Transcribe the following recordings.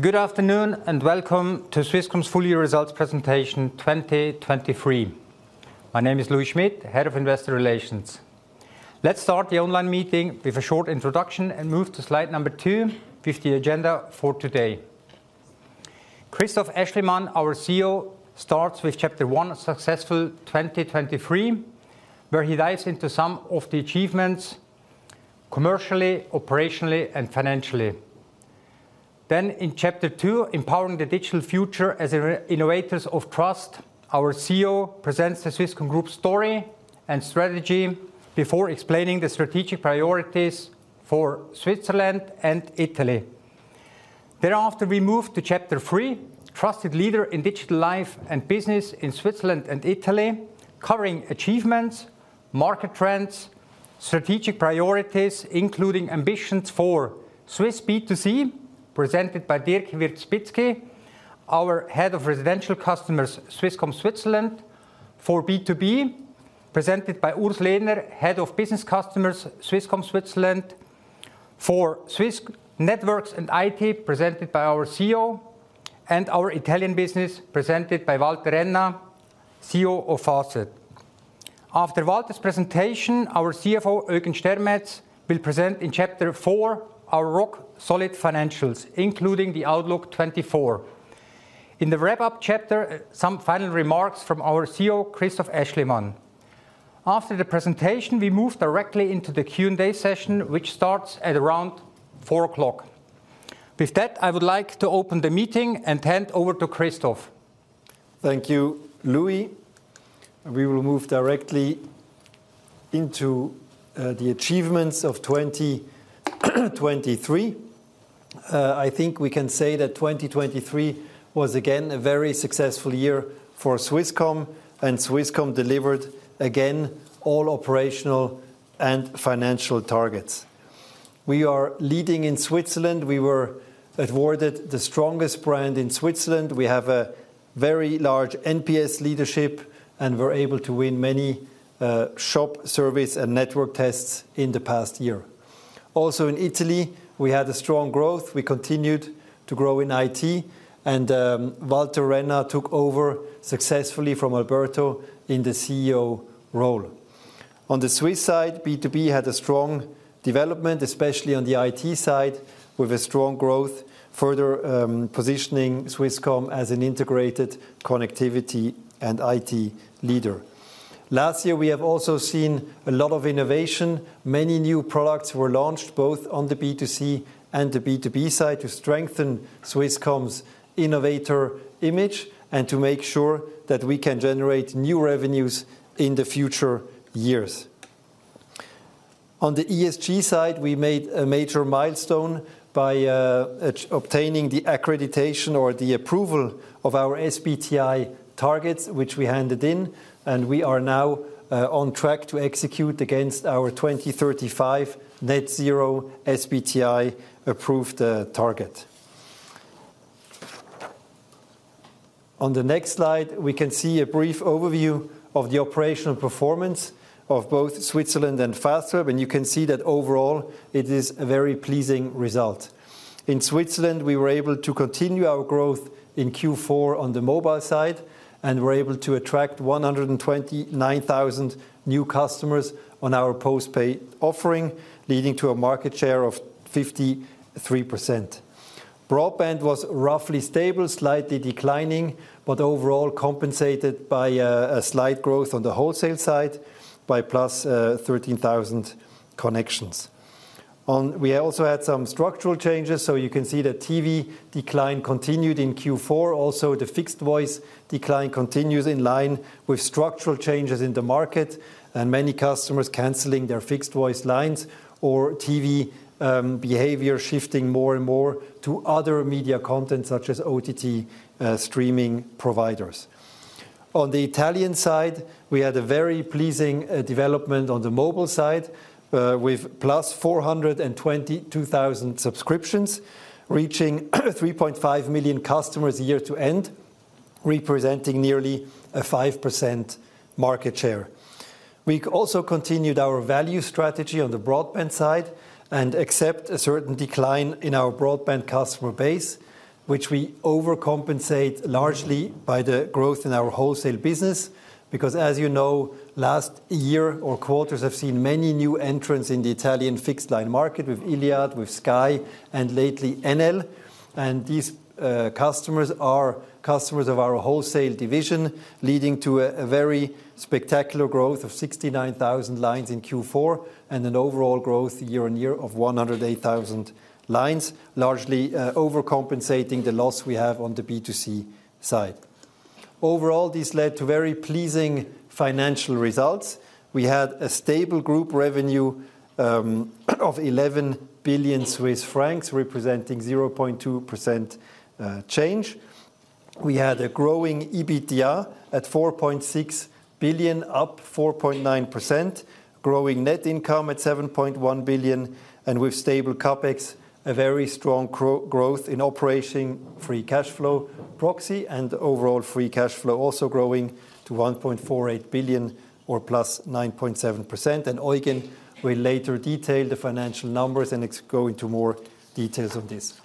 Good afternoon, and welcome to Swisscom's Full Year Results Presentation 2023. My name is Louis Schmid, Head of Investor Relations. Let's start the online meeting with a short introduction, and move to slide number 2 with the agenda for today. Christoph Aeschlimann, our CEO, starts with Chapter 1: Successful 2023, where he dives into some of the achievements commercially, operationally and financially. Then in Chapter 2, Empowering the Digital Future as Inno-Innovators of Trust, our CEO presents the Swisscom Group story and strategy before explaining the strategic priorities for Switzerland and Italy. Thereafter, we move to Chapter 3, Trusted Leader in Digital Life and Business in Switzerland and Italy, covering achievements, market trends, strategic priorities, including ambitions for Swiss B2C, presented by Dirk Wierzbitzki, our Head of Residential Customers, Swisscom Switzerland. For B2B, presented by Urs Lehner, Head of Business Customers, Swisscom Switzerland. For Swiss Networks and IT, presented by our CEO. And our Italian business, presented by Walter Renna, CEO of Fastweb. After Walter's presentation, our CFO, Eugen Stermetz, will present in Chapter 4, Our Rock-Solid Financials, including the Outlook 2024. In the wrap-up chapter, some final remarks from our CEO, Christoph Aeschlimann. After the presentation, we move directly into the Q&A session, which starts at around 4:00. With that, I would like to open the meeting and hand over to Christoph. Thank you, Louis. We will move directly into the achievements of 2023. I think we can say that 2023 was again a very successful year for Swisscom, and Swisscom delivered, again, all operational and financial targets. We are leading in Switzerland. We were awarded the strongest brand in Switzerland. We have a very large NPS leadership, and were able to win many shop service and network tests in the past year. Also, in Italy, we had a strong growth. We continued to grow in IT, and Walter Renna took over successfully from Alberto in the CEO role. On the Swiss side, B2B had a strong development, especially on the IT side, with a strong growth, further positioning Swisscom as an integrated connectivity and IT leader. Last year, we have also seen a lot of innovation. Many new products were launched, both on the B2C and the B2B side, to strengthen Swisscom's innovator image and to make sure that we can generate new revenues in the future years. On the ESG side, we made a major milestone by obtaining the accreditation or the approval of our SBTi targets, which we handed in, and we are now on track to execute against our 2035 net zero SBTi-approved target. On the next slide, we can see a brief overview of the operational performance of both Switzerland and Fastweb, and you can see that overall it is a very pleasing result. In Switzerland, we were able to continue our growth in Q4 on the mobile side and were able to attract 129,000 new customers on our postpaid offering, leading to a market share of 53%. Broadband was roughly stable, slightly declining, but overall compensated by a slight growth on the wholesale side by +13,000 connections. We also had some structural changes, so you can see the TV decline continued in Q4. Also, the fixed voice decline continues in line with structural changes in the market, and many customers canceling their fixed voice lines or TV, behavior shifting more and more to other media content, such as OTT, streaming providers. On the Italian side, we had a very pleasing development on the mobile side, with +422,000 subscriptions, reaching 3.5 million customers year-end, representing nearly a 5% market share. We also continued our value strategy on the broadband side and accept a certain decline in our broadband customer base, which we overcompensate largely by the growth in our wholesale business. Because as you know, last year or quarters have seen many new entrants in the Italian fixed line market with Iliad, with Sky, and lately, Enel. And these customers are customers of our wholesale division, leading to a very spectacular growth of 69,000 lines in Q4 and an overall growth year-on-year of 108,000 lines, largely overcompensating the loss we have on the B2C side. Overall, this led to very pleasing financial results. We had a stable group revenue of 11 billion Swiss francs, representing 0.2% change. We had a growing EBITDA at 4.6 billion, up 4.9%, growing net income at 7.1 billion, and with stable CapEx, a very strong growth in operating free cash flow proxy and overall free cash flow also growing to 1.48 billion or +9.7%. And Eugen will later detail the financial numbers and go into more details on this.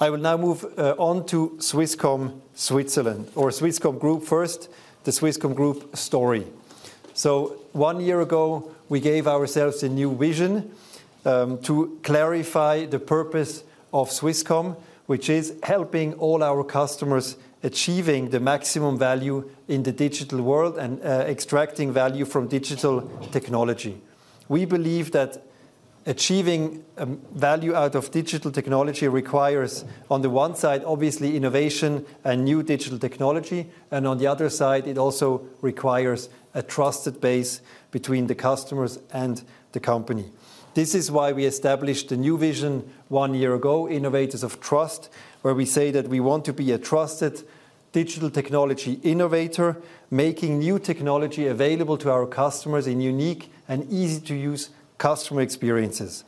I will now move on to Swisscom Switzerland or Swisscom Group. First, the Swisscom Group story. So one year ago, we gave ourselves a new vision to clarify the purpose of Swisscom, which is helping all our customers achieving the maximum value in the digital world and extracting value from digital technology. We believe that achieving value out of digital technology requires, on the one side, obviously, innovation and new digital technology, and on the other side, it also requires a trusted base between the customers and the company. This is why we established a new vision one year ago, Innovators of Trust, where we say that we want to be a trusted digital technology innovator, making new technology available to our customers in unique and easy-to-use customer experiences.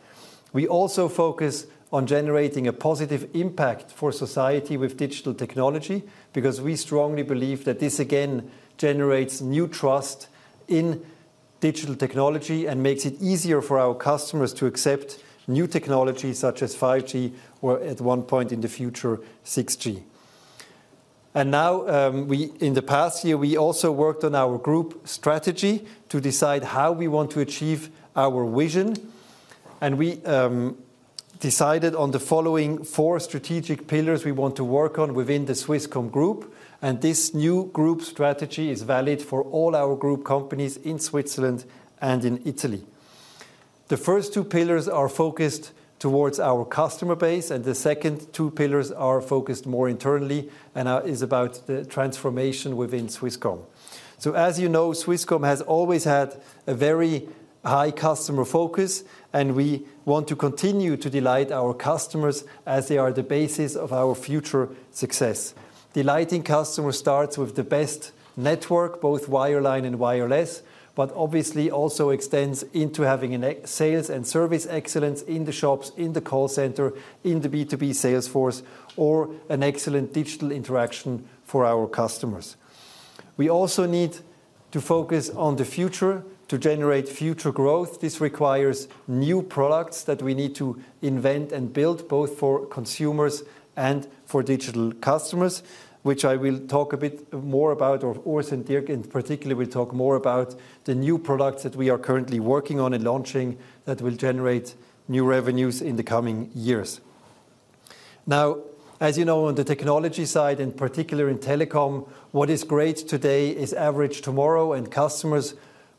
We also focus on generating a positive impact for society with digital technology, because we strongly believe that this, again, generates new trust in digital technology and makes it easier for our customers to accept new technology, such as 5G or, at one point in the future, 6G. And now, in the past year, we also worked on our group strategy to decide how we want to achieve our vision. We decided on the following four strategic pillars we want to work on within the Swisscom Group, and this new group strategy is valid for all our group companies in Switzerland and in Italy. The first two pillars are focused towards our customer base, and the second two pillars are focused more internally and are about the transformation within Swisscom. So as you know, Swisscom has always had a very high customer focus, and we want to continue to delight our customers as they are the basis of our future success. Delighting customers starts with the best network, both wireline and wireless, but obviously also extends into having an excellent sales and service excellence in the shops, in the call center, in the B2B sales force, or an excellent digital interaction for our customers. We also need to focus on the future to generate future growth. This requires new products that we need to invent and build, both for consumers and for digital customers, which I will talk a bit more about, or Urs and Dirk in particular, will talk more about the new products that we are currently working on and launching that will generate new revenues in the coming years. Now, as you know, on the technology side, in particular in telecom, what is great today is average tomorrow, and customers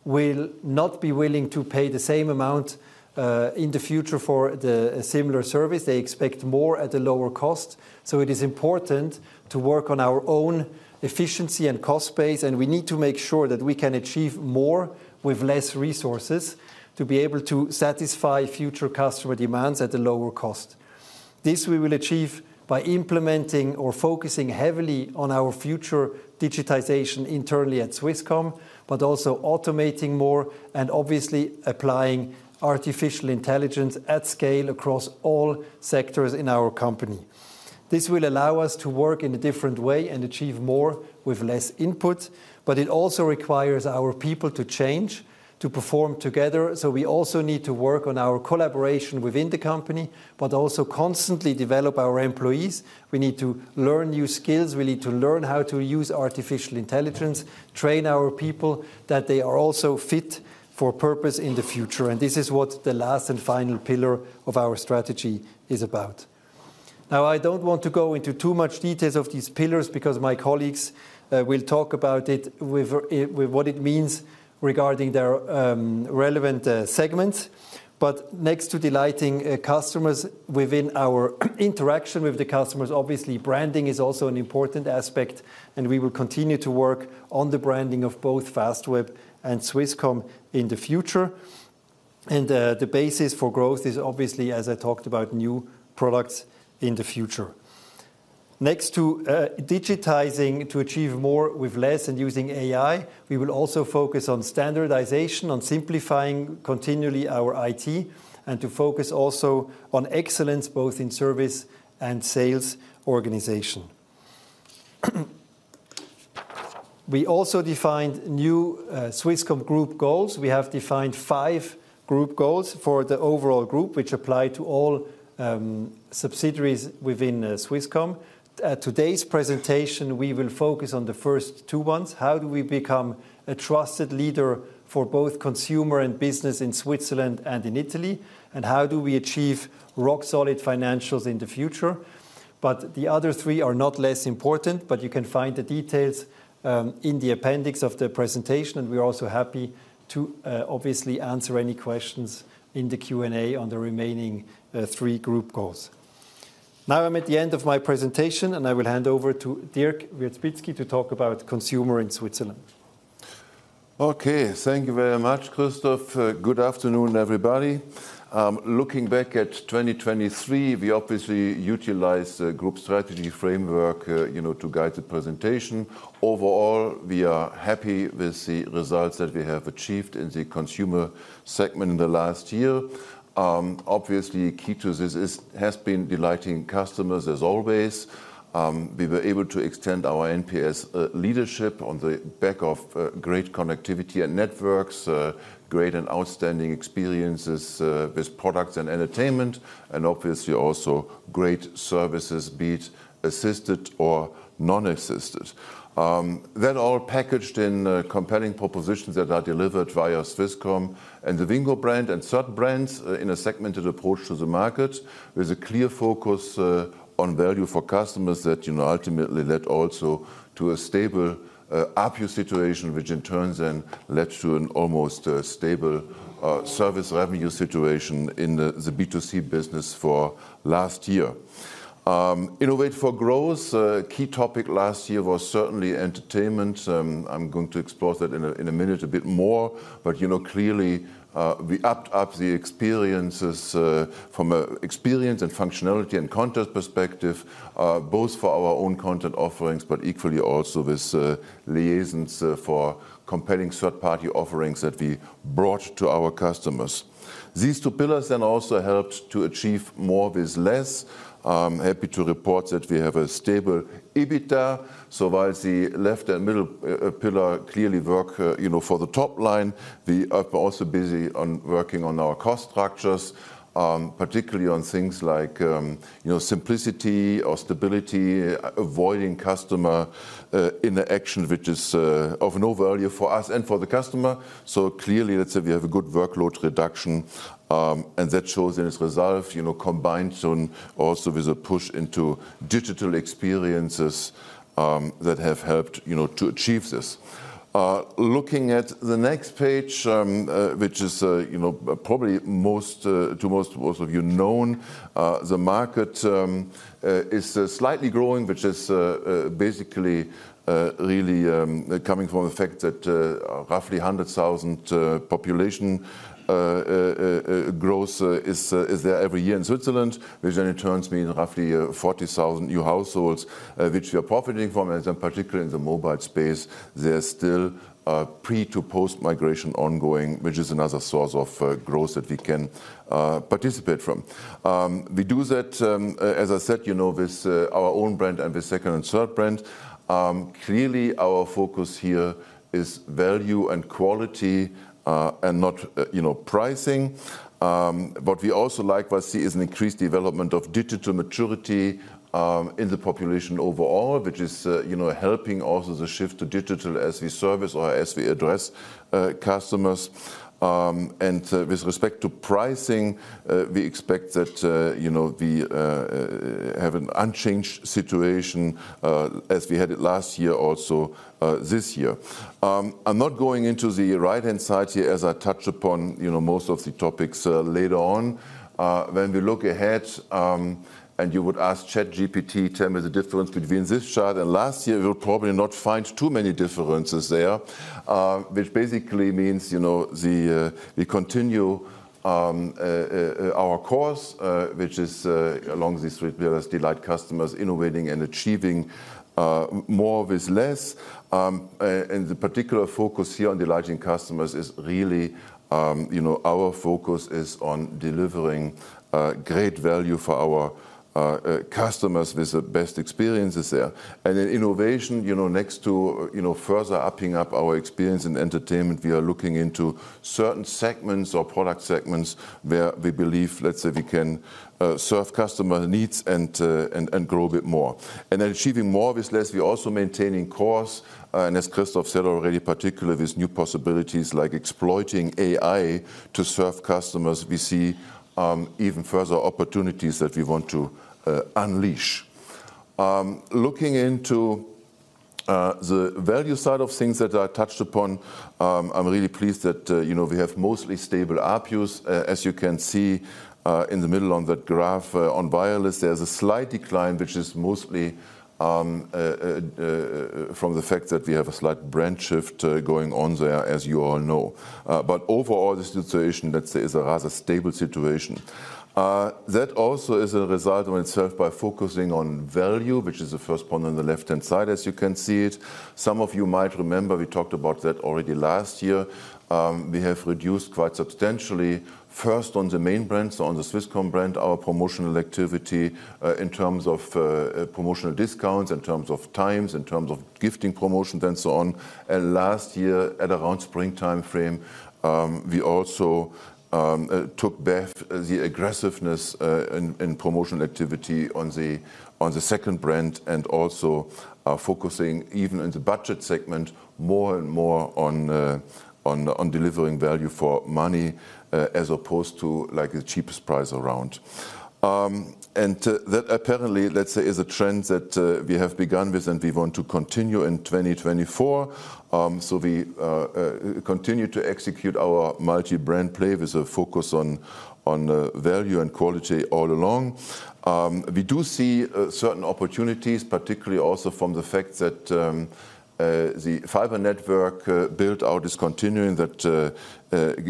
will not be willing to pay the same amount, in the future for the a similar service. They expect more at a lower cost. So it is important to work on our own efficiency and cost base, and we need to make sure that we can achieve more with less resources to be able to satisfy future customer demands at a lower cost. This we will achieve by implementing or focusing heavily on our future digitization internally at Swisscom, but also automating more and obviously applying artificial intelligence at scale across all sectors in our company. This will allow us to work in a different way and achieve more with less input, but it also requires our people to change, to perform together. So we also need to work on our collaboration within the company, but also constantly develop our employees. We need to learn new skills. We need to learn how to use artificial intelligence, train our people, that they are also fit for purpose in the future. This is what the last and final pillar of our strategy is about. Now, I don't want to go into too much details of these pillars because my colleagues will talk about it with what it means regarding their relevant segments. But next to delighting customers within our interaction with the customers, obviously, branding is also an important aspect, and we will continue to work on the branding of both Fastweb and Swisscom in the future. And the basis for growth is obviously, as I talked about, new products in the future. Next to digitizing to achieve more with less and using AI, we will also focus on standardization, on simplifying continually our IT, and to focus also on excellence, both in service and sales organization. We also defined new Swisscom Group goals. We have defined five group goals for the overall group, which apply to all subsidiaries within Swisscom. At today's presentation, we will focus on the first two ones: How do we become a trusted leader for both consumer and business in Switzerland and in Italy, and how do we achieve rock-solid financials in the future? But the other three are not less important, but you can find the details in the appendix of the presentation, and we are also happy to obviously answer any questions in the Q&A on the remaining three group goals. Now I'm at the end of my presentation, and I will hand over to Dirk Wierzbitzki to talk about consumer in Switzerland. Okay, thank you very much, Christoph. Good afternoon, everybody. Looking back at 2023, we obviously utilized the group strategy framework, you know, to guide the presentation. Overall, we are happy with the results that we have achieved in the consumer segment in the last year. Obviously, key to this is, has been delighting customers, as always. We were able to extend our NPS leadership on the back of great connectivity and networks, great and outstanding experiences with products and entertainment, and obviously also great services, be it assisted or non-assisted. Then all packaged in compelling propositions that are delivered via Swisscom and the Wingo brand and third brands in a segmented approach to the market, with a clear focus on value for customers that, you know, ultimately led also to a stable ARPU situation, which in turn then led to an almost stable service revenue situation in the B2C business for last year. Innovate for growth. Key topic last year was certainly entertainment. I'm going to explore that in a minute a bit more. But, you know, clearly, we upped up the experiences from a experience and functionality and content perspective both for our own content offerings, but equally also with liaisons for compelling third-party offerings that we brought to our customers. These two pillars then also helped to achieve more with less. Happy to report that we have a stable EBITDA. So while the left and middle pillar clearly work, you know, for the top line, we are also busy on working on our cost structures, particularly on things like, you know, simplicity or stability, avoiding customer interaction, which is of no value for us and for the customer. So clearly, let's say we have a good workload reduction, and that shows in its results, you know, combined soon also with a push into digital experiences, that have helped, you know, to achieve this. Looking at the next page, you know, probably most of you know the market is slightly growing, which is basically really coming from the fact that roughly 100,000 population growth is there every year in Switzerland, which then in turn means roughly 40,000 new households, which we are profiting from. And then, particularly in the mobile space, there's still pre- to post-migration ongoing, which is another source of growth that we can participate from. We do that, as I said, you know, with our own brand and the second and third brand. Clearly, our focus here is value and quality, and not, you know, pricing. What we also likewise see is an increased development of digital maturity, in the population overall, which is, you know, helping also the shift to digital as we service or as we address, customers. With respect to pricing, we expect that, you know, we, have an unchanged situation, as we had it last year, also, this year. I'm not going into the right-hand side here, as I touch upon, you know, most of the topics, later on. When we look ahead, and you would ask ChatGPT, "Tell me the difference between this chart and last year," you'll probably not find too many differences there. Which basically means, you know, the, we continue, our course, which is, along the street as delight customers, innovating and achieving, more with less. The particular focus here on delighting customers is really, you know, our focus is on delivering great value for our customers with the best experiences there. Innovation, you know, next to, you know, further upping our experience in entertainment, we are looking into certain segments or product segments where we believe, let's say, we can serve customer needs and grow a bit more. Then achieving more with less, we're also maintaining course, and as Christoph said already, particularly with new possibilities like exploiting AI to serve customers, we see even further opportunities that we want to unleash. Looking into the value side of things that I touched upon, I'm really pleased that, you know, we have mostly stable ARPUs. As you can see, in the middle on that graph, on wireless, there's a slight decline, which is mostly from the fact that we have a slight brand shift going on there, as you all know. But overall, the situation, let's say, is a rather stable situation. That also is a result of itself by focusing on value, which is the first point on the left-hand side, as you can see it. Some of you might remember, we talked about that already last year. We have reduced quite substantially, first, on the main brands, on the Swisscom brand, our promotional activity, in terms of promotional discounts, in terms of times, in terms of gifting promotions, and so on. Last year, at around springtime frame, we also took back the aggressiveness in promotional activity on the second brand and also are focusing, even in the budget segment, more and more on delivering value for money as opposed to, like, the cheapest price around. That apparently, let's say, is a trend that we have begun with and we want to continue in 2024. We continue to execute our multi-brand play with a focus on value and quality all along. We do see certain opportunities, particularly also from the fact that the fiber network build-out is continuing. That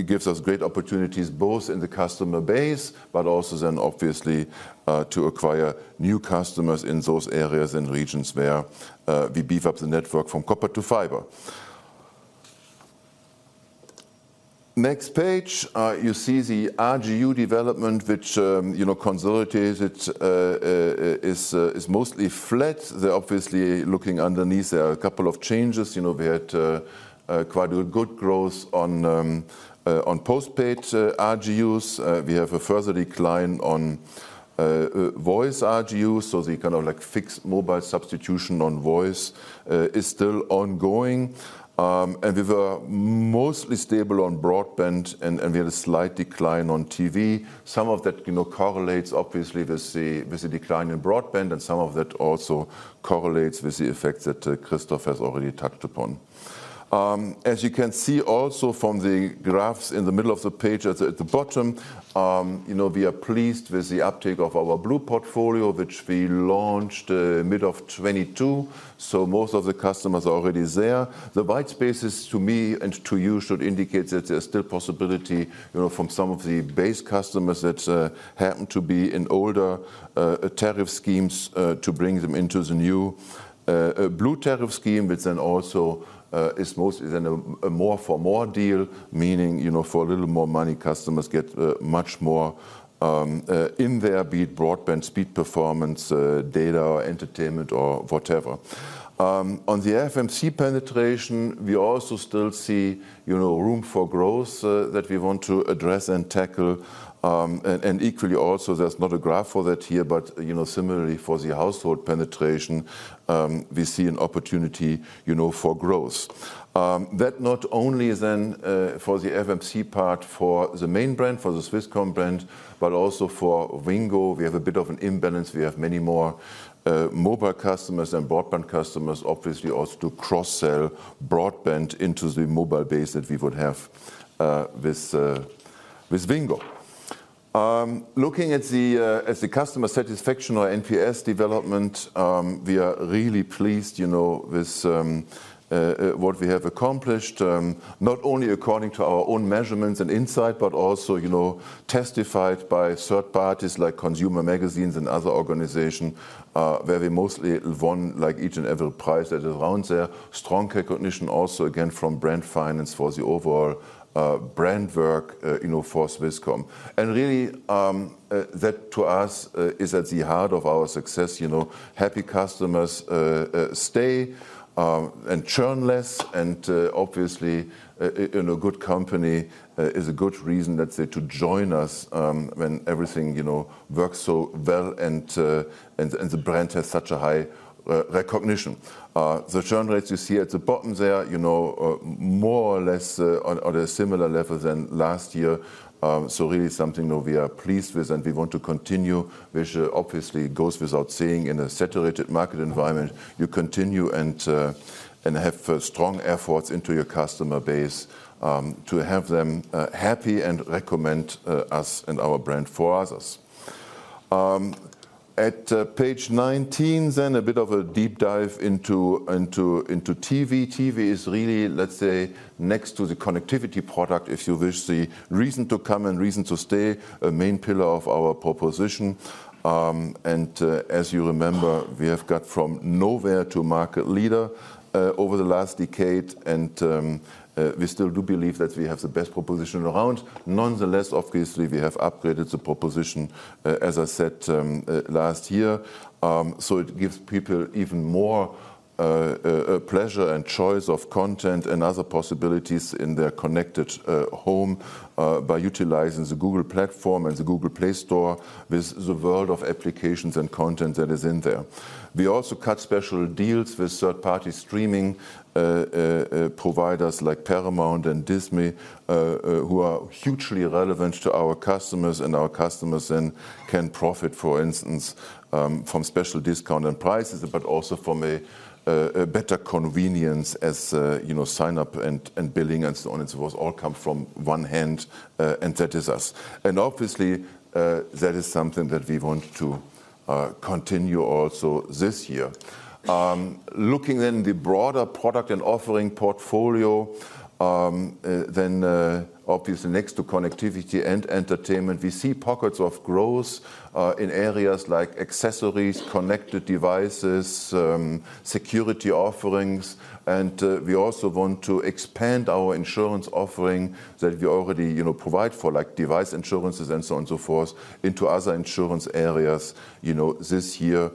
gives us great opportunities both in the customer base, but also then obviously to acquire new customers in those areas and regions where we beef up the network from copper to fiber. Next page, you see the RGU development, which, you know, consolidates. It is mostly flat. They're obviously looking underneath. There are a couple of changes. You know, we had quite a good growth on postpaid RGUs. We have a further decline on voice RGUs, so the kind of like fixed mobile substitution on voice is still ongoing. And we were mostly stable on broadband, and we had a slight decline on TV. Some of that, you know, correlates obviously with the decline in broadband, and some of that also correlates with the effects that Christoph has already touched upon. As you can see also from the graphs in the middle of the page at the bottom, you know, we are pleased with the uptake of our blue portfolio, which we launched mid-2022, so most of the customers are already there. The white spaces, to me and to you, should indicate that there's still possibility, you know, from some of the base customers that happen to be in older tariff schemes to bring them into the new blue tariff scheme, which then also is mostly then a more for more deal, meaning, you know, for a little more money, customers get much more in there, be it broadband, speed, performance, data or entertainment or whatever. On the FMC penetration, we also still see, you know, room for growth that we want to address and tackle. And equally also, there's not a graph for that here, but, you know, similarly for the household penetration, we see an opportunity, you know, for growth. That not only then for the FMC part, for the main brand, for the Swisscom brand, but also for Wingo. We have a bit of an imbalance. We have many more mobile customers than broadband customers. Obviously, also to cross-sell broadband into the mobile base that we would have with, with Wingo. Looking at the customer satisfaction or NPS development, we are really pleased, you know, with what we have accomplished, not only according to our own measurements and insight, but also, you know, testified by third parties like consumer magazines and other organization, where we mostly won like each and every prize that is around there. Strong recognition also, again, from Brand Finance for the overall brand work, you know, for Swisscom. And really, that to us is at the heart of our success. You know, happy customers stay and churn less, and obviously, a good company is a good reason, let's say, to join us, when everything works so well and the brand has such a high recognition. The churn rates you see at the bottom there, you know, more or less on a similar level than last year. So really something that we are pleased with, and we want to continue, which obviously goes without saying in a saturated market environment, you continue and have strong efforts into your customer base to have them happy and recommend us and our brand for others. At page 19, then a bit of a deep dive into TV. TV is really, let's say, next to the connectivity product, if you wish, the reason to come and reason to stay, a main pillar of our proposition. As you remember, we have got from nowhere to market leader over the last decade, and we still do believe that we have the best proposition around. Nonetheless, obviously, we have upgraded the proposition, as I said, last year. So it gives people even more pleasure and choice of content and other possibilities in their connected home by utilizing the Google platform and the Google Play Store with the world of applications and content that is in there. We also cut special deals with third-party streaming providers like Paramount and Disney, who are hugely relevant to our customers, and our customers then can profit, for instance, from special discount and prices, but also from a better convenience as you know, sign up and billing and so on and so forth, all come from one hand, and that is us. And obviously, that is something that we want to continue also this year. Looking then the broader product and offering portfolio, then, obviously next to connectivity and entertainment, we see pockets of growth, in areas like accessories, connected devices, security offerings, and, we also want to expand our insurance offering that we already, you know, provide for, like device insurances and so on and so forth, into other insurance areas, you know, this year.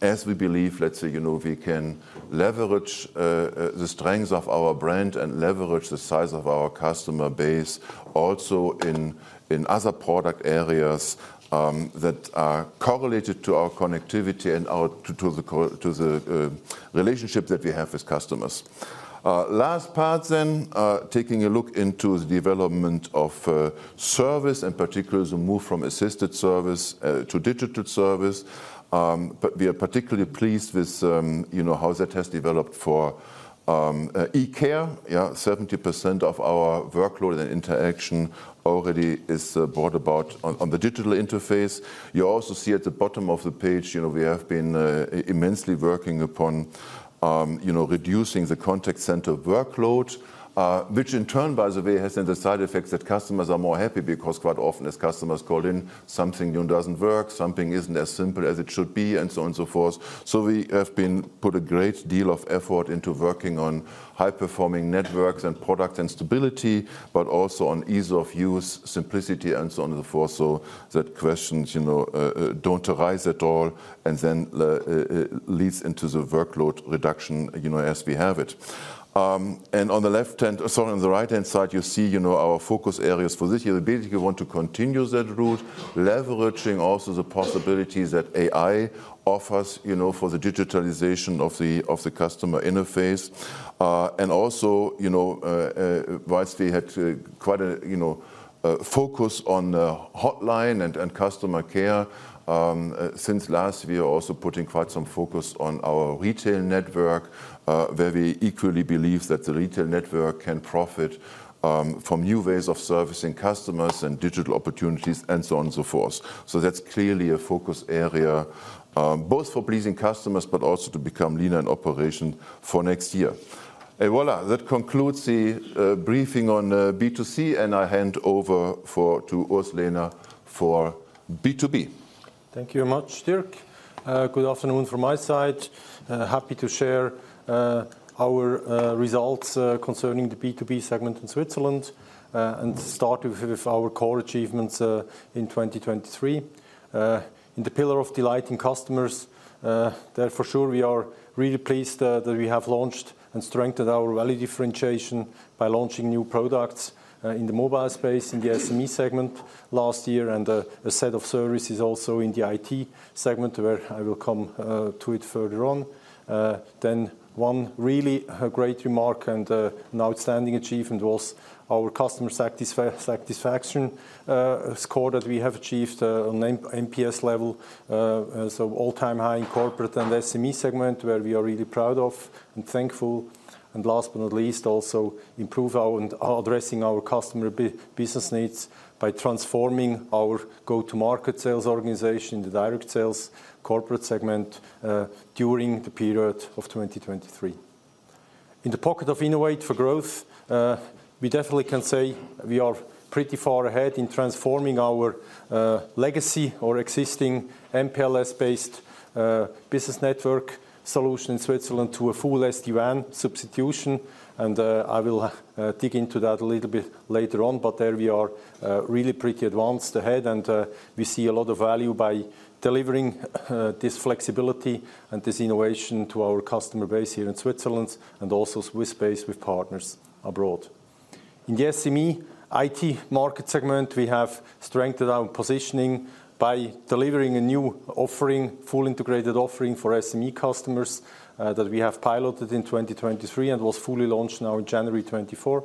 As we believe, let's say, you know, we can leverage, the strengths of our brand and leverage the size of our customer base also in, in other product areas, that are correlated to our connectivity and our—to the relationship that we have with customers. Last part then, taking a look into the development of, service, in particular, the move from assisted service, to digital service. But we are particularly pleased with, you know, how that has developed for e-care. Yeah, 70% of our workload and interaction already is brought about on, on the digital interface. You also see at the bottom of the page, you know, we have been immensely working upon, you know, reducing the contact center workload, which in turn, by the way, has had the side effects that customers are more happy because quite often, as customers call in, something new doesn't work, something isn't as simple as it should be, and so on and so forth. So we have put a great deal of effort into working on high-performing networks and product and stability, but also on ease of use, simplicity, and so on and so forth, so that questions, you know, don't arise at all, and then leads into the workload reduction, you know, as we have it. And on the right-hand side, you see, you know, our focus areas for this year. We basically want to continue that route, leveraging also the possibilities that AI offers, you know, for the digitalization of the customer interface. And also, you know, while we had quite a, you know, a focus on hotline and customer care since last year, we are also putting quite some focus on our retail network, where we equally believe that the retail network can profit from new ways of servicing customers and digital opportunities, and so on and so forth. So that's clearly a focus area, both for pleasing customers, but also to become leaner in operation for next year. Et voilà, that concludes the briefing on B2C, and I hand over to Urs Lehner for B2B. Thank you very much, Dirk. Good afternoon from my side. Happy to share our results concerning the B2B segment in Switzerland and start with our core achievements in 2023. In the pillar of delighting customers, there for sure, we are really pleased that we have launched and strengthened our value differentiation by launching new products in the mobile space, in the SME segment last year, and a set of services also in the IT segment, where I will come to it further on. Then one really great remark and an outstanding achievement was our customer satisfaction score that we have achieved on NPS level, so all-time high in corporate and SME segment, where we are really proud of and thankful. And last but not least, also improve our and addressing our customer business needs by transforming our go-to-market sales organization, the direct sales corporate segment, during the period of 2023. In the pocket of innovate for growth, we definitely can say we are pretty far ahead in transforming our, legacy or existing MPLS-based, business network solution in Switzerland to a full SD-WAN substitution, and, I will, dig into that a little bit later on. But there we are, really pretty advanced ahead, and, we see a lot of value by delivering, this flexibility and this innovation to our customer base here in Switzerland and also Swiss space with partners abroad. In the SME IT market segment, we have strengthened our positioning by delivering a new offering, full integrated offering for SME customers, that we have piloted in 2023 and was fully launched now in January 2024.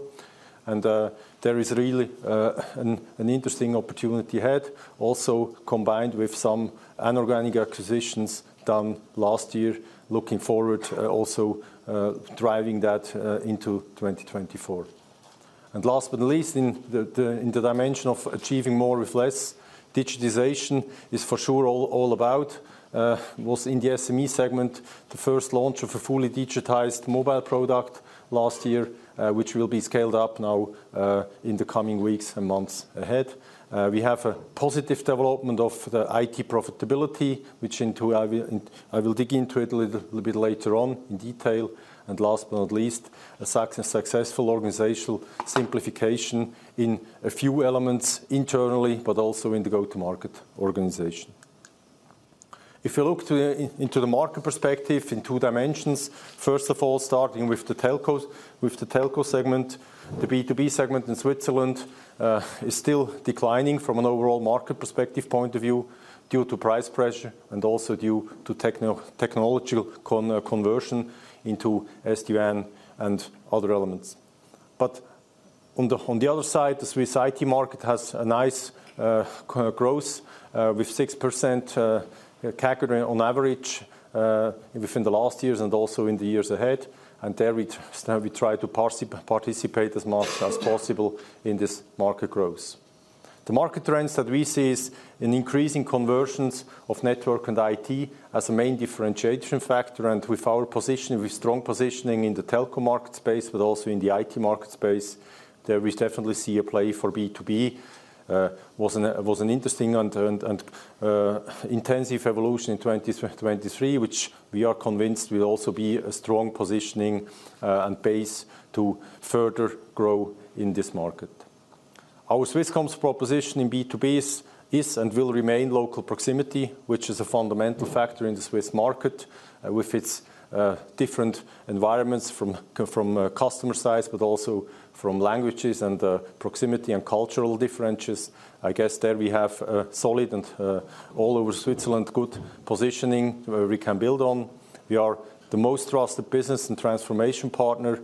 There is really an interesting opportunity ahead, also combined with some inorganic acquisitions done last year, looking forward, also driving that into 2024. Last but not least, in the dimension of achieving more with less, digitization is for sure all about what was in the SME segment, the first launch of a fully digitized mobile product last year, which will be scaled up now in the coming weeks and months ahead. We have a positive development of the IT profitability, which I will, I will dig into it a little, little bit later on in detail. And last but not least, a successful organizational simplification in a few elements internally, but also in the go-to-market organization. If you look into the market perspective in two dimensions, first of all, starting with the telcos. With the telco segment, the B2B segment in Switzerland, is still declining from an overall market perspective point of view, due to price pressure and also due to technological conversion into SD-WAN and other elements. But on the other side, the Swiss IT market has a nice growth with 6% CAGR on average within the last years and also in the years ahead. There we try to participate as much as possible in this market growth. The market trends that we see is an increase in conversions of network and IT as a main differentiation factor, and with our positioning, with strong positioning in the telco market space, but also in the IT market space, there we definitely see a play for B2B was an interesting and intensive evolution in 2023, which we are convinced will also be a strong positioning and base to further grow in this market. Our Swisscom's proposition in B2B is and will remain local proximity, which is a fundamental factor in the Swiss market, with its different environments from customer sides, but also from languages and proximity and cultural differences. I guess there we have a solid and all over Switzerland good positioning where we can build on. We are the most trusted business and transformation partner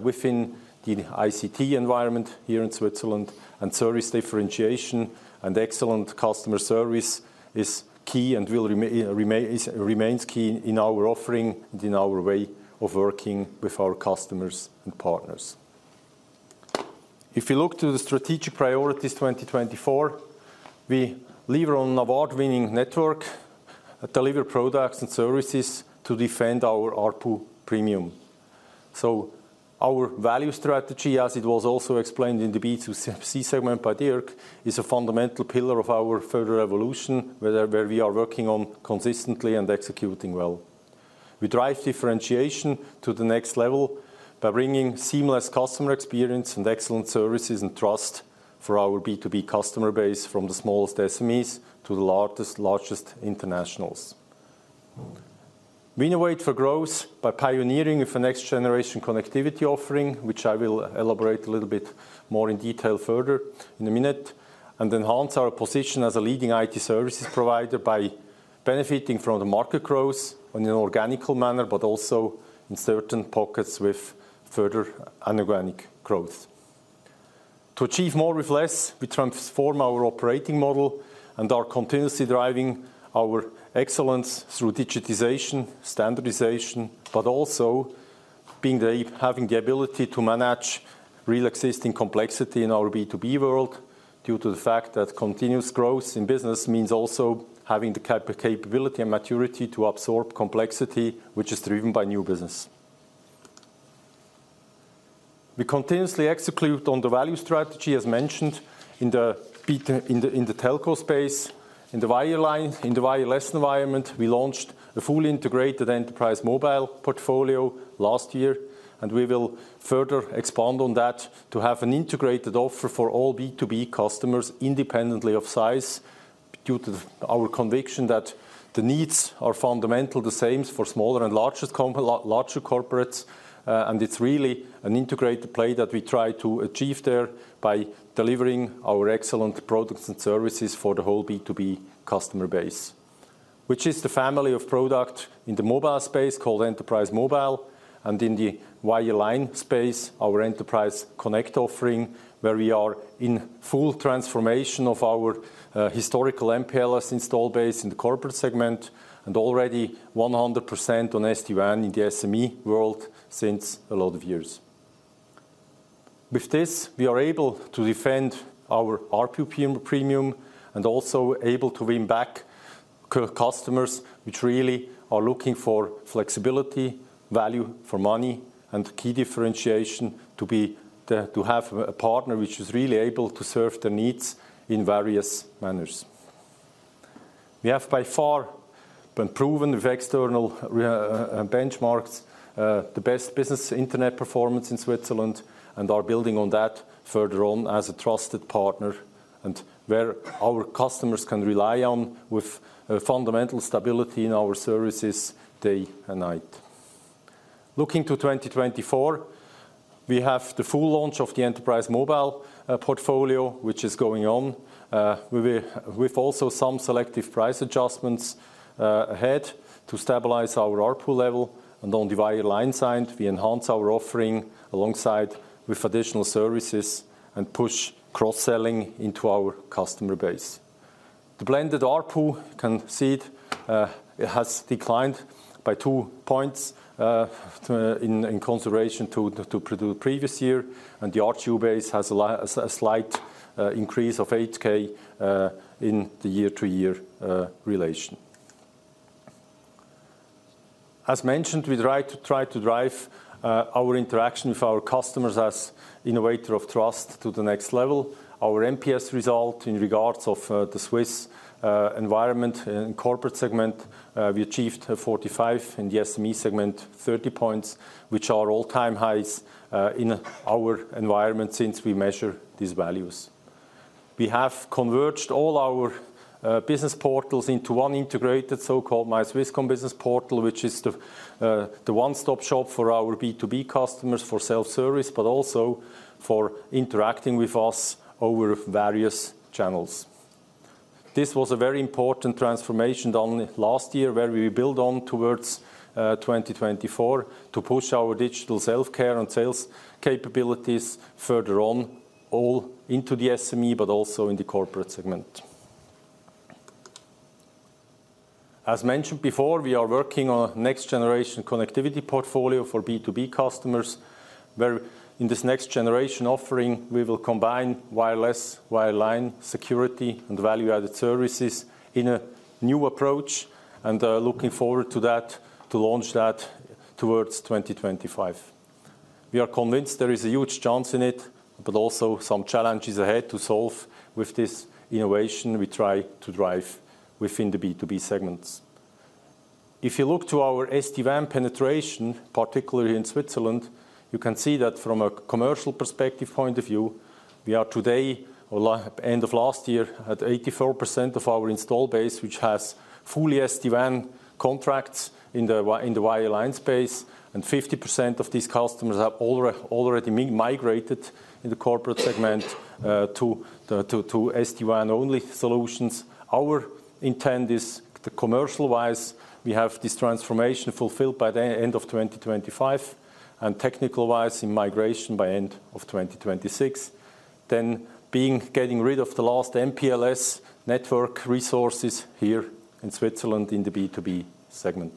within the ICT environment here in Switzerland, and service differentiation and excellent customer service is key and will remains key in our offering, and in our way of working with our customers and partners. If you look to the strategic priorities 2024, we lever on award-winning network, deliver products and services to defend our ARPU premium. So our value strategy, as it was also explained in the B2C segment by Dirk, is a fundamental pillar of our further evolution, where we are working on consistently and executing well. We drive differentiation to the next level by bringing seamless customer experience and excellent services and trust for our B2B customer base, from the smallest SMEs to the largest, largest internationals. We innovate for growth by pioneering with the next generation connectivity offering, which I will elaborate a little bit more in detail further in a minute, and enhance our position as a leading IT services provider by benefiting from the market growth in an organic manner, but also in certain pockets with further inorganic growth. To achieve more with less, we transform our operating model and are continuously driving our excellence through digitization, standardization, but also by having the ability to manage real existing complexity in our B2B world, due to the fact that continuous growth in business means also having the capability and maturity to absorb complexity, which is driven by new business. We continuously execute on the value strategy, as mentioned, in the B2B in the telco space. In the wireline, in the wireless environment, we launched a fully integrated Enterprise Mobile portfolio last year, and we will further expand on that to have an integrated offer for all B2B customers, independently of size, due to our conviction that the needs are fundamental, the same for smaller and largest corpo- larger corporates, and it's really an integrated play that we try to achieve there by delivering our excellent products and services for the whole B2B customer base. Which is the family of product in the mobile space called Enterprise Mobile, and in the wireline space, our Enterprise Connect offering, where we are in full transformation of our historical MPLS installed base in the corporate segment, and already 100% on SD-WAN in the SME world since a lot of years. With this, we are able to defend our ARPU premium, and also able to win back customers, which really are looking for flexibility, value for money, and key differentiation to have a partner which is really able to serve their needs in various manners. We have by far been proven with external benchmarks the best business internet performance in Switzerland, and are building on that further on as a trusted partner, and where our customers can rely on with fundamental stability in our services, day and night. Looking to 2024, we have the full launch of the Enterprise Mobile portfolio, which is going on with also some selective price adjustments ahead to stabilize our ARPU level. And on the wireline side, we enhance our offering alongside with additional services and push cross-selling into our customer base. The blended ARPU, you can see it, it has declined by 2 points in consideration to the previous year, and the ARPU base has a slight increase of 8K in the year-to-year relation. As mentioned, we try to drive our interaction with our customers as innovator of trust to the next level. Our NPS result in regards of the Swiss environment and corporate segment, we achieved 45, in the SME segment, 30 points, which are all-time highs in our environment since we measure these values. We have converged all our business portals into one integrated, so-called My Swisscom Business portal, which is the one-stop shop for our B2B customers for self-service, but also for interacting with us over various channels. This was a very important transformation done last year, where we build on towards 2024, to push our digital self-care and sales capabilities further on, all into the SME, but also in the corporate segment. As mentioned before, we are working on a next-generation connectivity portfolio for B2B customers, where in this next-generation offering, we will combine wireless, wireline, security, and value-added services in a new approach, and, looking forward to that, to launch that towards 2025. We are convinced there is a huge chance in it, but also some challenges ahead to solve with this innovation we try to drive within the B2B segments. If you look to our SD-WAN penetration, particularly in Switzerland, you can see that from a commercial perspective point of view. We are today or end of last year, at 84% of our install base, which has fully SD-WAN contracts in the wireline space, and 50% of these customers have already migrated in the corporate segment, to SD-WAN-only solutions. Our intent is, commercially, we have this transformation fulfilled by the end of 2025, and technically, the migration by end of 2026. Then being getting rid of the last MPLS network resources here in Switzerland in the B2B segment.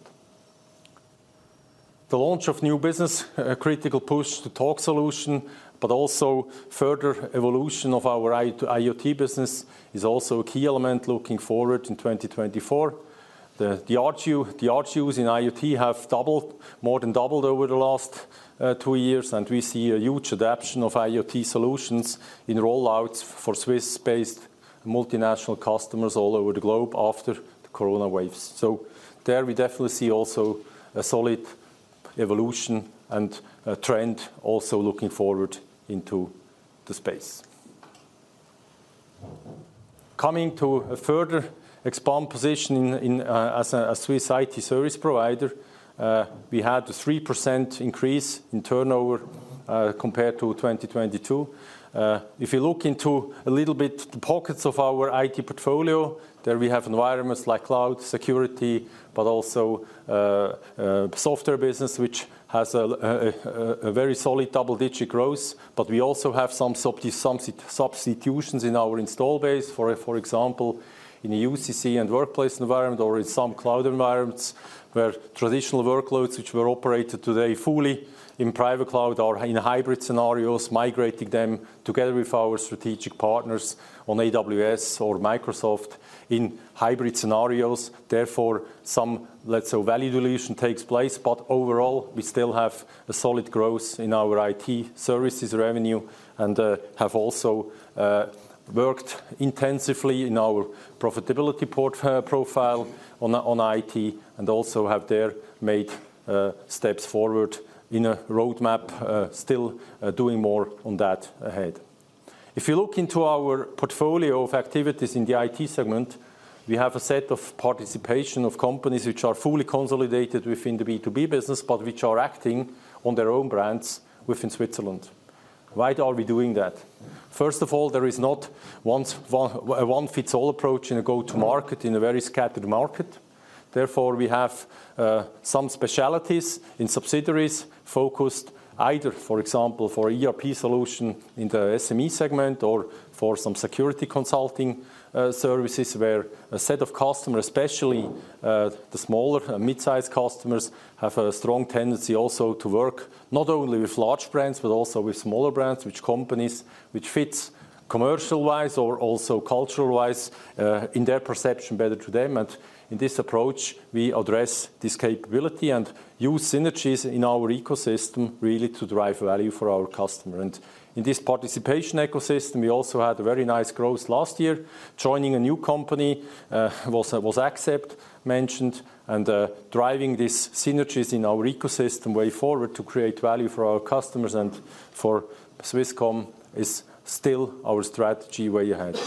The launch of new business, a critical push-to-talk solution, but also further evolution of our IoT business is also a key element looking forward in 2024. The RGUs in IoT have doubled, more than doubled over the last two years, and we see a huge adoption of IoT solutions in rollouts for Swiss-based multinational customers all over the globe after the Corona waves. So there we definitely see also a solid evolution and a trend also looking forward into the space. Coming to a further expand position in as a Swiss IT service provider, we had a 3% increase in turnover compared to 2022. If you look into a little bit the pockets of our IT portfolio, there we have environments like cloud, security, but also software business, which has a very solid double-digit growth. But we also have some substitutions in our install base, for example, in the UCC and workplace environment or in some cloud environments, where traditional workloads, which were operated today, fully in private cloud or in hybrid scenarios, migrating them together with our strategic partners on AWS or Microsoft in hybrid scenarios. Therefore, some, let's say, value dilution takes place, but overall, we still have a solid growth in our IT services revenue and have also worked intensively in our profitability profile on IT, and also have there made steps forward in a roadmap, still doing more on that ahead. If you look into our portfolio of activities in the IT segment, we have a set of participation of companies which are fully consolidated within the B2B business, but which are acting on their own brands within Switzerland. Why are we doing that? First of all, there is not one, a one-size-fits-all approach in a go-to-market, in a very scattered market. Therefore, we have some specialties in subsidiaries focused either, for example, for ERP solution in the SME segment or for some security consulting services, where a set of customers, especially the smaller and mid-sized customers, have a strong tendency also to work not only with large brands, but also with smaller brands, which companies fit commercial-wise or also cultural-wise in their perception better to them. And in this approach, we address this capability and use synergies in our ecosystem really to drive value for our customer. And in this partner ecosystem, we also had a very nice growth last year. Joining a new company was accepted, mentioned, and driving these synergies in our ecosystem way forward to create value for our customers and for Swisscom is still our strategy way ahead.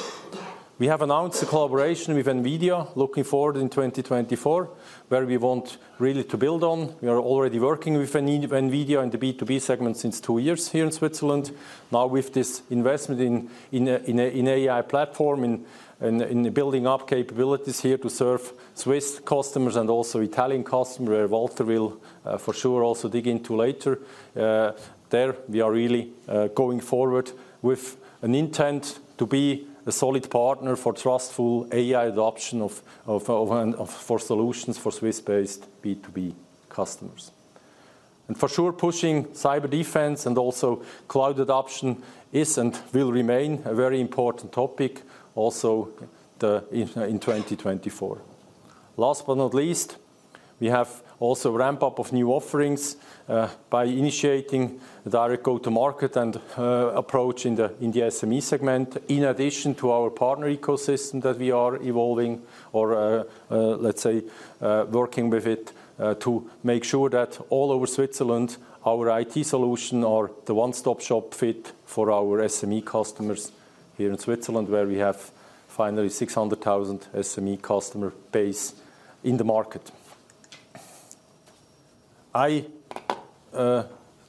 We have announced a collaboration with NVIDIA, looking forward in 2024, where we want really to build on. We are already working with NVIDIA in the B2B segment since two years here in Switzerland. Now, with this investment in an AI platform, in building up capabilities here to serve Swiss customers and also Italian customers, where Walter will, for sure, also dig into later. There, we are really going forward with an intent to be a solid partner for trustful AI adoption for solutions for Swiss-based B2B customers. And for sure, pushing cyber defense and also cloud adoption is and will remain a very important topic, also in 2024. Last but not least, we have also ramp up of new offerings, by initiating direct go-to-market and approach in the SME segment, in addition to our partner ecosystem that we are evolving or, let's say, working with it, to make sure that all over Switzerland, our IT solution are the one-stop-shop fit for our SME customers here in Switzerland, where we have finally 600,000 SME customer base in the market. I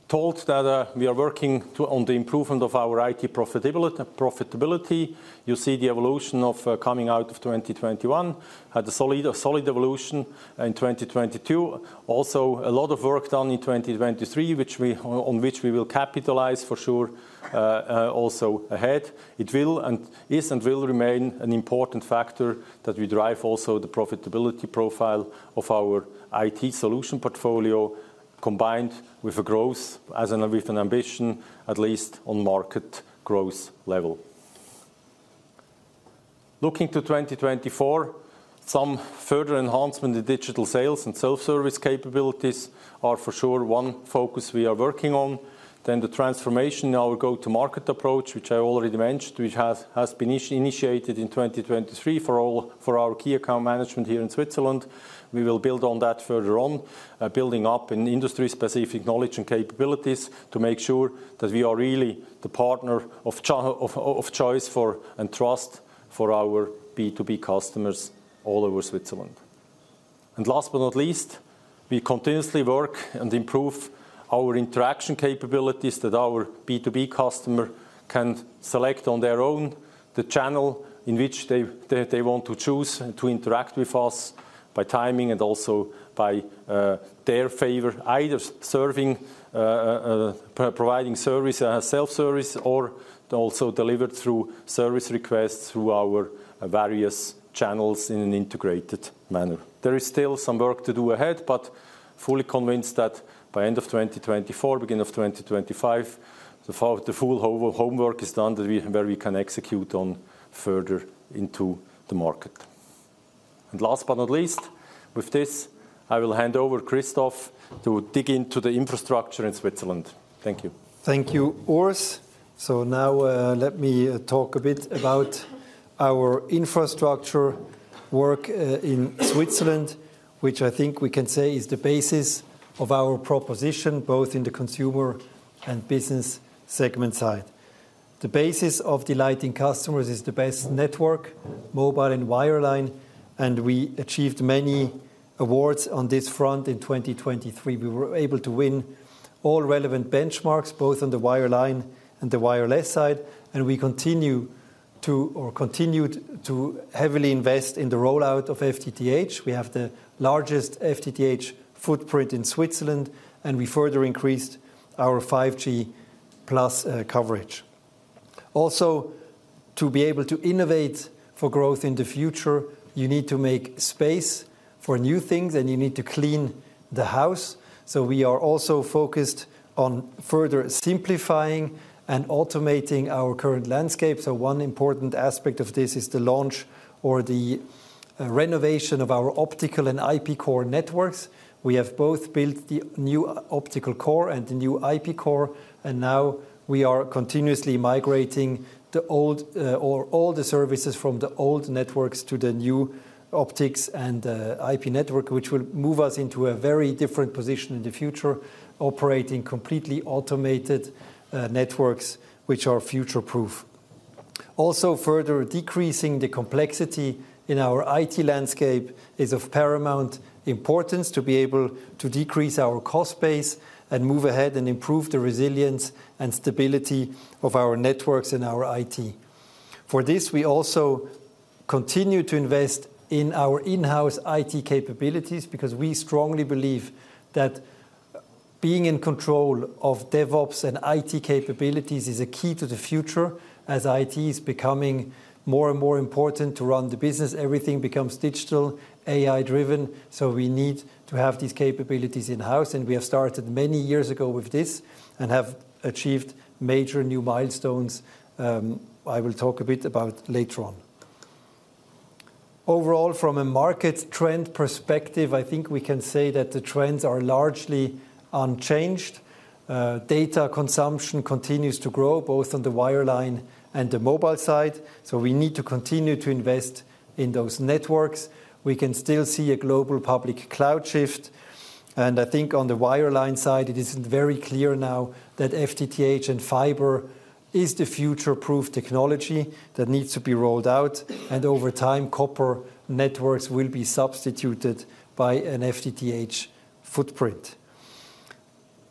told that we are working to on the improvement of our IT profitability, profitability. You see the evolution of, coming out of 2021, had a solid, a solid evolution in 2022. Also, a lot of work done in 2023, on which we will capitalize for sure, also ahead. It is and will remain an important factor that we derive also the profitability profile of our IT solution portfolio, combined with a growth with an ambition, at least on market growth level. Looking to 2024, further enhancement in digital sales and self-service capabilities are for sure one focus we are working on. Then the transformation in our go-to-market approach, which I already mentioned, which has been initiated in 2023 for our key account management here in Switzerland. We will build on that further on, building up in industry-specific knowledge and capabilities to make sure that we are really the partner of choice for and trust for our B2B customers all over Switzerland. And last but not least, we continuously work and improve our interaction capabilities that our B2B customer can select on their own, the channel in which they want to choose and to interact with us, by timing and also by their favor, either serving providing service self-service, or also delivered through service requests through our various channels in an integrated manner. There is still some work to do ahead, but fully convinced that by end of 2024, beginning of 2025, the full homework is done, that where we can execute on further into the market. And last but not least, with this, I will hand over Christoph to dig into the infrastructure in Switzerland. Thank you. Thank you, Urs. So now, let me talk a bit about our infrastructure work in Switzerland, which I think we can say is the basis of our proposition, both in the consumer and business segment side. The basis of delighting customers is the best network, mobile and wireline, and we achieved many awards on this front in 2023. We were able to win all relevant benchmarks, both on the wireline and the wireless side, and we continue to or continued to heavily invest in the rollout of FTTH. We have the largest FTTH footprint in Switzerland, and we further increased our 5G+ coverage. Also, to be able to innovate for growth in the future, you need to make space for new things, and you need to clean the house. So we are also focused on further simplifying and automating our current landscape. So one important aspect of this is the launch or the renovation of our optical and IP core networks. We have both built the new optical core and the new IP core, and now we are continuously migrating the old or all the services from the old networks to the new optics and IP network, which will move us into a very different position in the future, operating completely automated networks, which are future-proof. Also, further decreasing the complexity in our IT landscape is of paramount importance to be able to decrease our cost base and move ahead and improve the resilience and stability of our networks and our IT. For this, we also continue to invest in our in-house IT capabilities, because we strongly believe that being in control of DevOps and IT capabilities is a key to the future, as IT is becoming more and more important to run the business. Everything becomes digital, AI-driven, so we need to have these capabilities in-house, and we have started many years ago with this and have achieved major new milestones, I will talk a bit about later on. Overall, from a market trend perspective, I think we can say that the trends are largely unchanged. Data consumption continues to grow, both on the wireline and the mobile side, so we need to continue to invest in those networks. We can still see a global public cloud shift, and I think on the wireline side, it is very clear now that FTTH and fiber is the future-proof technology that needs to be rolled out, and over time, copper networks will be substituted by an FTTH footprint.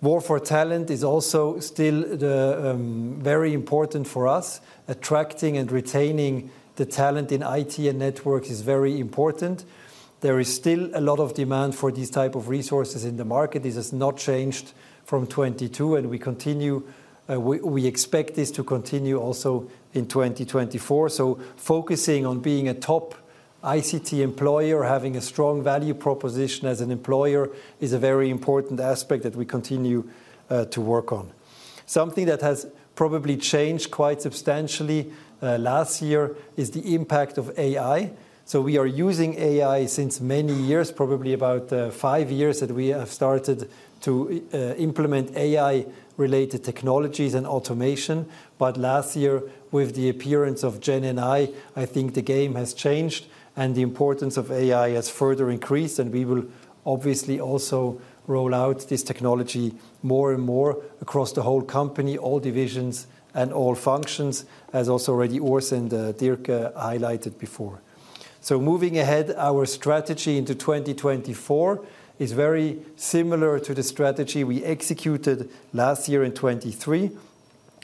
War for talent is also still the very important for us. Attracting and retaining the talent in IT and network is very important. There is still a lot of demand for these type of resources in the market. This has not changed from 2022, and we continue we expect this to continue also in 2024. So focusing on being a top ICT employer, having a strong value proposition as an employer, is a very important aspect that we continue to work on. Something that has probably changed quite substantially last year is the impact of AI. So we are using AI since many years, probably about five years, that we have started to implement AI-related technologies and automation. But last year, with the appearance of GenAI, I think the game has changed and the importance of AI has further increased, and we will obviously also roll out this technology more and more across the whole company, all divisions and all functions, as also already Urs and Dirk highlighted before. So moving ahead, our strategy into 2024 is very similar to the strategy we executed last year in 2023.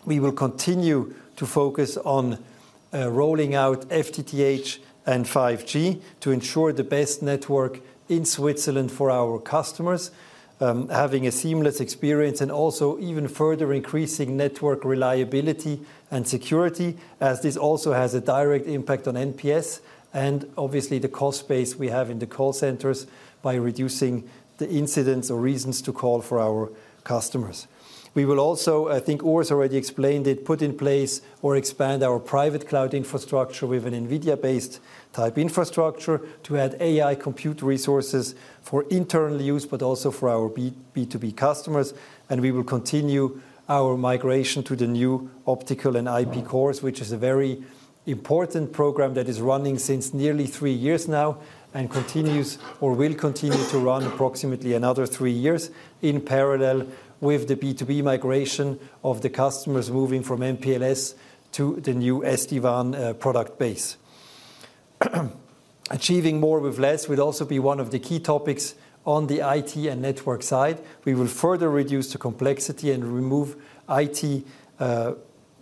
We will continue to focus on-... Rolling out FTTH and 5G to ensure the best network in Switzerland for our customers, having a seamless experience, and also even further increasing network reliability and security, as this also has a direct impact on NPS and obviously, the cost base we have in the call centers by reducing the incidents or reasons to call for our customers. We will also, I think Urs already explained it, put in place or expand our private cloud infrastructure with an NVIDIA-based type infrastructure to add AI compute resources for internal use, but also for our B, B2B customers, and we will continue our migration to the new optical and IP cores, which is a very important program that is running since nearly three years now and continues or will continue to run approximately another three years in parallel with the B2B migration of the customers moving from MPLS to the new SD-WAN product base. Achieving more with less will also be one of the key topics on the IT and network side. We will further reduce the complexity and remove IT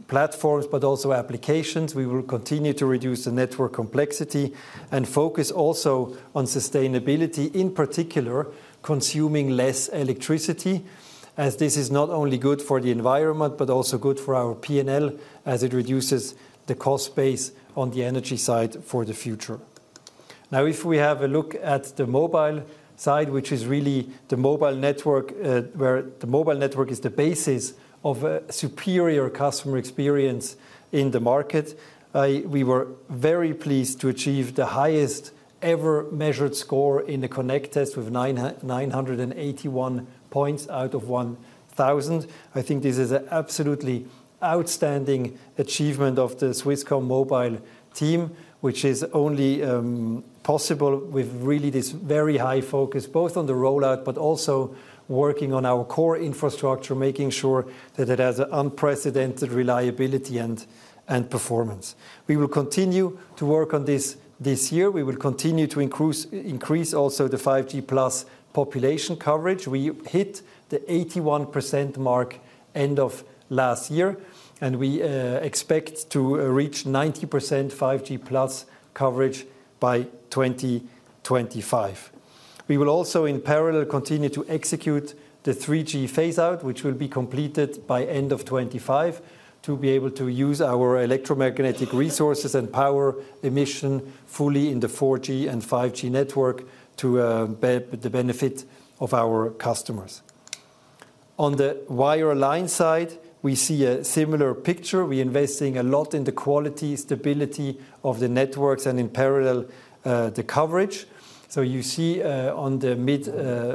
platforms, but also applications. We will continue to reduce the network complexity and focus also on sustainability, in particular, consuming less electricity, as this is not only good for the environment, but also good for our P&L, as it reduces the cost base on the energy side for the future. Now, if we have a look at the mobile side, which is really the mobile network, where the mobile network is the basis of a superior customer experience in the market, we were very pleased to achieve the highest-ever measured score in the Connect test, with 981 points out of 1,000. I think this is a absolutely outstanding achievement of the Swisscom mobile team, which is only possible with really this very high focus, both on the rollout, but also working on our core infrastructure, making sure that it has an unprecedented reliability and performance. We will continue to work on this this year. We will continue to increase also the 5G+ population coverage. We hit the 81% mark end of last year, and we expect to reach 90% 5G+ coverage by 2025. We will also, in parallel, continue to execute the 3G phase-out, which will be completed by end of 2025, to be able to use our electromagnetic resources and power emission fully in the 4G and 5G network to the benefit of our customers. On the wireline side, we see a similar picture. We're investing a lot in the quality, stability of the networks, and in parallel, the coverage. So you see, on the mid,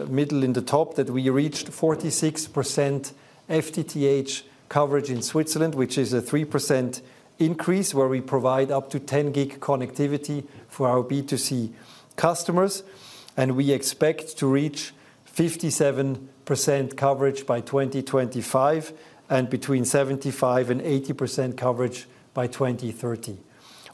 middle in the top, that we reached 46% FTTH coverage in Switzerland, which is a 3% increase, where we provide up to 10 gig connectivity for our B2C customers, and we expect to reach 57% coverage by 2025, and between 75% and 80% coverage by 2030.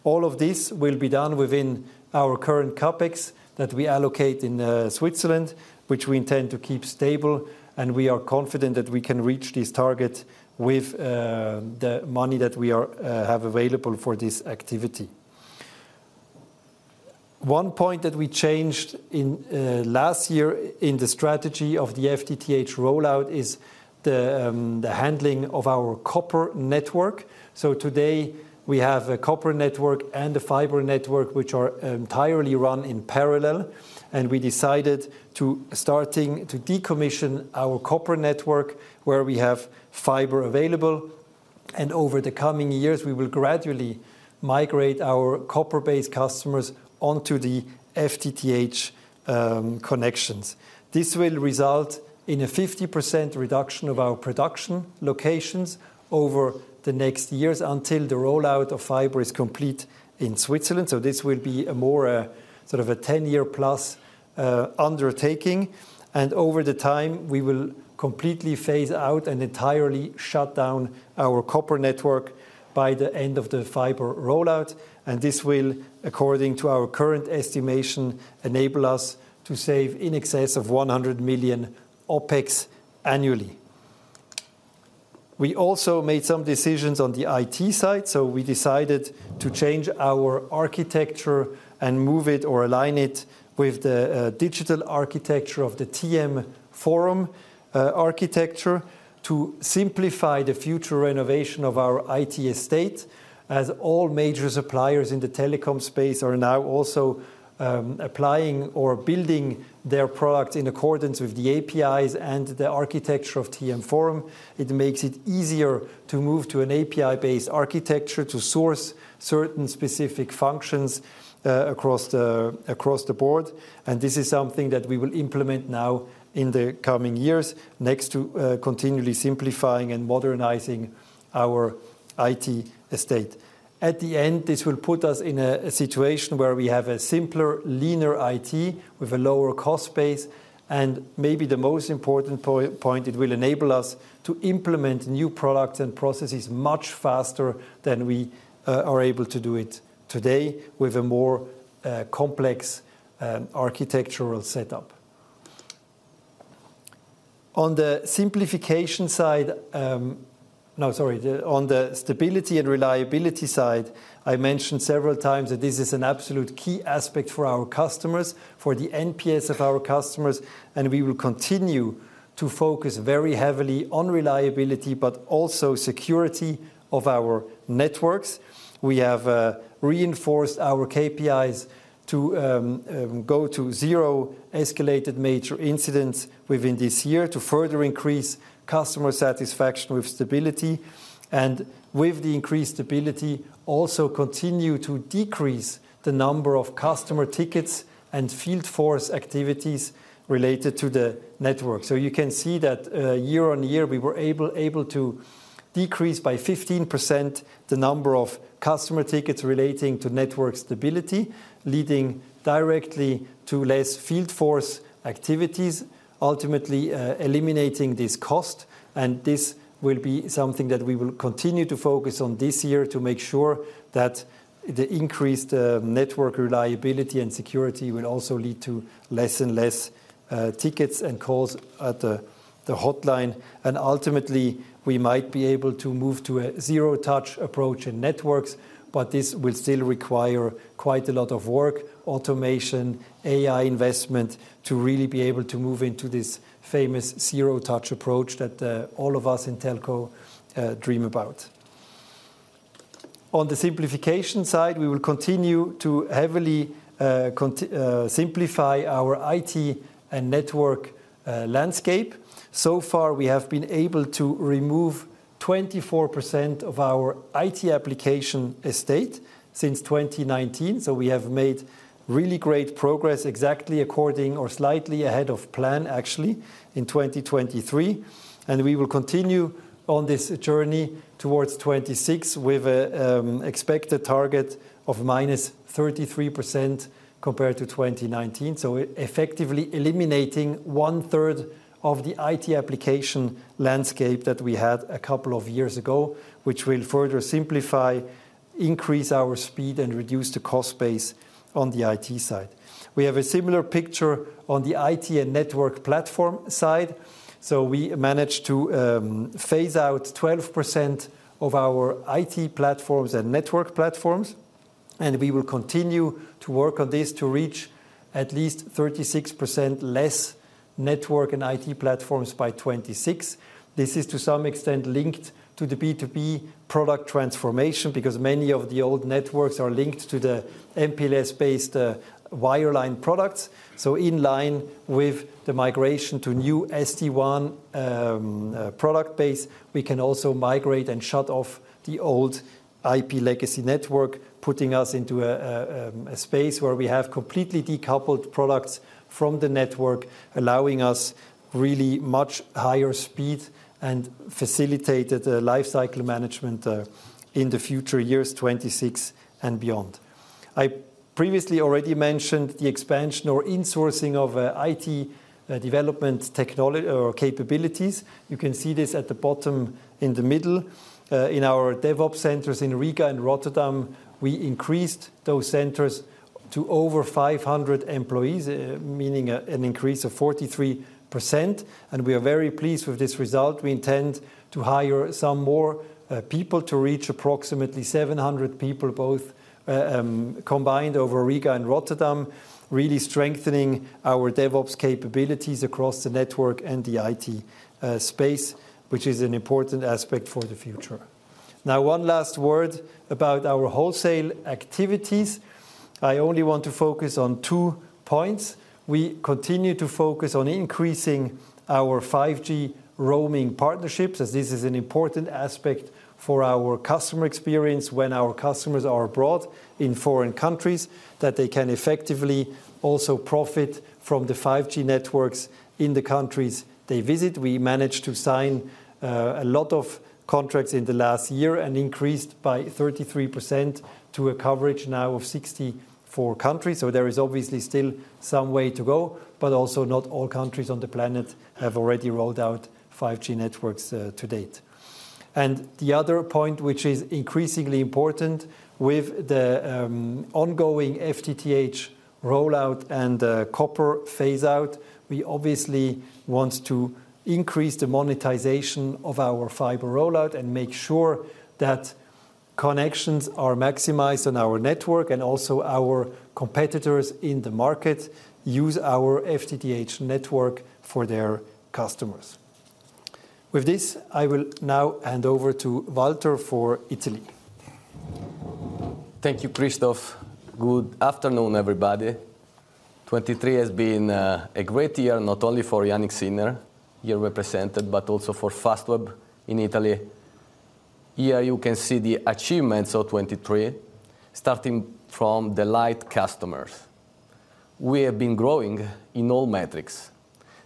All of this will be done within our current CapEx that we allocate in, Switzerland, which we intend to keep stable, and we are confident that we can reach this target with, the money that we are, have available for this activity. One point that we changed in, last year in the strategy of the FTTH rollout is the, the handling of our copper network. So today, we have a copper network and a fiber network, which are entirely run in parallel, and we decided to starting to decommission our copper network, where we have fiber available, and over the coming years, we will gradually migrate our copper-based customers onto the FTTH connections. This will result in a 50% reduction of our production locations over the next years, until the rollout of fiber is complete in Switzerland. So this will be a more, sort of a 10-year plus undertaking, and over the time, we will completely phase out and entirely shut down our copper network by the end of the fiber rollout, and this will, according to our current estimation, enable us to save in excess of 100 million OpEx annually. We also made some decisions on the IT side, so we decided to change our architecture and move it or align it with the digital architecture of the TM Forum architecture, to simplify the future renovation of our IT estate. As all major suppliers in the telecom space are now also applying or building their product in accordance with the APIs and the architecture of TM Forum, it makes it easier to move to an API-based architecture to source certain specific functions across the board. And this is something that we will implement now in the coming years, next to continually simplifying and modernizing our IT estate. At the end, this will put us in a situation where we have a simpler, leaner IT with a lower cost base, and maybe the most important point, it will enable us to implement new products and processes much faster than we are able to do it today with a more complex architectural setup. On the simplification side, no, sorry, on the stability and reliability side, I mentioned several times that this is an absolute key aspect for our customers, for the NPS of our customers, and we will continue to focus very heavily on reliability, but also security of our networks. We have reinforced our KPIs to go to zero escalated major incidents within this year to further increase customer satisfaction with stability. With the increased stability, also continue to decrease the number of customer tickets and field force activities related to the network. So you can see that, year-on-year, we were able to decrease by 15% the number of customer tickets relating to network stability, leading directly to less field force activities, ultimately, eliminating this cost. And this will be something that we will continue to focus on this year to make sure that the increased, network reliability and security will also lead to less and less tickets and calls at the hotline. And ultimately, we might be able to move to a zero-touch approach in networks, but this will still require quite a lot of work, automation, AI investment, to really be able to move into this famous zero-touch approach that, all of us in Telco, dream about. On the simplification side, we will continue to heavily simplify our IT and network landscape. So far, we have been able to remove 24% of our IT application estate since 2019. We have made really great progress, exactly according or slightly ahead of plan, actually, in 2023. We will continue on this journey towards 2026, with an expected target of minus 33% compared to 2019. Effectively eliminating 1/3 of the IT application landscape that we had a couple of years ago, which will further simplify, increase our speed, and reduce the cost base on the IT side. We have a similar picture on the IT and network platform side. So we managed to phase out 12% of our IT platforms and network platforms, and we will continue to work on this to reach at least 36% less network and IT platforms by 2026. This is to some extent linked to the B2B product transformation, because many of the old networks are linked to the MPLS-based wireline products. So in line with the migration to new SD-WAN product base, we can also migrate and shut off the old IP legacy network, putting us into a space where we have completely decoupled products from the network, allowing us really much higher speed and facilitated life cycle management in the future years 2026 and beyond. I previously already mentioned the expansion or insourcing of IT development or capabilities. You can see this at the bottom in the middle. In our DevOps centers in Riga and Rotterdam, we increased those centers to over 500 employees, meaning an increase of 43%, and we are very pleased with this result. We intend to hire some more people to reach approximately 700 people, both combined over Riga and Rotterdam, really strengthening our DevOps capabilities across the network and the IT space, which is an important aspect for the future. Now, one last word about our wholesale activities. I only want to focus on two points. We continue to focus on increasing our 5G roaming partnerships, as this is an important aspect for our customer experience when our customers are abroad in foreign countries, that they can effectively also profit from the 5G networks in the countries they visit. We managed to sign a lot of contracts in the last year and increased by 33% to a coverage now of 64 countries. So there is obviously still some way to go, but also not all countries on the planet have already rolled out 5G networks to date. And the other point, which is increasingly important with the ongoing FTTH rollout and copper phase-out, we obviously want to increase the monetization of our fiber rollout and make sure that connections are maximized on our network, and also our competitors in the market use our FTTH network for their customers. With this, I will now hand over to Walter for Italy. Thank you, Christoph. Good afternoon, everybody. 2023 has been a great year, not only for Swisscom, here represented, but also for Fastweb in Italy. Here, you can see the achievements of 2023, starting from the light customers. We have been growing in all metrics.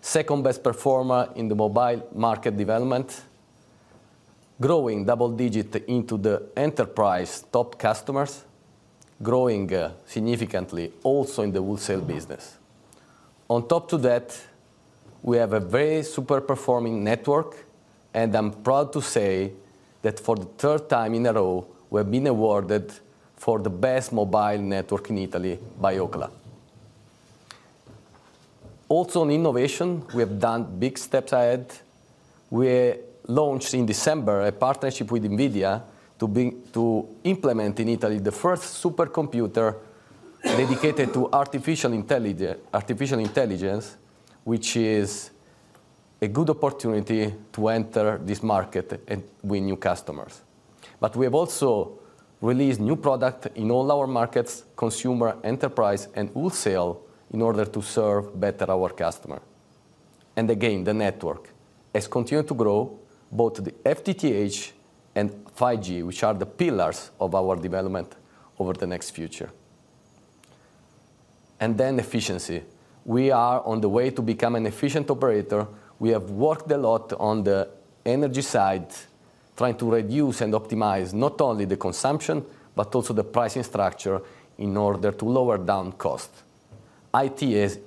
Second-best performer in the mobile market development, growing double-digit into the enterprise top customers, growing significantly also in the wholesale business. On top of that, we have a very super-performing network, and I'm proud to say that for the third time in a row, we have been awarded for the best mobile network in Italy by Ookla. Also, in innovation, we have done big steps ahead. We launched in December a partnership with NVIDIA to implement in Italy the first supercomputer dedicated to artificial intelligence, which is a good opportunity to enter this market and win new customers. But we have also released new product in all our markets, consumer, enterprise, and wholesale, in order to serve better our customer. Again, the network has continued to grow, both the FTTH and 5G, which are the pillars of our development over the next future. Then efficiency. We are on the way to become an efficient operator. We have worked a lot on the energy side, trying to reduce and optimize not only the consumption, but also the pricing structure in order to lower down cost. IT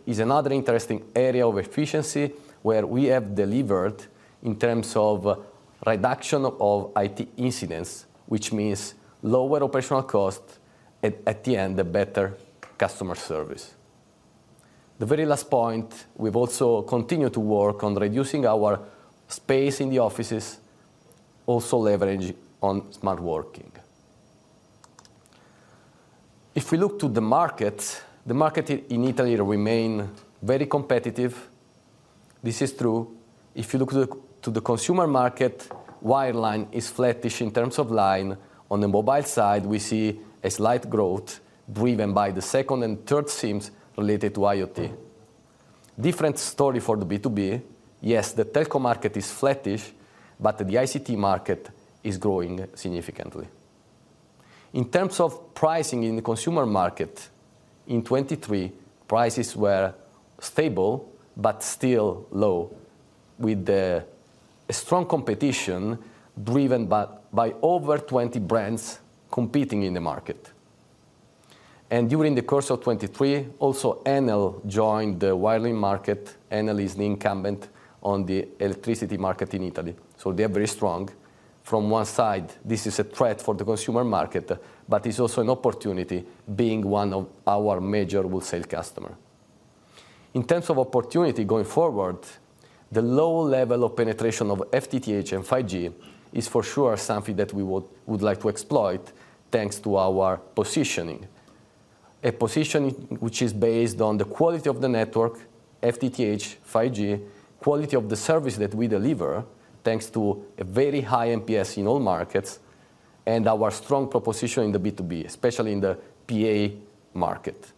is another interesting area of efficiency, where we have delivered in terms of reduction of IT incidents, which means lower operational costs, at the end, a better customer service. The very last point, we've also continued to work on reducing our space in the offices, also leveraging on smart working. If we look to the markets, the market in Italy remain very competitive. This is true. If you look to the consumer market, wireline is flattish in terms of line. On the mobile side, we see a slight growth, driven by the 2nd and 3rd SIMs related to IoT. Different story for the B2B. Yes, the telco market is flattish, but the ICT market is growing significantly. In terms of pricing in the consumer market, in 2023, prices were stable, but still low, with a strong competition, driven by over 20 brands competing in the market. And during the course of 2023, also, Enel joined the wireline market. Enel is the incumbent on the electricity market in Italy, so they are very strong. From one side, this is a threat for the consumer market, but it's also an opportunity, being one of our major wholesale customer. In terms of opportunity going forward, the low level of penetration of FTTH and 5G is for sure something that we would like to exploit, thanks to our positioning. A position which is based on the quality of the network, FTTH, 5G, quality of the service that we deliver, thanks to a very high NPS in all markets, and our strong proposition in the B2B, especially in the PA market.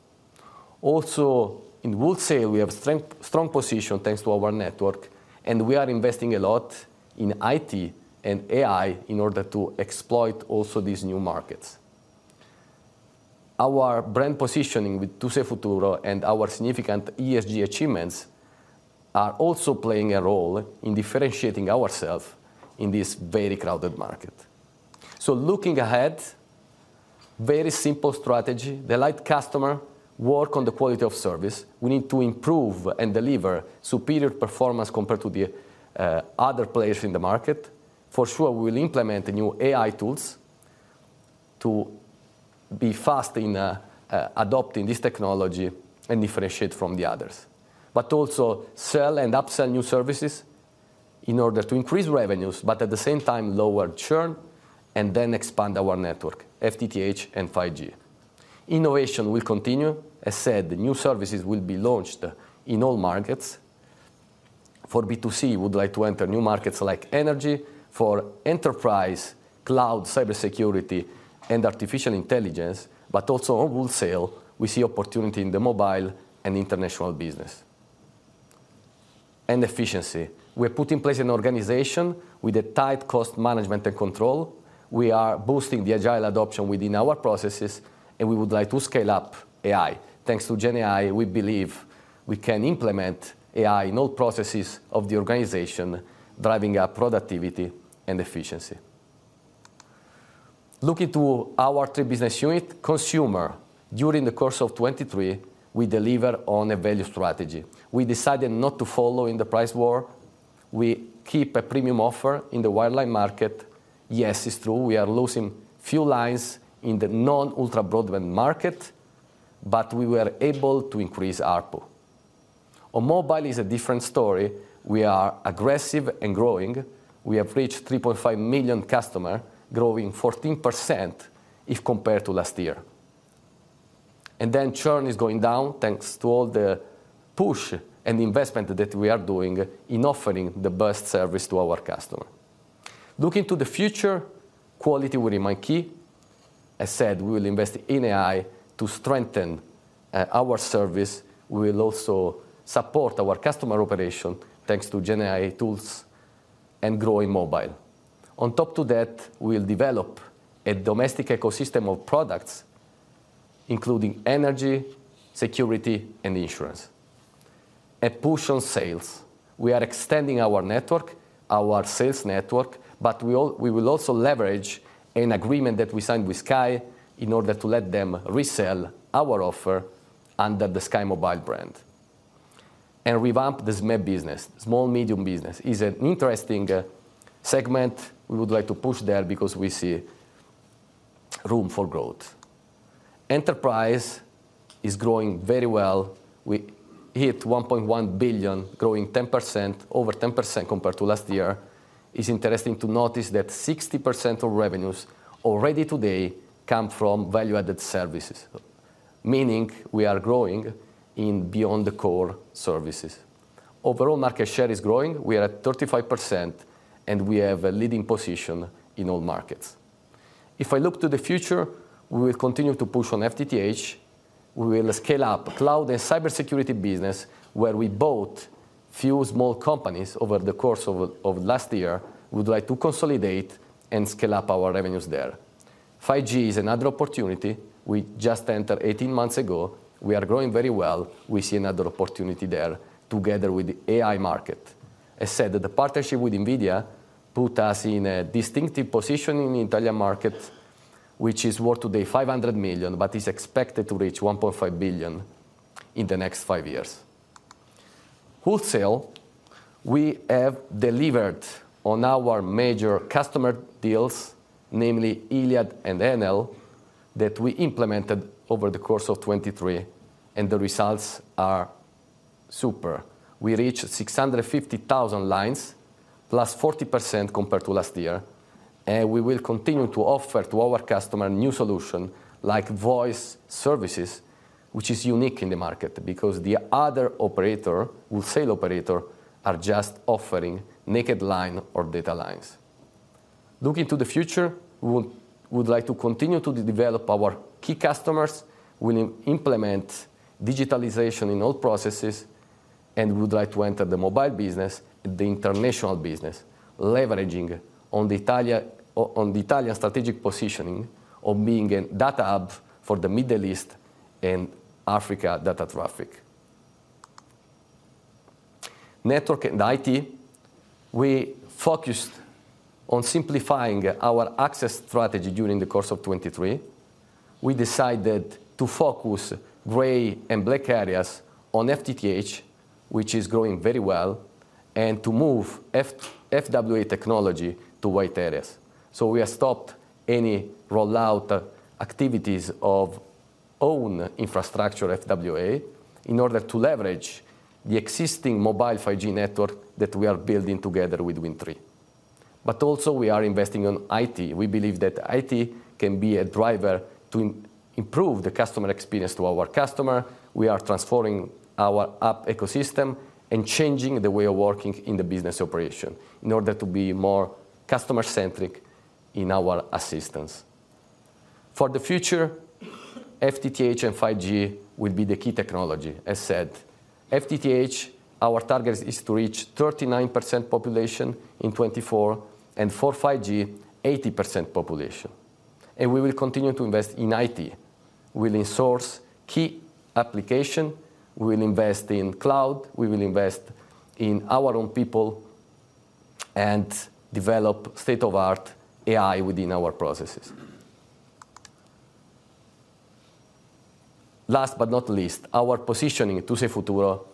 Also, in wholesale, we have strong position, thanks to our network, and we are investing a lot in IT and AI in order to exploit also these new markets. Our brand positioning with Tu Sei Futuro and our significant ESG achievements are also playing a role in differentiating ourselves in this very crowded market. Looking ahead, very simple strategy: delight customer, work on the quality of service. We need to improve and deliver superior performance compared to the other players in the market. For sure, we'll implement the new AI tools to be fast in adopting this technology and differentiate from the others, but also sell and upsell new services in order to increase revenues, but at the same time, lower churn, and then expand our network, FTTH and 5G. Innovation will continue. As said, new services will be launched in all markets. For B2C, we would like to enter new markets like energy. For enterprise, cloud, cybersecurity, and artificial intelligence. But also on wholesale, we see opportunity in the mobile and international business. And efficiency. We have put in place an organization with a tight cost management and control. We are boosting the agile adoption within our processes, and we would like to scale up AI. Thanks to GenAI, we believe we can implement AI in all processes of the organization, driving up productivity and efficiency. Looking to our three business unit, Consumer, during the course of 2023, we deliver on a value strategy. We decided not to follow in the price war. We keep a premium offer in the wireline market. Yes, it's true, we are losing few lines in the non-ultra broadband market, but we were able to increase ARPU. On mobile is a different story. We are aggressive and growing. We have reached 3.5 million customer, growing 14% if compared to last year. And then churn is going down, thanks to all the push and investment that we are doing in offering the best service to our customer. Looking to the future, quality will remain key. I said, we will invest in AI to strengthen our service. We will also support our customer operation, thanks to GenAI tools and growing mobile. On top to that, we'll develop a domestic ecosystem of products, including energy, security, and insurance. A push on sales. We are extending our network, our sales network, but we will also leverage an agreement that we signed with Sky in order to let them resell our offer under the Sky Mobile brand and revamp the SME business. Small-medium business is an interesting segment. We would like to push there because we see room for growth. Enterprise is growing very well. We hit 1.1 billion, growing 10%, over 10% compared to last year. It's interesting to notice that 60% of revenues already today come from value-added services, meaning we are growing in beyond the core services. Overall, market share is growing. We are at 35%, and we have a leading position in all markets. If I look to the future, we will continue to push on FTTH. We will scale up cloud and cybersecurity business, where we bought few small companies over the course of, of last year. We would like to consolidate and scale up our revenues there. 5G is another opportunity we just entered 18 months ago. We are growing very well. We see another opportunity there together with the AI market. I said that the partnership with NVIDIA put us in a distinctive position in Italian market, which is worth today 500 million, but is expected to reach 1.5 billion in the next five years. Wholesale, we have delivered on our major customer deals, namely Iliad and Enel, that we implemented over the course of 2023, and the results are super. We reached 650,000 lines, +40% compared to last year, and we will continue to offer to our customer new solution, like voice services, which is unique in the market because the other operator, wholesale operator, are just offering naked line or data lines. Looking to the future, we would like to continue to develop our key customers. We'll implement digitalization in all processes, and we would like to enter the mobile business, the international business, leveraging on the Italian strategic positioning of being a data hub for the Middle East and Africa data traffic. Network and IT, we focused on simplifying our access strategy during the course of 2023. We decided to focus gray and black areas on FTTH, which is going very well, and to move FWA technology to white areas. So we have stopped any rollout activities of own infrastructure, FWA, in order to leverage the existing mobile 5G network that we are building together with Wind Tre. But also, we are investing on IT. We believe that IT can be a driver to improve the customer experience to our customer. We are transforming our app ecosystem and changing the way of working in the business operation in order to be more customer-centric in our assistance. For the future, FTTH and 5G will be the key technology. As said, FTTH, our target is to reach 39% population in 2024, and for 5G, 80% population. And we will continue to invest in IT. We'll source key application, we will invest in cloud, we will invest in our own people, and develop state-of-the-art AI within our processes. Last but not least, our positioning, Tu Sei Futuro,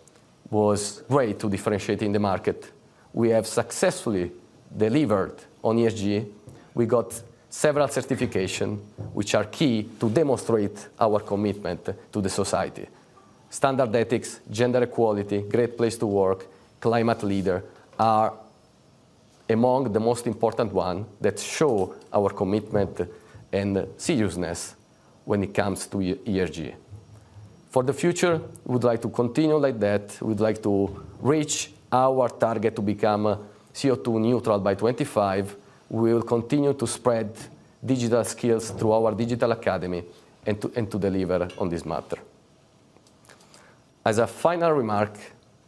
was way to differentiate in the market. We have successfully delivered on ESG. We got several certification, which are key to demonstrate our commitment to the society. Standard Ethics, Gender Equality, Great Place to Work, Climate Leader, are among the most important one that show our commitment and seriousness when it comes to ESG. For the future, we would like to continue like that. We'd like to reach our target to become CO2 neutral by 2025. We will continue to spread digital skills through our Digital Academy and to, and to deliver on this matter. As a final remark,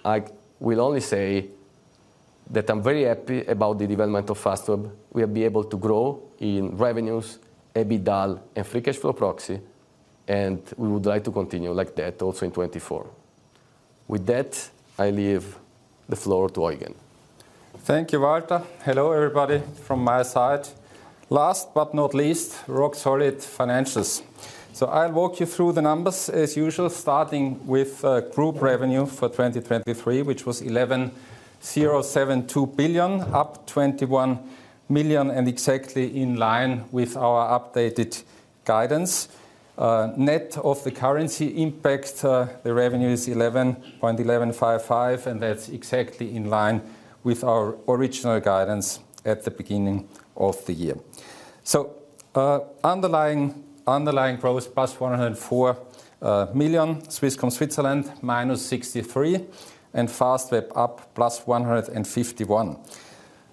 I will only say that I'm very happy about the development of Fastweb. We have been able to grow in revenues, EBITDA, and free cash flow proxy, and we would like to continue like that also in 2024. With that, I leave the floor to Eugen. Thank you, Walter. Hello, everybody, from my side. Last but not least, rock-solid financials. So I'll walk you through the numbers as usual, starting with group revenue for 2023, which was 11.072 billion, up 21 million, and exactly in line with our updated guidance. Net of the currency impact, the revenue is 11.155, and that's exactly in line with our original guidance at the beginning of the year. So underlying growth +104 million, Swisscom Switzerland -63 million, and Fastweb up +151 million.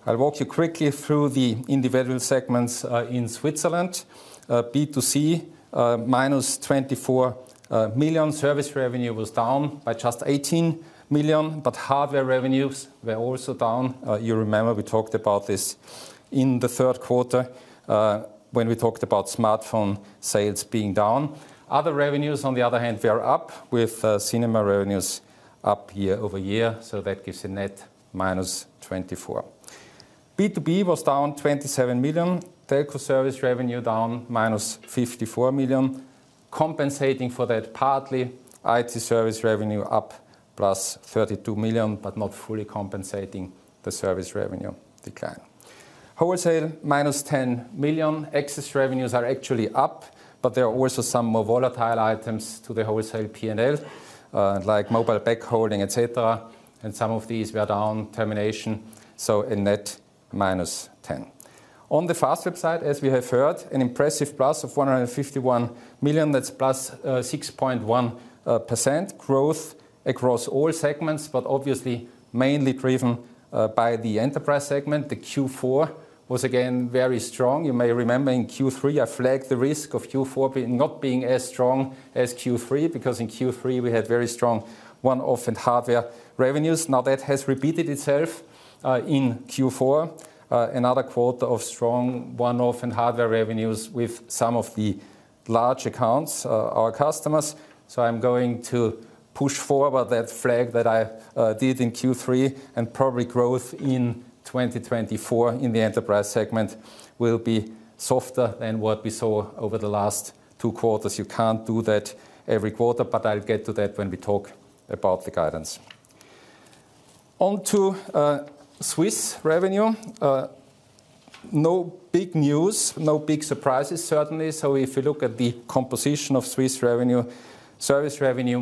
I'll walk you quickly through the individual segments in Switzerland. B2C -24 million. Service revenue was down by just 18 million, but hardware revenues were also down. You remember we talked about this in the third quarter, when we talked about smartphone sales being down. Other revenues, on the other hand, were up, with cinema revenues up year-over-year, so that gives a net -24 million. B2B was down 27 million. Telco service revenue down -54 million. Compensating for that partly, IT service revenue up +32 million, but not fully compensating the service revenue decline. Wholesale, -10 million. Excess revenues are actually up, but there are also some more volatile items to the wholesale P&L, like mobile backhauling, et cetera, and some of these were down termination, so a net -10 million. On the Fastweb side, as we have heard, an impressive +151 million, that's +6.1% growth across all segments, but obviously mainly driven by the enterprise segment. The Q4 was again very strong. You may remember in Q3, I flagged the risk of Q4 being not as strong as Q3, because in Q3, we had very strong one-off and hardware revenues. Now, that has repeated itself in Q4. Another quarter of strong one-off and hardware revenues with some of the large accounts, our customers. So I'm going to push forward with that flag that I did in Q3, and probably growth in 2024 in the enterprise segment will be softer than what we saw over the last two quarters. You can't do that every quarter, but I'll get to that when we talk about the guidance. On to Swiss revenue. No big news, no big surprises, certainly. So if you look at the composition of Swiss revenue, service revenue, -72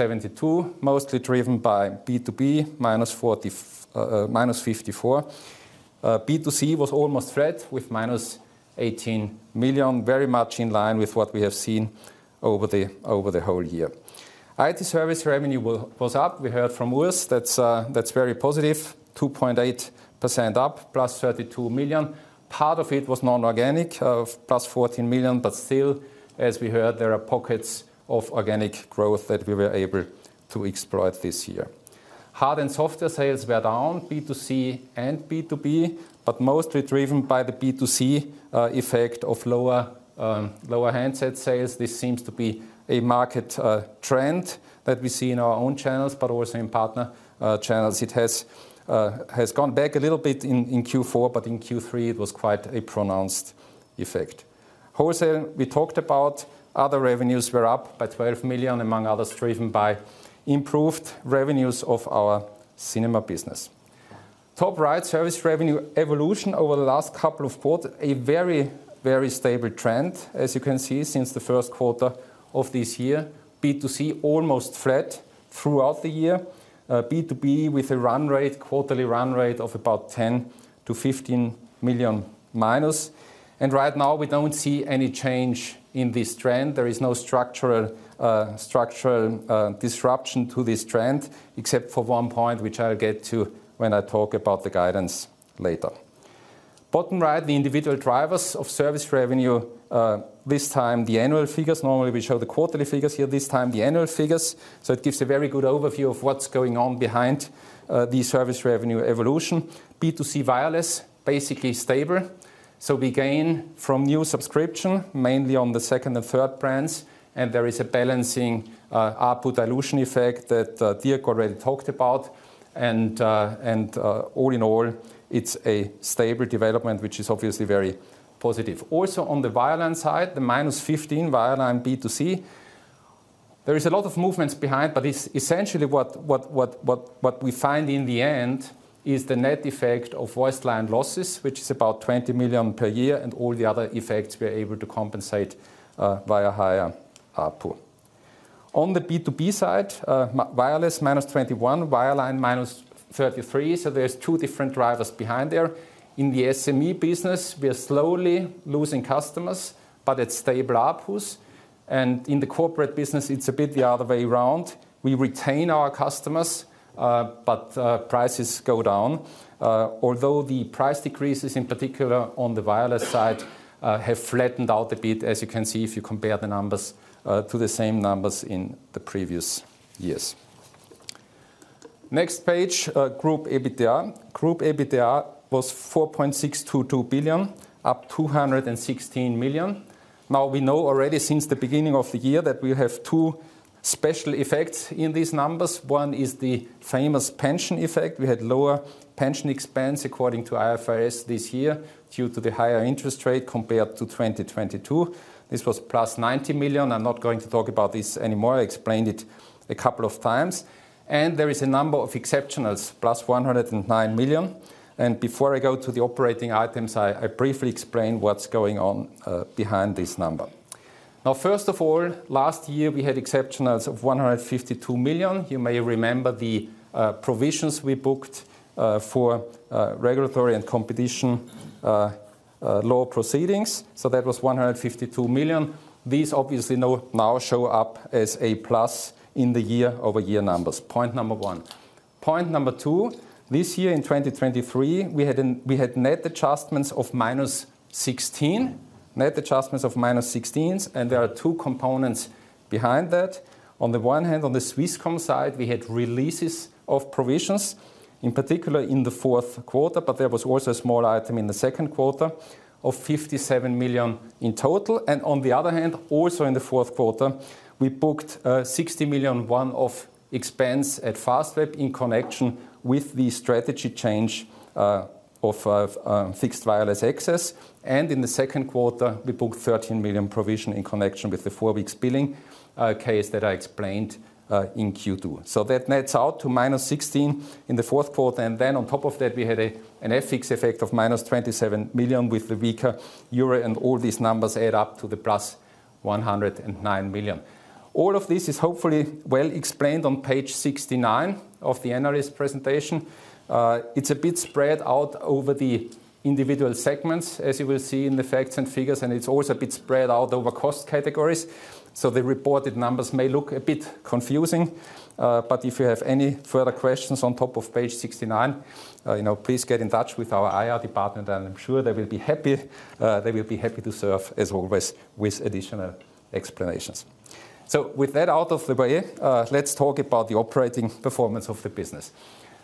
million, mostly driven by B2B, -40 million, -54 million. B2C was almost flat, with -18 million, very much in line with what we have seen over the whole year. IT service revenue was up. We heard from Urs. That's very positive, 2.8% up, +32 million. Part of it was non-organic, +14 million, but still, as we heard, there are pockets of organic growth that we were able to exploit this year. Hard and software sales were down, B2C and B2B, but mostly driven by the B2C effect of lower lower handset sales. This seems to be a market trend that we see in our own channels, but also in partner channels. It has gone back a little bit in Q4, but in Q3, it was quite a pronounced effect. Wholesale, we talked about. Other revenues were up by 12 million, among others, driven by improved revenues of our cinema business. Top right, service revenue evolution over the last couple of quarters, a very, very stable trend. As you can see, since the first quarter of this year, B2C almost flat throughout the year. B2B with a run rate, quarterly run rate of about -10 million to -15 million. Right now, we don't see any change in this trend. There is no structural disruption to this trend, except for one point, which I'll get to when I talk about the guidance later. Bottom right, the individual drivers of service revenue, this time, the annual figures. Normally, we show the quarterly figures here, this time, the annual figures. So it gives a very good overview of what's going on behind, the service revenue evolution. B2C wireless, basically stable. So we gain from new subscription, mainly on the second and third brands, and there is a balancing, ARPU dilution effect that, Dirk already talked about. And all in all, it's a stable development, which is obviously very positive. Also, on the wireline side, the -15 wireline B2C, there is a lot of movements behind, but essentially, what we find in the end is the net effect of voice line losses, which is about 20 million per year, and all the other effects we are able to compensate via higher ARPU. On the B2B side, wireless, -21, wireline, -33. So there's two different drivers behind there. In the SME business, we are slowly losing customers, but at stable ARPUs. And in the corporate business, it's a bit the other way around. We retain our customers, but prices go down. Although the price decreases, in particular on the wireless side, have flattened out a bit, as you can see, if you compare the numbers to the same numbers in the previous years. Next page, group EBITDA. Group EBITDA was 4.622 billion, up 216 million. Now, we know already since the beginning of the year that we have two special effects in these numbers. One is the famous pension effect. We had lower pension expense according to IFRS this year, due to the higher interest rate compared to 2022. This was +90 million. I'm not going to talk about this anymore. I explained it a couple of times. And there is a number of exceptionals, +109 million. And before I go to the operating items, I briefly explain what's going on behind this number. Now, first of all, last year, we had exceptionals of 152 million. You may remember the provisions we booked for regulatory and competition law proceedings. So that was 152 million. These obviously now show up as a plus in the year-over-year numbers. Point number one. Point number two, this year in 2023, we had net adjustments of -16 million. Net adjustments of -16 million, and there are two components behind that. On the one hand, on the Swisscom side, we had releases of provisions, in particular, in the fourth quarter, but there was also a small item in the second quarter of 57 million in total. And on the other hand, also in the fourth quarter, we booked 60 million one-off expense at Fastweb in connection with the strategy change of fixed wireless access. And in the second quarter, we booked 13 million provision in connection with the four weeks billing case that I explained in Q2. That nets out to -16 in the fourth quarter, and then on top of that, we had an FX effect of -27 million with the weaker euro, and all these numbers add up to +109 million. All of this is hopefully well explained on page 69 of the analyst presentation. It's a bit spread out over the individual segments, as you will see in the facts and figures, and it's also a bit spread out over cost categories. So the reported numbers may look a bit confusing, but if you have any further questions on top of page 69, you know, please get in touch with our IR department, and I'm sure they will be happy to serve as always with additional explanations. So with that out of the way, let's talk about the operating performance of the business.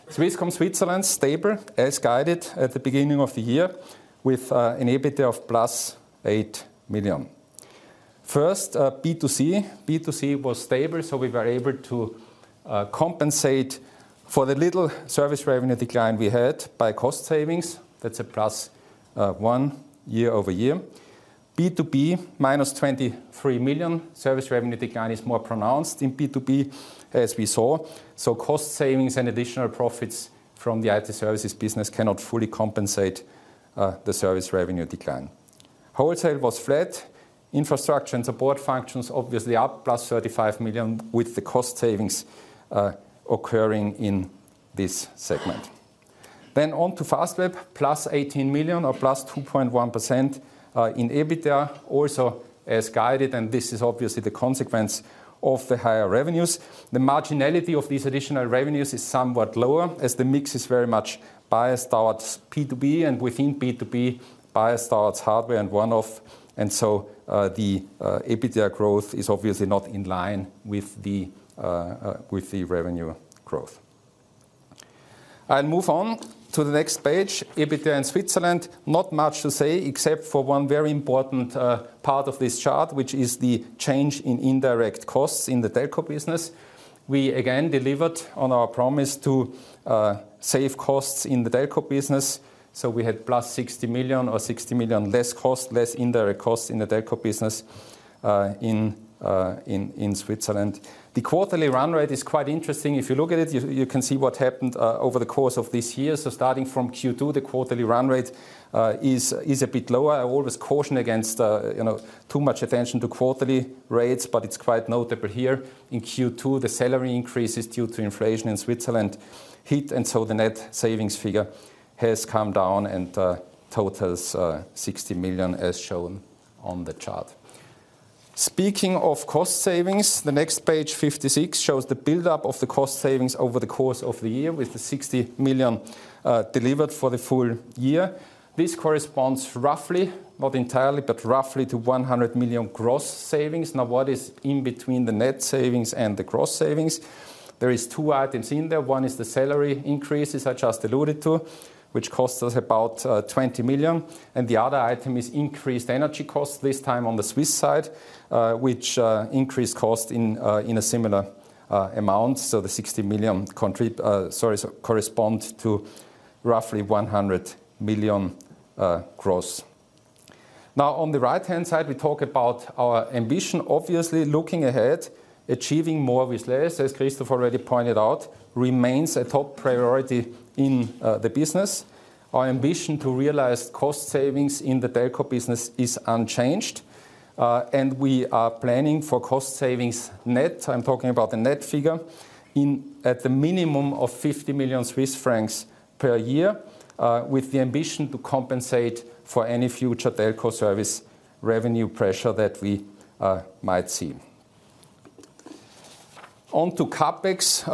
Swisscom Switzerland, stable, as guided at the beginning of the year, with an EBITDA of +8 million. First, B2C. B2C was stable, so we were able to compensate for the little service revenue decline we had by cost savings. That's +1 year-over-year. B2B, -23 million. Service revenue decline is more pronounced in B2B, as we saw. So cost savings and additional profits from the IT services business cannot fully compensate the service revenue decline. Wholesale was flat, infrastructure and support functions obviously up +35 million, with the cost savings occurring in this segment. Then on to Fastweb, +18 million or +2.1% in EBITDA, also as guided, and this is obviously the consequence of the higher revenues. The marginality of these additional revenues is somewhat lower, as the mix is very much biased towards B2B, and within B2B, biased towards hardware and one-off. And so, the EBITDA growth is obviously not in line with the revenue growth. I'll move on to the next page. EBITDA in Switzerland, not much to say, except for one very important part of this chart, which is the change in indirect costs in the telco business. We again delivered on our promise to save costs in the telco business, so we had +60 million or 60 million less cost, less indirect costs in the telco business, in Switzerland. The quarterly run rate is quite interesting. If you look at it, you can see what happened over the course of this year. So starting from Q2, the quarterly run rate is a bit lower. I always caution against, you know, too much attention to quarterly rates, but it's quite notable here. In Q2, the salary increases due to inflation in Switzerland hit, and so the net savings figure has come down and totals 60 million, as shown on the chart. Speaking of cost savings, the next page, 56, shows the buildup of the cost savings over the course of the year, with the 60 million delivered for the full year. This corresponds roughly, not entirely, but roughly to 100 million gross savings. Now, what is in between the net savings and the gross savings? There are two items in there. One is the salary increases I just alluded to, which costs us about 20 million, and the other item is increased energy costs, this time on the Swiss side, which increased cost in a similar amount. So the 60 million correspond to roughly 100 million gross. Now, on the right-hand side, we talk about our ambition. Obviously, looking ahead, achieving more with less, as Christoph already pointed out, remains a top priority in the business. Our ambition to realize cost savings in the telco business is unchanged, and we are planning for cost savings net, I'm talking about the net figure, at the minimum of 50 million Swiss francs per year, with the ambition to compensate for any future telco service revenue pressure that we might see. On to CapEx,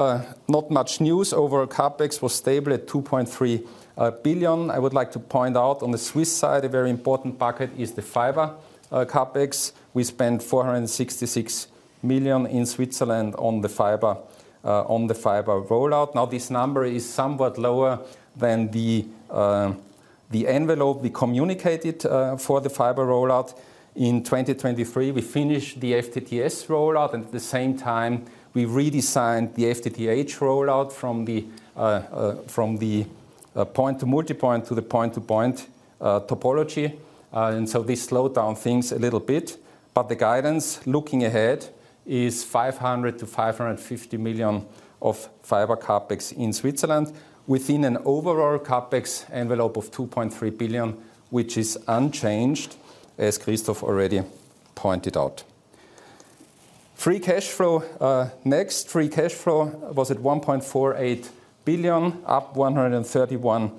not much news. Overall, CapEx was stable at 2.3 billion. I would like to point out on the Swiss side, a very important bucket is the fiber CapEx. We spent 466 million in Switzerland on the fiber rollout. Now, this number is somewhat lower than the envelope we communicated for the fiber rollout in 2023. We finished the FTTS rollout, and at the same time, we redesigned the FTTH rollout from the point-to-multipoint to the point-to-point topology. And so this slowed down things a little bit, but the guidance, looking ahead, is 500 million-550 million of fiber CapEx in Switzerland within an overall CapEx envelope of 2.3 billion, which is unchanged, as Christoph already pointed out. Free cash flow next. Free cash flow was at 1.48 billion, up 131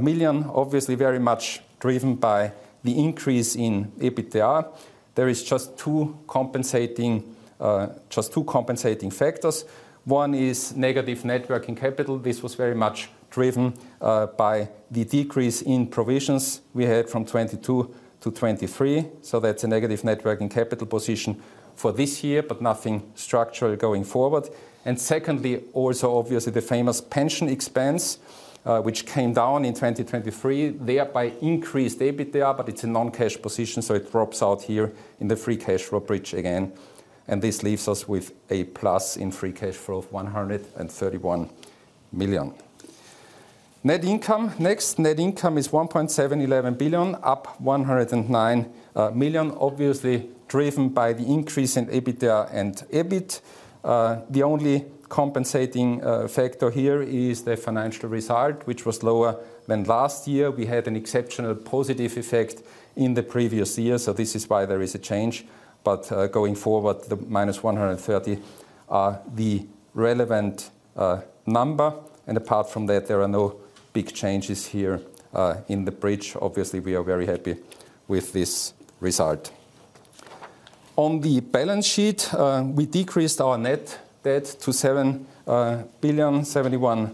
million. Obviously, very much driven by the increase in EBITDA. There is just two compensating factors. One is negative net working capital. This was very much driven by the decrease in provisions we had from 2022 to 2023. So that's a negative net working capital position for this year, but nothing structural going forward. And secondly, also, obviously, the famous pension expense, which came down in 2023, thereby increased EBITDA, but it's a non-cash position, so it drops out here in the free cash flow bridge again, and this leaves us with a plus in free cash flow of 131 million. Net income. Next, net income is 1.711 billion, up 109 million, obviously driven by the increase in EBITDA and EBIT. The only compensating factor here is the financial result, which was lower than last year. We had an exceptional positive effect in the previous year, so this is why there is a change. But, going forward, the minus 130 million are the relevant number, and apart from that, there are no big changes here in the bridge. Obviously, we are very happy with this result. On the balance sheet, we decreased our net debt to 7.071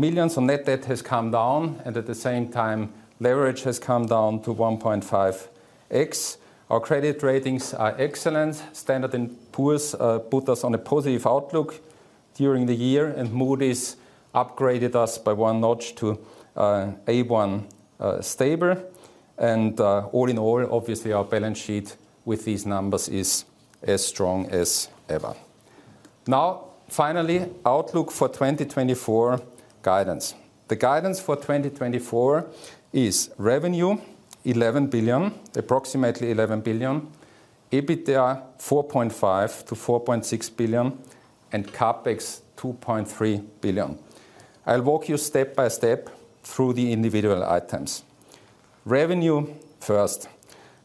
billion. So net debt has come down, and at the same time, leverage has come down to 1.5x. Our credit ratings are excellent. Standard & Poor's put us on a positive outlook during the year, and Moody's upgraded us by one notch to A1 stable. And all in all, obviously, our balance sheet with these numbers is as strong as ever. Now, finally, outlook for 2024 guidance. The guidance for 2024 is revenue, 11 billion, approximately 11 billion. EBITDA, 4.5 billion-4.6 billion, and CapEx, 2.3 billion. I'll walk you step by step through the individual items. Revenue first.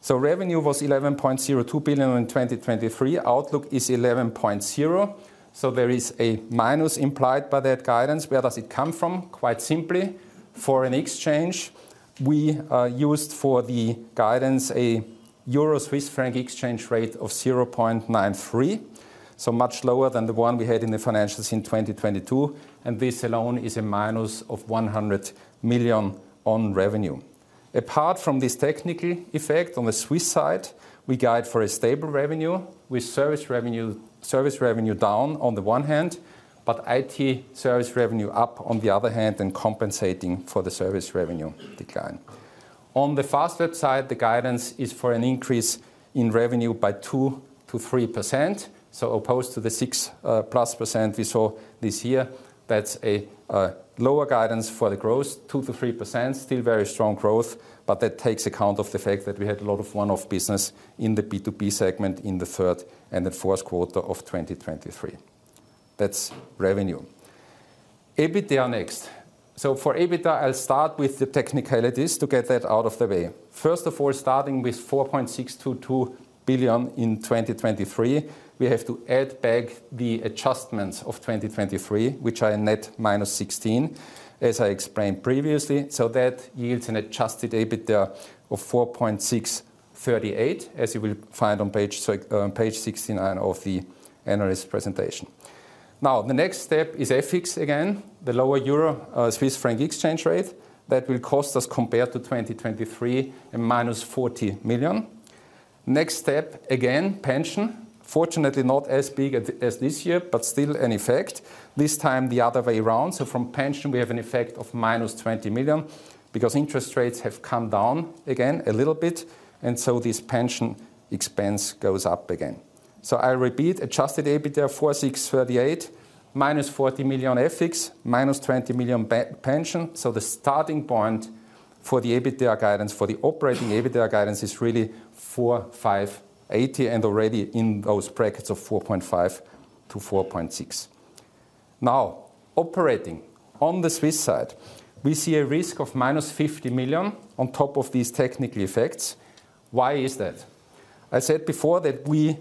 So revenue was 11.02 billion in 2023. Outlook is 11.0, so there is a minus implied by that guidance. Where does it come from? Quite simply, foreign exchange. We used for the guidance a Euro-Swiss franc exchange rate of 0.93, so much lower than the one we had in the financials in 2022, and this alone is a minus of 100 million on revenue. Apart from this technical effect, on the Swiss side, we guide for a stable revenue, with service revenue, service revenue down on the one hand, but IT service revenue up on the other hand and compensating for the service revenue decline. On the Fastweb side, the guidance is for an increase in revenue by 2%-3%. So opposed to the 6%+ we saw this year, that's a lower guidance for the growth. 2%-3%, still very strong growth, but that takes account of the fact that we had a lot of one-off business in the B2B segment in the third and the fourth quarter of 2023. That's revenue. EBITDA next. So for EBITDA, I'll start with the technicalities to get that out of the way. First of all, starting with 4.622 billion in 2023, we have to add back the adjustments of 2023, which are a net -16 million, as I explained previously. So that yields an adjusted EBITDA of 4.638, as you will find on page 6, page 69 of the analyst presentation. Now, the next step is FX again, the lower euro-Swiss franc exchange rate. That will cost us, compared to 2023, -40 million. Next step, again, pension. Fortunately, not as big as this year, but still an effect, this time the other way around. So from pension, we have an effect of -20 million, because interest rates have come down again a little bit, and so this pension expense goes up again. So I repeat, adjusted EBITDA 4,638, -40 million FX, -20 million pension. So the starting point for the EBITDA guidance, for the operating EBITDA guidance, is really 4,580, and already in those brackets of 4.5-4.6. Now, operating. On the Swiss side, we see a risk of -50 million on top of these technical effects. Why is that? I said before that we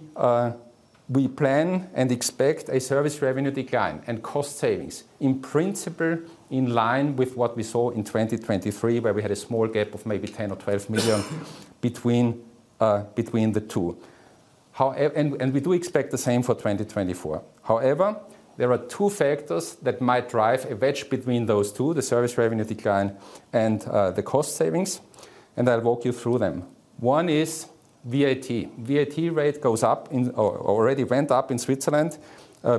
plan and expect a service revenue decline and cost savings, in principle, in line with what we saw in 2023, where we had a small gap of maybe 10 million or 12 million between the two. And we do expect the same for 2024. However, there are two factors that might drive a wedge between those two, the service revenue decline and the cost savings, and I'll walk you through them. One is VAT. VAT rate already went up in Switzerland,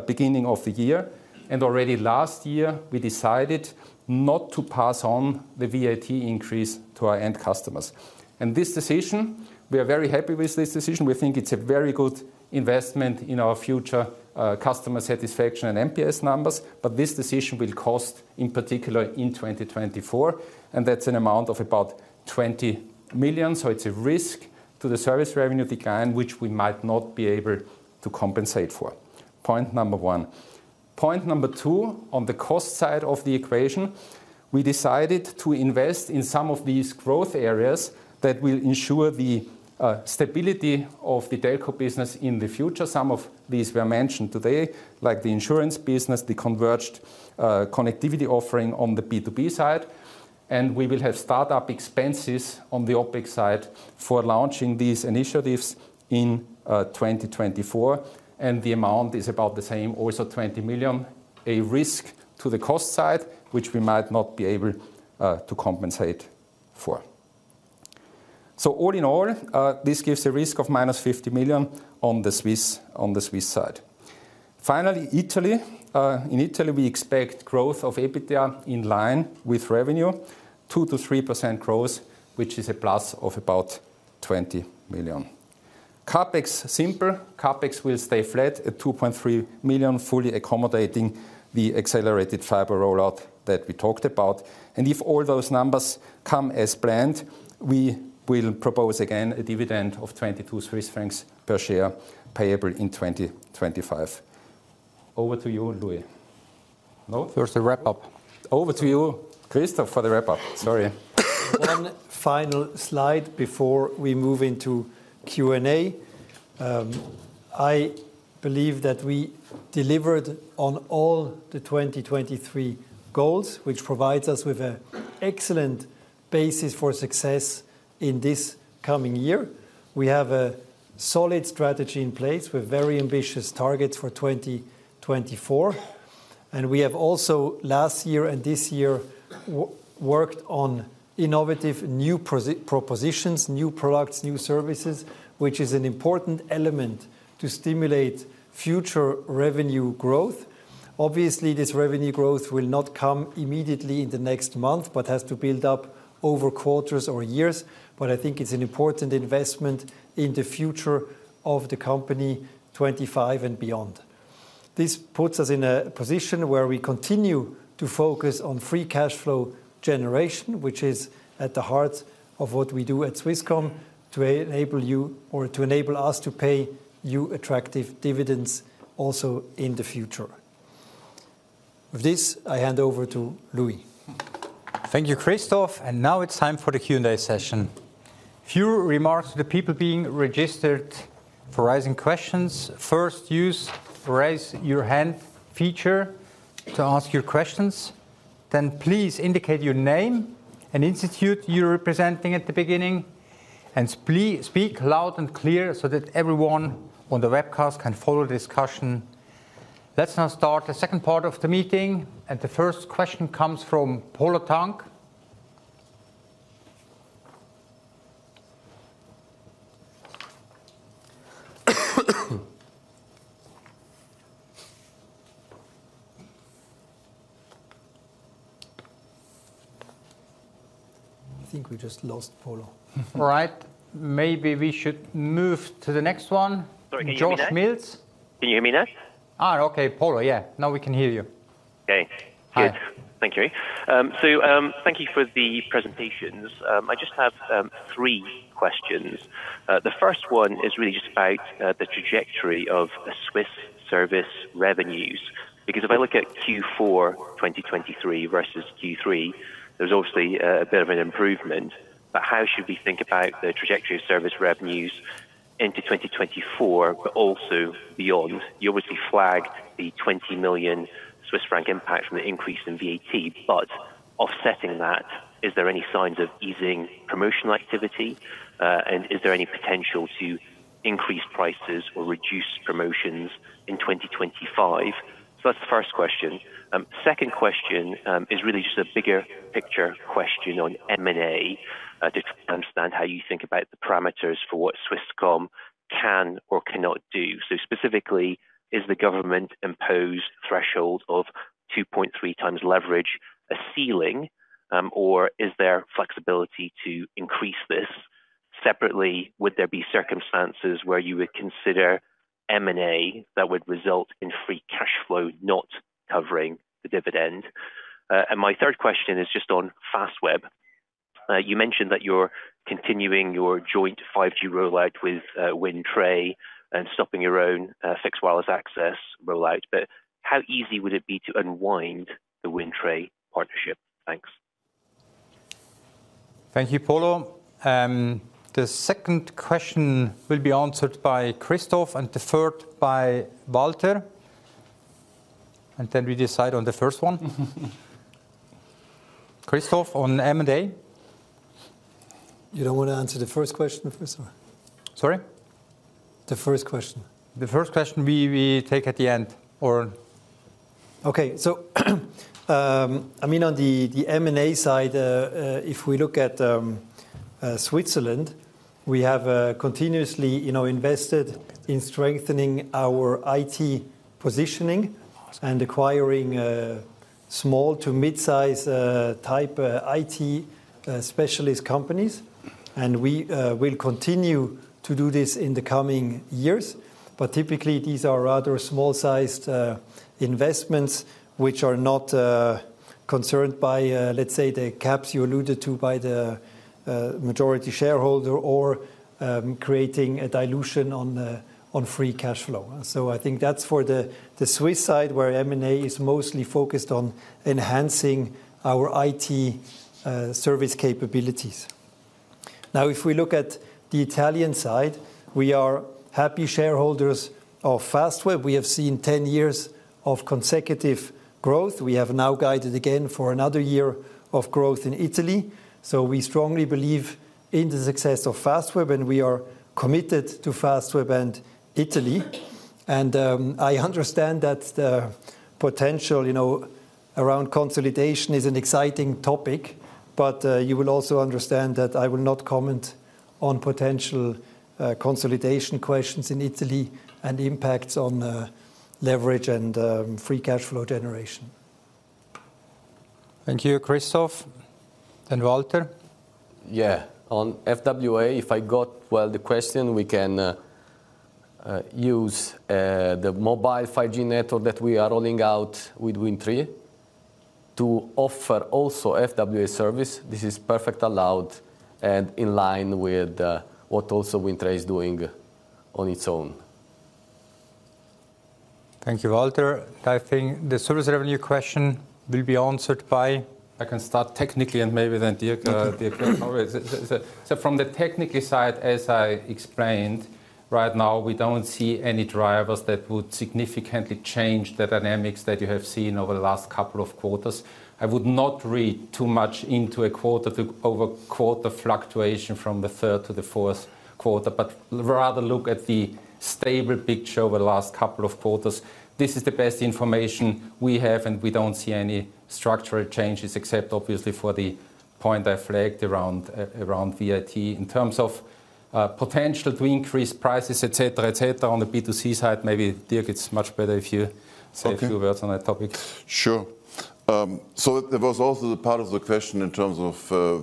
beginning of the year, and already last year, we decided not to pass on the VAT increase to our end customers. And this decision, we are very happy with this decision. We think it's a very good investment in our future, customer satisfaction and NPS numbers. But this decision will cost, in particular, in 2024, and that's an amount of about 20 million. So it's a risk to the service revenue decline, which we might not be able to compensate for. Point number one. Point number two, on the cost side of the equation, we decided to invest in some of these growth areas that will ensure the stability of the Telco business in the future. Some of these were mentioned today, like the insurance business, the converged connectivity offering on the B2B side. And we will have start-up expenses on the OpEx side for launching these initiatives in 2024, and the amount is about the same, also 20 million. A risk to the cost side, which we might not be able to compensate for. So all in all, this gives a risk of -50 million on the Swiss, on the Swiss side. Finally, Italy. In Italy, we expect growth of EBITDA in line with revenue, 2%-3% growth, which is a plus of about 20 million. CapEx, simple. CapEx will stay flat at 2.3 million, fully accommodating the accelerated fiber rollout that we talked about. And if all those numbers come as planned, we will propose again a dividend of 22 Swiss francs per share, payable in 2025. Over to you, Louis. No? There's a wrap-up. Over to you, Christoph, for the wrap-up. Sorry. One final slide before we move into Q&A. I believe that we delivered on all the 2023 goals, which provides us with an excellent basis for success in this coming year. We have a solid strategy in place with very ambitious targets for 2024. We have also, last year and this year, worked on innovative new propositions, new products, new services, which is an important element to stimulate future revenue growth. Obviously, this revenue growth will not come immediately in the next month, but has to build up over quarters or years, but I think it's an important investment in the future of the company, 2025 and beyond. This puts us in a position where we continue to focus on free cash flow generation, which is at the heart of what we do at Swisscom, to enable you or to enable us to pay you attractive dividends also in the future. With this, I hand over to Louis. Thank you, Christoph, and now it's time for the Q&A session. A few remarks to the people being registered for raising questions. First, use Raise Your Hand feature to ask your questions. Then please indicate your name and institute you're representing at the beginning, and please speak loud and clear so that everyone on the webcast can follow the discussion. Let's now start the second part of the meeting, and the first question comes from Polo Tang. I think we just lost Polo. All right. Maybe we should move to the next one. Sorry, can you hear me? Josh Mills. Can you hear me now? Ah, okay, Polo. Yeah, now we can hear you. Okay. Hi. Good. Thank you. So, thank you for the presentations. I just have three questions. The first one is really just about the trajectory of the Swiss service revenues. Because if I look at Q4 2023 versus Q3, there's obviously a bit of an improvement. But how should we think about the trajectory of service revenues into 2024, but also beyond? You obviously flagged the 20 million Swiss franc impact from the increase in VAT, but offsetting that, is there any signs of easing promotional activity? And is there any potential to increase prices or reduce promotions in 2025? So that's the first question. Second question is really just a bigger picture question on M&A. I just want to understand how you think about the parameters for what Swisscom can or cannot do. So specifically, is the government-imposed threshold of 2.3 times leverage a ceiling, or is there flexibility to increase this? Separately, would there be circumstances where you would consider M&A that would result in free cash flow not covering the dividend? And my third question is just on Fastweb. You mentioned that you're continuing your joint 5G rollout with Wind Tre and stopping your own fixed wireless access rollout, but how easy would it be to unwind the Wind Tre partnership? Thanks. Thank you, Polo. The second question will be answered by Christoph and the third by Walter, and then we decide on the first one. Christoph, on M&A? You don't want to answer the first question, the first one? Sorry? The first question. The first question we take at the end or Okay. So, I mean, on the M&A side, if we look at Switzerland, we have continuously, you know, invested in strengthening our IT positioning and acquiring small to mid-size type IT specialist companies. And we will continue to do this in the coming years. But typically, these are rather small-sized investments which are not concerned by, let's say, the caps you alluded to by the majority shareholder or creating a dilution on the free cash flow. So I think that's for the Swiss side, where M&A is mostly focused on enhancing our IT service capabilities. Now, if we look at the Italian side, we are happy shareholders of Fastweb. We have seen 10 years of consecutive growth. We have now guided again for another year of growth in Italy, so we strongly believe in the success of Fastweb, and we are committed to Fastweb and Italy. I understand that the potential, you know, around consolidation is an exciting topic, but you will also understand that I will not comment on potential consolidation questions in Italy and the impacts on leverage and free cash flow generation. Thank you, Christoph. And Walter? Yeah. On FWA, if I got, well, the question, we can use the mobile 5G network that we are rolling out with Wind Tre to offer also FWA service. This is perfect allowed and in line with what also Wind Tre is doing on its own. Thank you, Walter. I think the service revenue question will be answered by- I can start technically and maybe then Dirk, Okay. From the technical side, as I explained, right now, we don't see any drivers that would significantly change the dynamics that you have seen over the last couple of quarters. I would not read too much into a quarter-over-quarter fluctuation from the third to the fourth quarter, but rather look at the stable picture over the last couple of quarters. This is the best information we have, and we don't see any structural changes, except obviously for the point I flagged around VAT. In terms of potential to increase prices, et cetera, et cetera, on the B2C side, maybe, Dirk, it's much better if you Okay say a few words on that topic. Sure. So there was also the part of the question in terms of,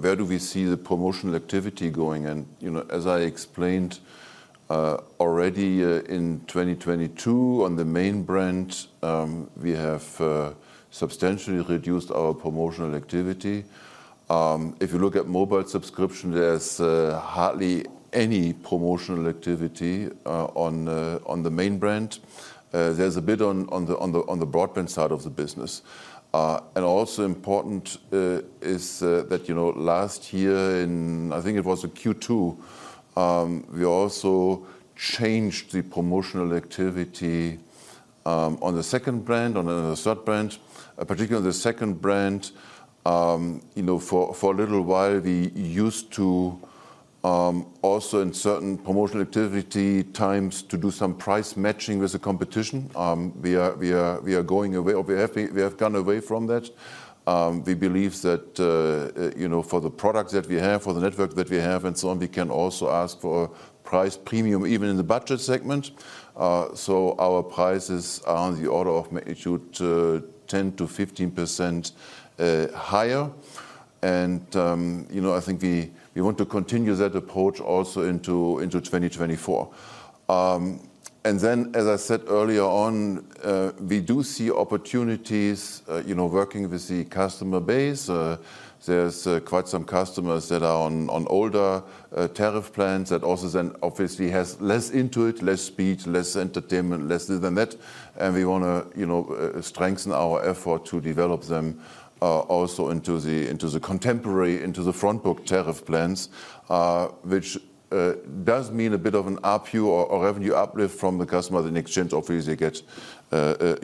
where do we see the promotional activity going? And, you know, as I explained, already, in 2022, on the main brand, we have substantially reduced our promotional activity. If you look at mobile subscription, there's hardly any promotional activity on the broadband side of the business. And also important is that, you know, last year in, I think it was the Q2, we also changed the promotional activity on the second brand, on the third brand. Particularly the second brand, you know, for a little while, we used to also in certain promotional activity times to do some price matching with the competition. We are going away or we have gone away from that. We believe that, you know, for the products that we have, for the network that we have, and so on, we can also ask for price premium, even in the budget segment. So our prices are on the order of, it should, 10%-15% higher. And, you know, I think we want to continue that approach also into 2024. And then, as I said earlier on, we do see opportunities, you know, working with the customer base. There's quite some customers that are on older tariff plans that also then obviously has less into it, less speed, less entertainment, less this and that. We wanna, you know, strengthen our effort to develop them also into the contemporary, into the front book tariff plans. Which does mean a bit of an ARPU or revenue uplift from the customer. In exchange, obviously, they get,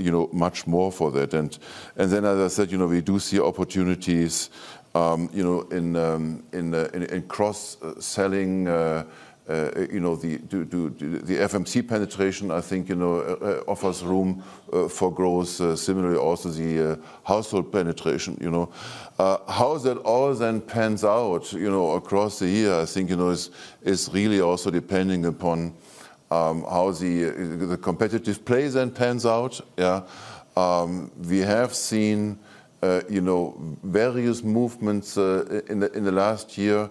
you know, much more for that. And then as I said, you know, we do see opportunities, you know, in cross-selling, you know, the FMC penetration, I think, you know, offers room for growth. Similarly, also the household penetration, you know. How that all then pans out, you know, across the year, I think, you know, is really also depending upon how the competitive plays then pans out. Yeah. We have seen, you know, various movements in the last year.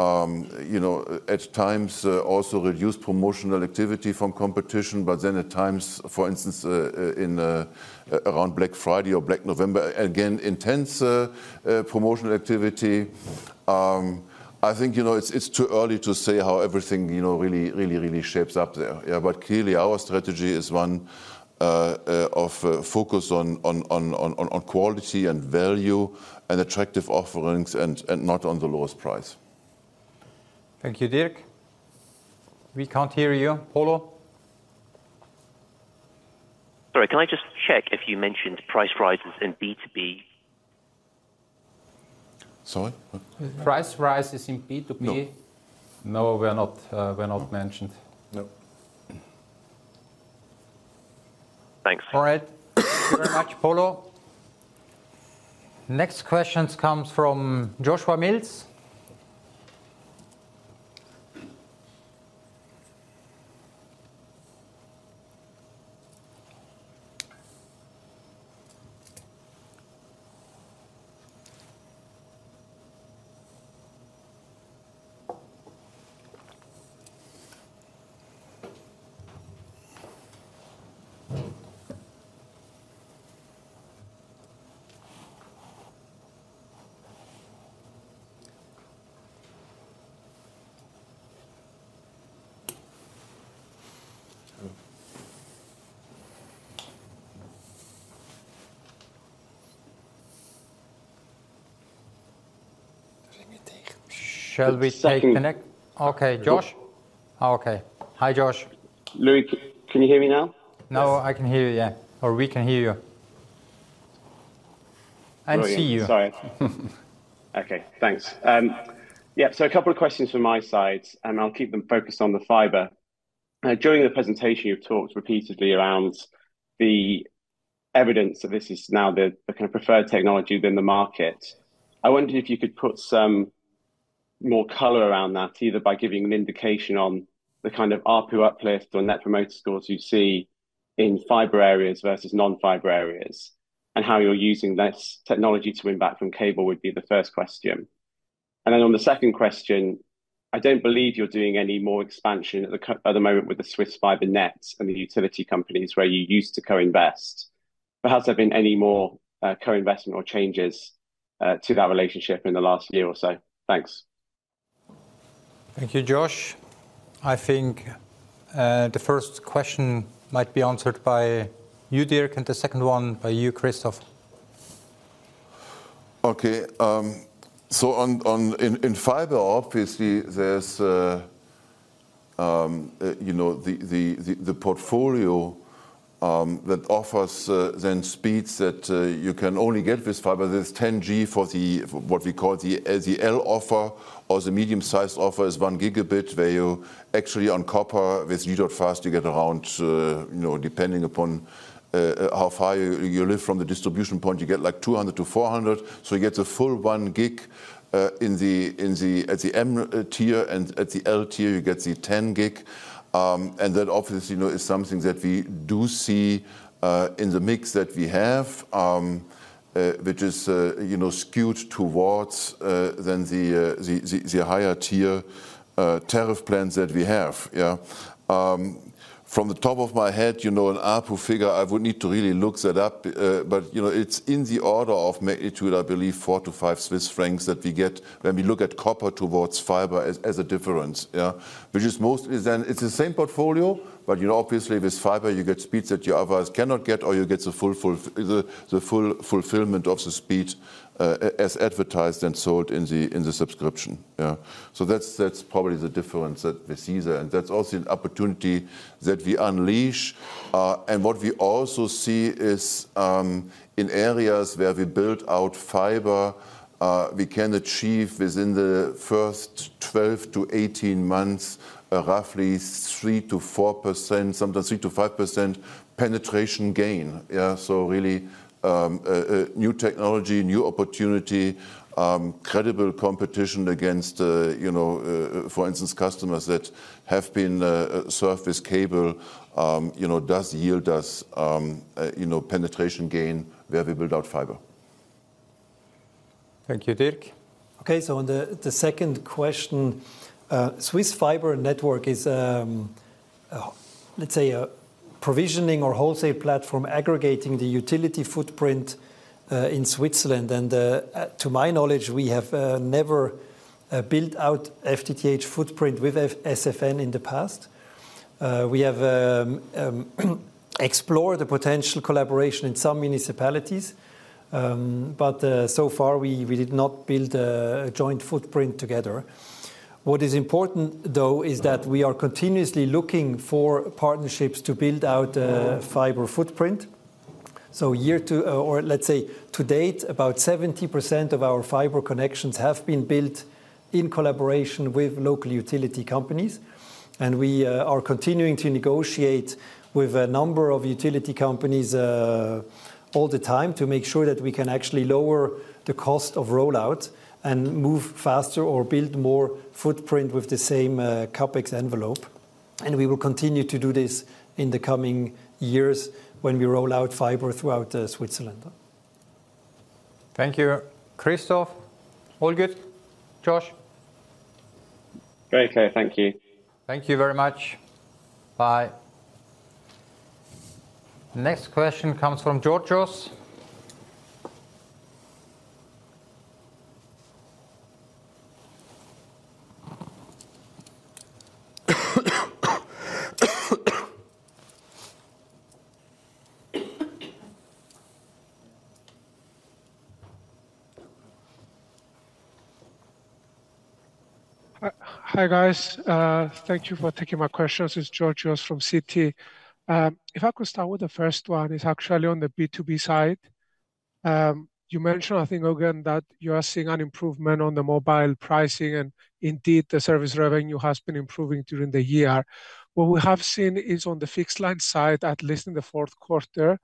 You know, at times also reduced promotional activity from competition, but then at times, for instance, around Black Friday or Black November, again intense promotional activity. I think, you know, it's too early to say how everything, you know, really shapes up there. Yeah, but clearly, our strategy is one of focus on quality and value and attractive offerings and not on the lowest price. Thank you, Dirk. We can't hear you, Polo. Sorry, can I just check if you mentioned price rises in B2B? Sorry? What? Price rises in B2B? No. No, we're not mentioned. No. Thanks. All right. Thank you very much, Polo. Next questions comes from Joshua Mills. Shall we take the next? Okay, Josh. Okay. Hi, Josh. Louis, can you hear me now? Now I can hear you, yeah, or we can hear you. And see you. Sorry. Okay, thanks. Yeah, so a couple of questions from my side, and I'll keep them focused on the fiber. During the presentation, you've talked repeatedly around the evidence that this is now the kind of preferred technology within the market. I wonder if you could put some more color around that, either by giving an indication on the kind of ARPU uplift or net promoter scores you see in fiber areas versus non-fiber areas, and how you're using this technology to win back from cable. Would be the first question. And then on the second question, I don't believe you're doing any more expansion at the moment with the Swiss Fibre Net and the utility companies where you used to co-invest. But has there been any more co-investment or changes to that relationship in the last year or so? Thanks. Thank you, Josh. I think, the first question might be answered by you, Dirk, and the second one by you, Christoph. Okay, so in fiber, obviously, there's you know, the portfolio that offers then speeds that you can only get with fiber. There's 10G for what we call the L offer, or the medium-sized offer is 1 Gb, where you actually on copper with G.fast you get around, you know, depending upon how far you live from the distribution point, you get like 200-400. So you get a full 1 gig in the at the M tier, and at the L tier, you get the 10 gig. And that, obviously, you know, is something that we do see in the mix that we have, which is, you know, skewed towards the higher tier tariff plans that we have. Yeah. From the top of my head, you know, an ARPU figure, I would need to really look that up, but, you know, it's in the order of maybe it will, I believe, 4-5 Swiss francs that we get when we look at copper towards fiber as a difference. Yeah. Then, it's the same portfolio, but, you know, obviously with fiber, you get speeds that you otherwise cannot get, or you get the full fulfillment of the speed as advertised and sold in the subscription. Yeah. So that's, that's probably the difference that we see there, and that's also an opportunity that we unleash. And what we also see is, in areas where we build out fiber, we can achieve within the first 12 to 18 months, roughly 3%-4%, sometimes 3%-5% penetration gain. Yeah, so really, a, a new technology, new opportunity, credible competition against, you know, for instance, customers that have been, served with cable, you know, does yield us, penetration gain where we build out fiber. Thank you, Dirk. Okay, so on the second question, Swiss Fibre Net is, let's say a provisioning or wholesale platform aggregating the utility footprint in Switzerland. And to my knowledge, we have never built out FTTH footprint with SFN in the past. We have explored the potential collaboration in some municipalities, but so far, we did not build a joint footprint together. What is important, though, is that we are continuously looking for partnerships to build out fiber footprint. So year to date, or let's say to date, about 70% of our fiber connections have been built in collaboration with local utility companies, and we are continuing to negotiate with a number of utility companies all the time to make sure that we can actually lower the cost of rollout and move faster or build more footprint with the same CapEx envelope. We will continue to do this in the coming years when we roll out fiber throughout Switzerland. Thank you. Christoph, all good? Josh? Very clear. Thank you. Thank you very much. Bye. Next question comes from Georgios. Hi, guys. Thank you for taking my questions. It's Georgios from Citi. If I could start with the first one, is actually on the B2B side. You mentioned, I think again, that you are seeing an improvement on the mobile pricing, and indeed, the service revenue has been improving during the year. What we have seen is on the fixed line side, at least in the fourth quarter,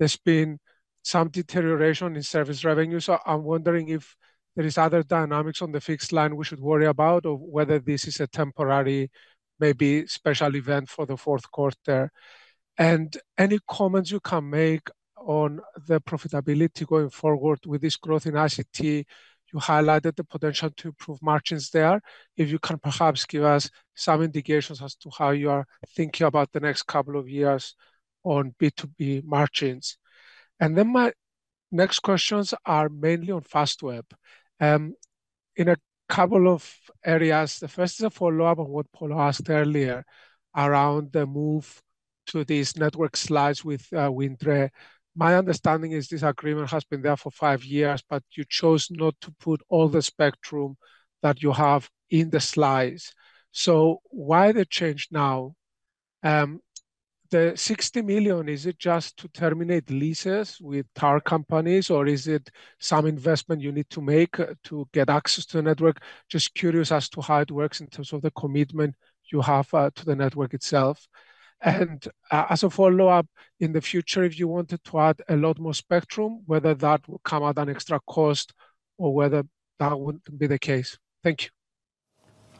there's been some deterioration in service revenue. So I'm wondering if there is other dynamics on the fixed line we should worry about, or whether this is a temporary, maybe special event for the fourth quarter. And any comments you can make on the profitability going forward with this growth in ICT? You highlighted the potential to improve margins there. If you can perhaps give us some indications as to how you are thinking about the next couple of years on B2B margins. Then my next questions are mainly on Fastweb. In a couple of areas, the first is a follow-up on what Polo asked earlier around the move to these network sharing with Wind Tre. My understanding is this agreement has been there for five years, but you chose not to put all the spectrum that you have in the sharing. So why the change now? The 60 million, is it just to terminate leases with tower companies, or is it some investment you need to make to get access to the network? Just curious as to how it works in terms of the commitment you have to the network itself. As a follow-up, in the future, if you wanted to add a lot more spectrum, whether that will come at an extra cost or whether that wouldn't be the case. Thank you.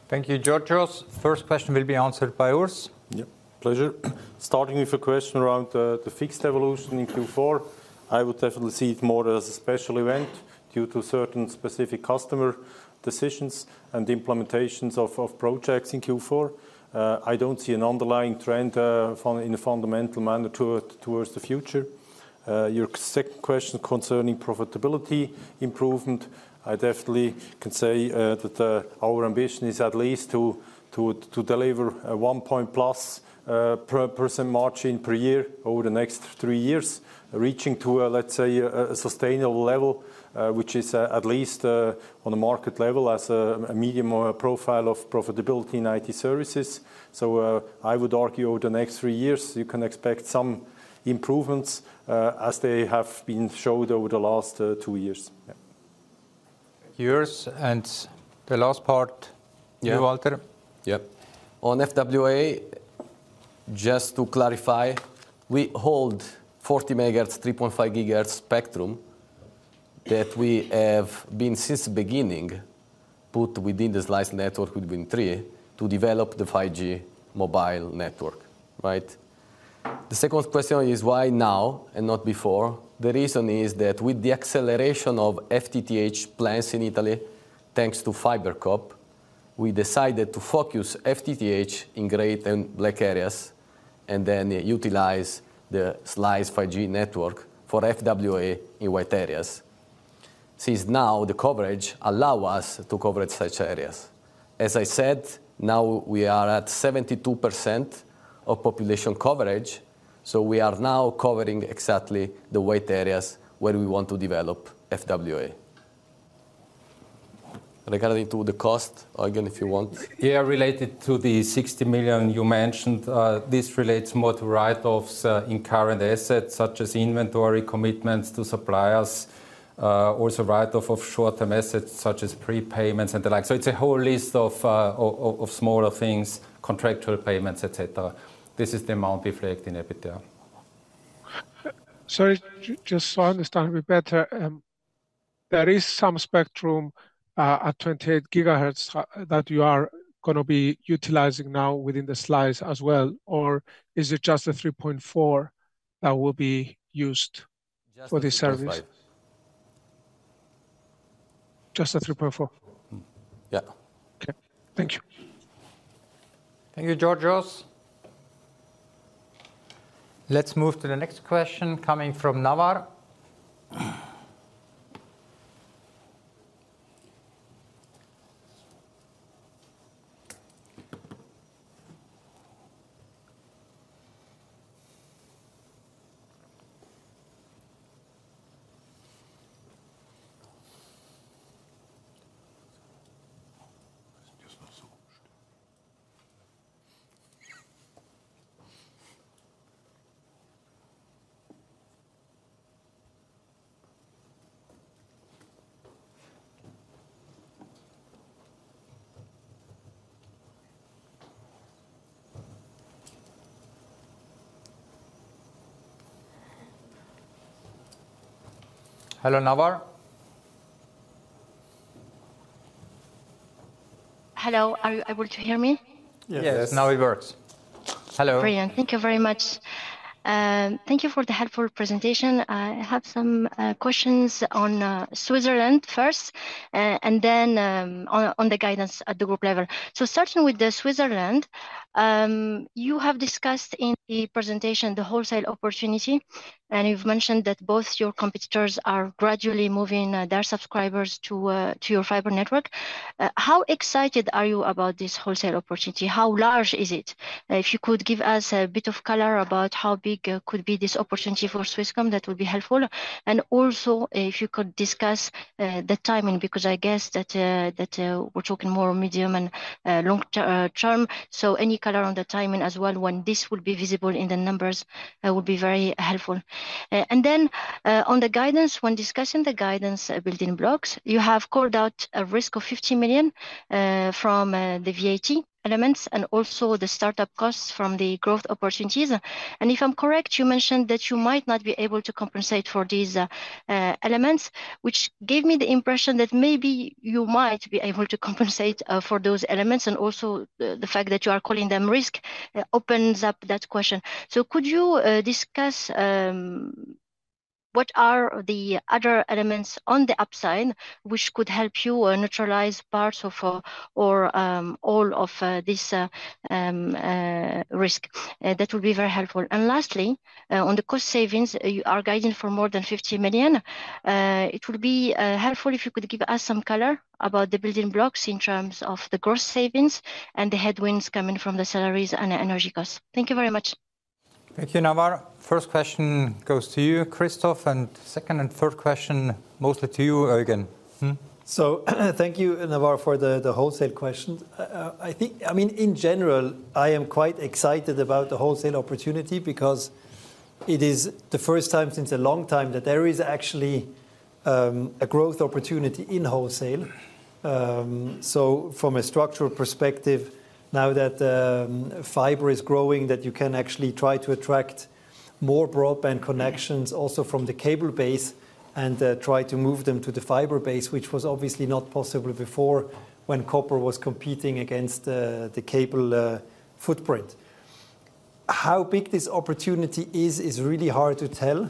Thank you, Georgios. First question will be answered by Urs. Yeah, pleasure. Starting with a question around the fixed evolution in Q4, I would definitely see it more as a special event due to certain specific customer decisions and implementations of projects in Q4. I don't see an underlying trend in a fundamental manner towards the future. Your second question concerning profitability improvement, I definitely can say that our ambition is at least to deliver a 1%+ margin per year over the next three years. Reaching to a, let's say, a sustainable level, which is at least on a market level as a medium or a profile of profitability in IT services. So, I would argue over the next three years, you can expect some improvements as they have been showed over the last two years. Yeah. Urs, and the last part Yeah. To you, Walter. Yep. On FWA, just to clarify, we hold 40 MHz, 3.5 GHz spectrum that we have been, since beginning, put within the slice network with Wind Tre to develop the 5G mobile network, right? The second question is why now and not before? The reason is that with the acceleration of FTTH plans in Italy, thanks to FiberCop, we decided to focus FTTH in gray and black areas, and then utilize the slice 5G network for FWA in white areas. Since now, the coverage allow us to cover such areas. As I said, now we are at 72% of population coverage, so we are now covering exactly the white areas where we want to develop FWA. Regarding to the cost, Eugen, if you want. Yeah, related to the 60 million you mentioned, this relates more to write-offs in current assets, such as inventory commitments to suppliers, also write-off of short-term assets, such as prepayments and the like. So it's a whole list of smaller things, contractual payments, et cetera. This is the amount reflected in EBITDA. Sorry, just so I understand a bit better, there is some spectrum at 28 gigahertz that you are gonna be utilizing now within the slice as well, or is it just the 3.4 that will be used for this service? Just the 3.5. Just the 3.4? Yeah. Okay. Thank you. Thank you, Georgios. Let's move to the next question coming from Nawar. Hello, Nawar? Hello, are you able to hear me? Yes, now it works. Hello. Brilliant. Thank you very much. Thank you for the helpful presentation. I have some questions on Switzerland first, and then on the guidance at the group level. So starting with Switzerland, you have discussed in the presentation the wholesale opportunity, and you've mentioned that both your competitors are gradually moving their subscribers to your fiber network. How excited are you about this wholesale opportunity? How large is it? If you could give us a bit of color about how big could be this opportunity for Swisscom, that would be helpful. And also, if you could discuss the timing, because I guess that we're talking more medium and long term. So any color on the timing as well, when this will be visible in the numbers, would be very helpful. And then, on the guidance, when discussing the guidance, building blocks, you have called out a risk of 50 million, from the VAT elements and also the startup costs from the growth opportunities. And if I'm correct, you mentioned that you might not be able to compensate for these elements, which gave me the impression that maybe you might be able to compensate for those elements. And also, the fact that you are calling them risk opens up that question. So could you discuss what are the other elements on the upside which could help you neutralize parts of or all of this risk? That will be very helpful. Lastly, on the cost savings, you are guiding for more than 50 million. It will be helpful if you could give us some color about the building blocks in terms of the gross savings and the headwinds coming from the salaries and energy costs. Thank you very much. Thank you, Nawar. First question goes to you, Christoph, and second and third question mostly to you, Eugen. So thank you, Nawar, for the wholesale question. I think, I mean, in general, I am quite excited about the wholesale opportunity because it is the first time since a long time that there is actually a growth opportunity in wholesale. So from a structural perspective, now that fiber is growing, that you can actually try to attract more broadband connections also from the cable base and try to move them to the fiber base, which was obviously not possible before when copper was competing against the cable footprint. How big this opportunity is, is really hard to tell.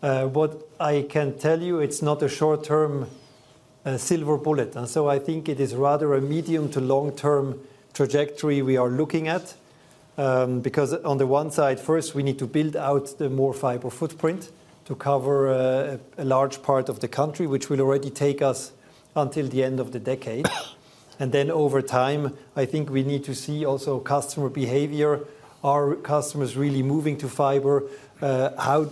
What I can tell you, it's not a short-term silver bullet, and so I think it is rather a medium to long-term trajectory we are looking at. Because on the one side, first, we need to build out the more fiber footprint to cover a large part of the country, which will already take us until the end of the decade. Then over time, I think we need to see also customer behavior. Are customers really moving to fiber? How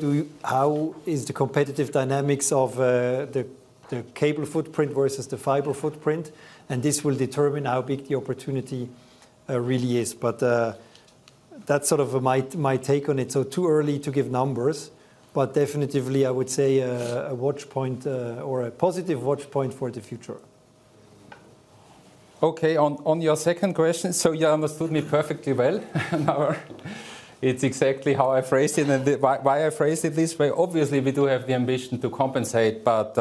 is the competitive dynamics of the cable footprint versus the fiber footprint? And this will determine how big the opportunity really is. That's sort of my take on it. Too early to give numbers, but definitely, I would say a watch point or a positive watch point for the future. Okay. On your second question, so you understood me perfectly well, Nawar. It's exactly how I phrased it and the why I phrased it this way. Obviously, we do have the ambition to compensate, but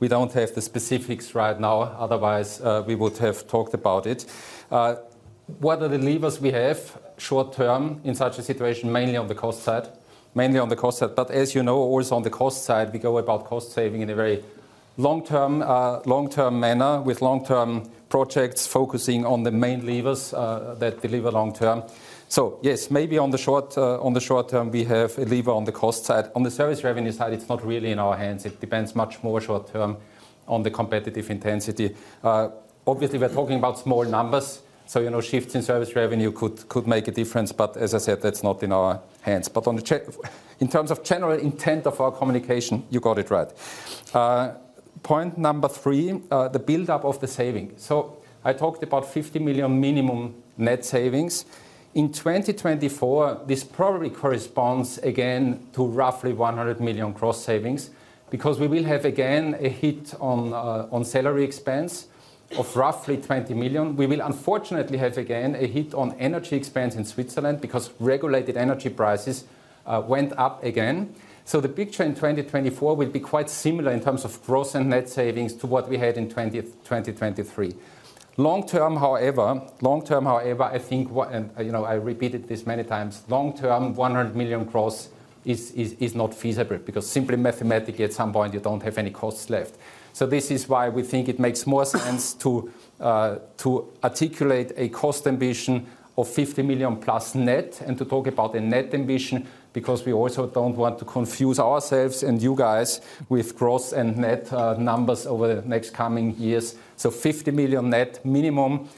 we don't have the specifics right now. Otherwise, we would have talked about it. What are the levers we have short term in such a situation? Mainly on the cost side. Mainly on the cost side. But as you know, always on the cost side, we go about cost saving in a very long-term, long-term manner, with long-term projects focusing on the main levers that deliver long term. So yes, maybe on the short, on the short term, we have a lever on the cost side. On the service revenue side, it's not really in our hands. It depends much more short term on the competitive intensity. Obviously, we're talking about small numbers, so, you know, shifts in service revenue could make a difference, but as I said, that's not in our hands. But on the check. In terms of general intent of our communication, you got it right. Point number three, the buildup of the savings. So I talked about 50 million minimum net savings. In 2024, this probably corresponds again to roughly 100 million gross savings, because we will have, again, a hit on salary expense of roughly 20 million. We will unfortunately have, again, a hit on energy expense in Switzerland because regulated energy prices went up again. So the picture in 2024 will be quite similar in terms of gross and net savings to what we had in 2023. Long term, however, long term, however, I think what and, you know, I repeated this many times. Long term, 100 million is, is, is not feasible because simply mathematically, at some point, you don't have any costs left. So this is why we think it makes more sense to to articulate a cost ambition of 50 million plus net and to talk about a net ambition, because we also don't want to confuse ourselves and you guys with gross and net numbers over the next coming years. So 50 million net minimum,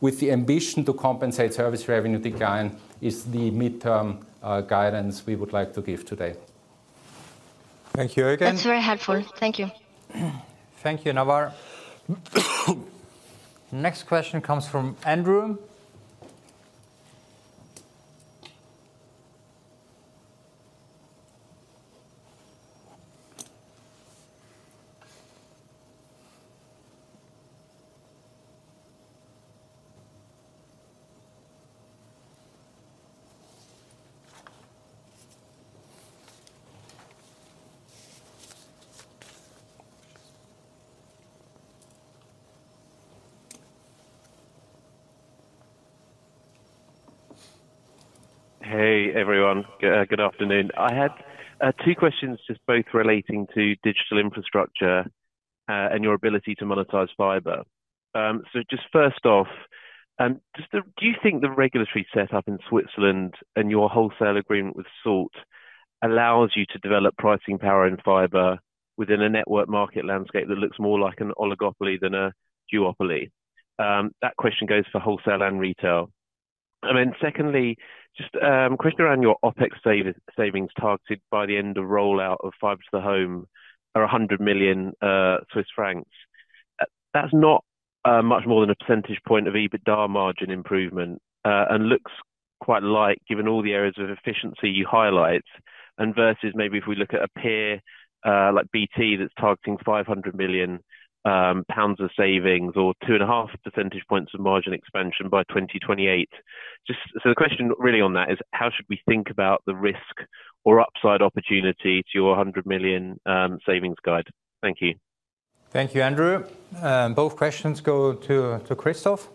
with the ambition to compensate service revenue decline, is the midterm guidance we would like to give today. Thank you, Eugen. That's very helpful. Thank you. Thank you, Nawar. Next question comes from Andrew. Hey, everyone. Good afternoon. I had two questions, just both relating to digital infrastructure and your ability to monetize fiber. So just first off, just the, do you think the regulatory set up in Switzerland and your wholesale agreement with Salt allows you to develop pricing power and fiber within a network market landscape that looks more like an oligopoly than a duopoly? That question goes for wholesale and retail. And then secondly, just question around your OpEx savings targeted by the end of rollout of fiber to the home are 100 million Swiss francs. That's not much more than a percentage point of EBITDA margin improvement and looks quite light, given all the areas of efficiency you highlight. Versus maybe if we look at a peer, like BT, that's targeting 500 million pounds of savings or 2.5 percentage points of margin expansion by 2028. Just so, the question really on that is: How should we think about the risk or upside opportunity to your 100 million savings guide? Thank you. Thank you, Andrew. Both questions go to Christoph.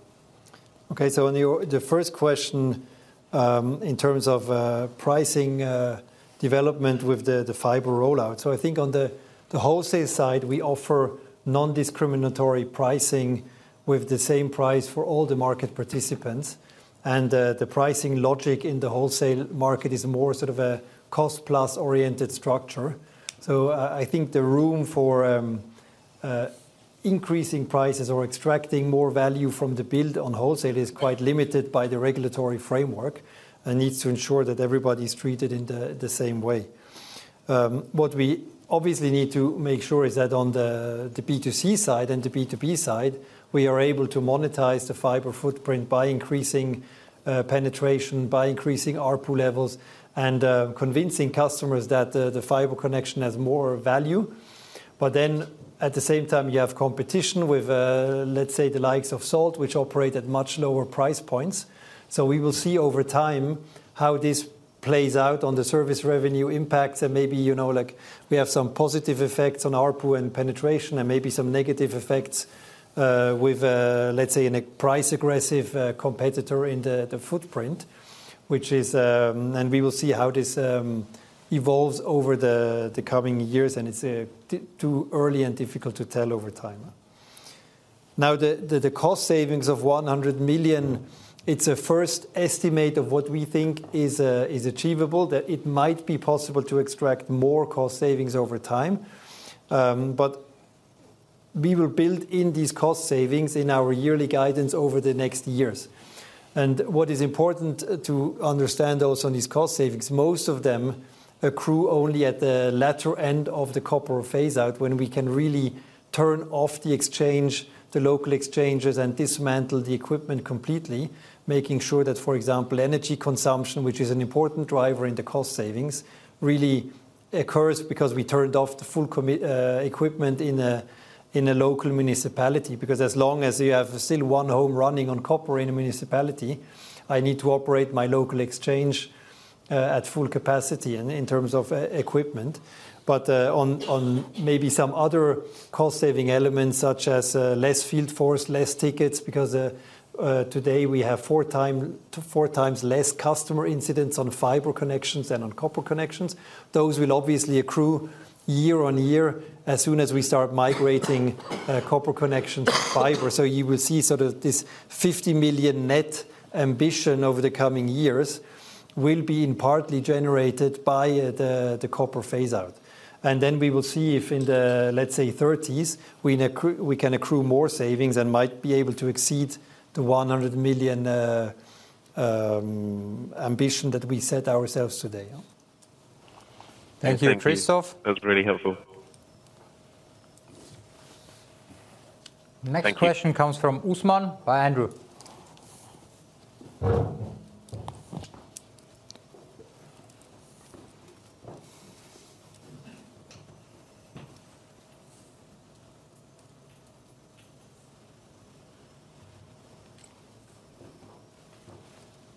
Okay, so on your the first question, in terms of pricing development with the fiber rollout. So I think on the wholesale side, we offer non-discriminatory pricing with the same price for all the market participants. And the pricing logic in the wholesale market is more sort of a cost-plus-oriented structure. So I think the room for increasing prices or extracting more value from the build on wholesale is quite limited by the regulatory framework, and needs to ensure that everybody's treated in the same way. What we obviously need to make sure is that on the B2C side and the B2B side, we are able to monetize the fiber footprint by increasing penetration, by increasing ARPU levels, and convincing customers that the fiber connection has more value. But then, at the same time, you have competition with, let's say, the likes of Salt, which operate at much lower price points. So we will see over time how this plays out on the service revenue impact. And maybe, you know, like, we have some positive effects on ARPU and penetration, and maybe some negative effects, with, let's say, in a price-aggressive, competitor in the footprint, which is, and we will see how this evolves over the coming years, and it's too early and difficult to tell over time. Now, the cost savings of 100 million, it's a first estimate of what we think is achievable, that it might be possible to extract more cost savings over time. But we will build in these cost savings in our yearly guidance over the next years. What is important to understand also on these cost savings, most of them accrue only at the latter end of the copper phase-out, when we can really turn off the exchange, the local exchanges, and dismantle the equipment completely. Making sure that, for example, energy consumption, which is an important driver in the cost savings, really occurs because we turned off the full equipment in a local municipality. Because as long as you have still one home running on copper in a municipality, I need to operate my local exchange at full capacity in terms of equipment. But on maybe some other cost-saving elements, such as less field force, less tickets, because today we have four times less customer incidents on fiber connections than on copper connections. Those will obviously accrue year on year as soon as we start migrating copper connections to fiber. So you will see sort of this 50 million net ambition over the coming years will be in partly generated by the copper phase-out. And then we will see if in the, let's say, thirties, we can accrue more savings and might be able to exceed the 100 million ambition that we set ourselves today, yeah. Thank you, Christoph. Thank you. That was really helpful. The next question Thank you. Comes from Usman via Andrew.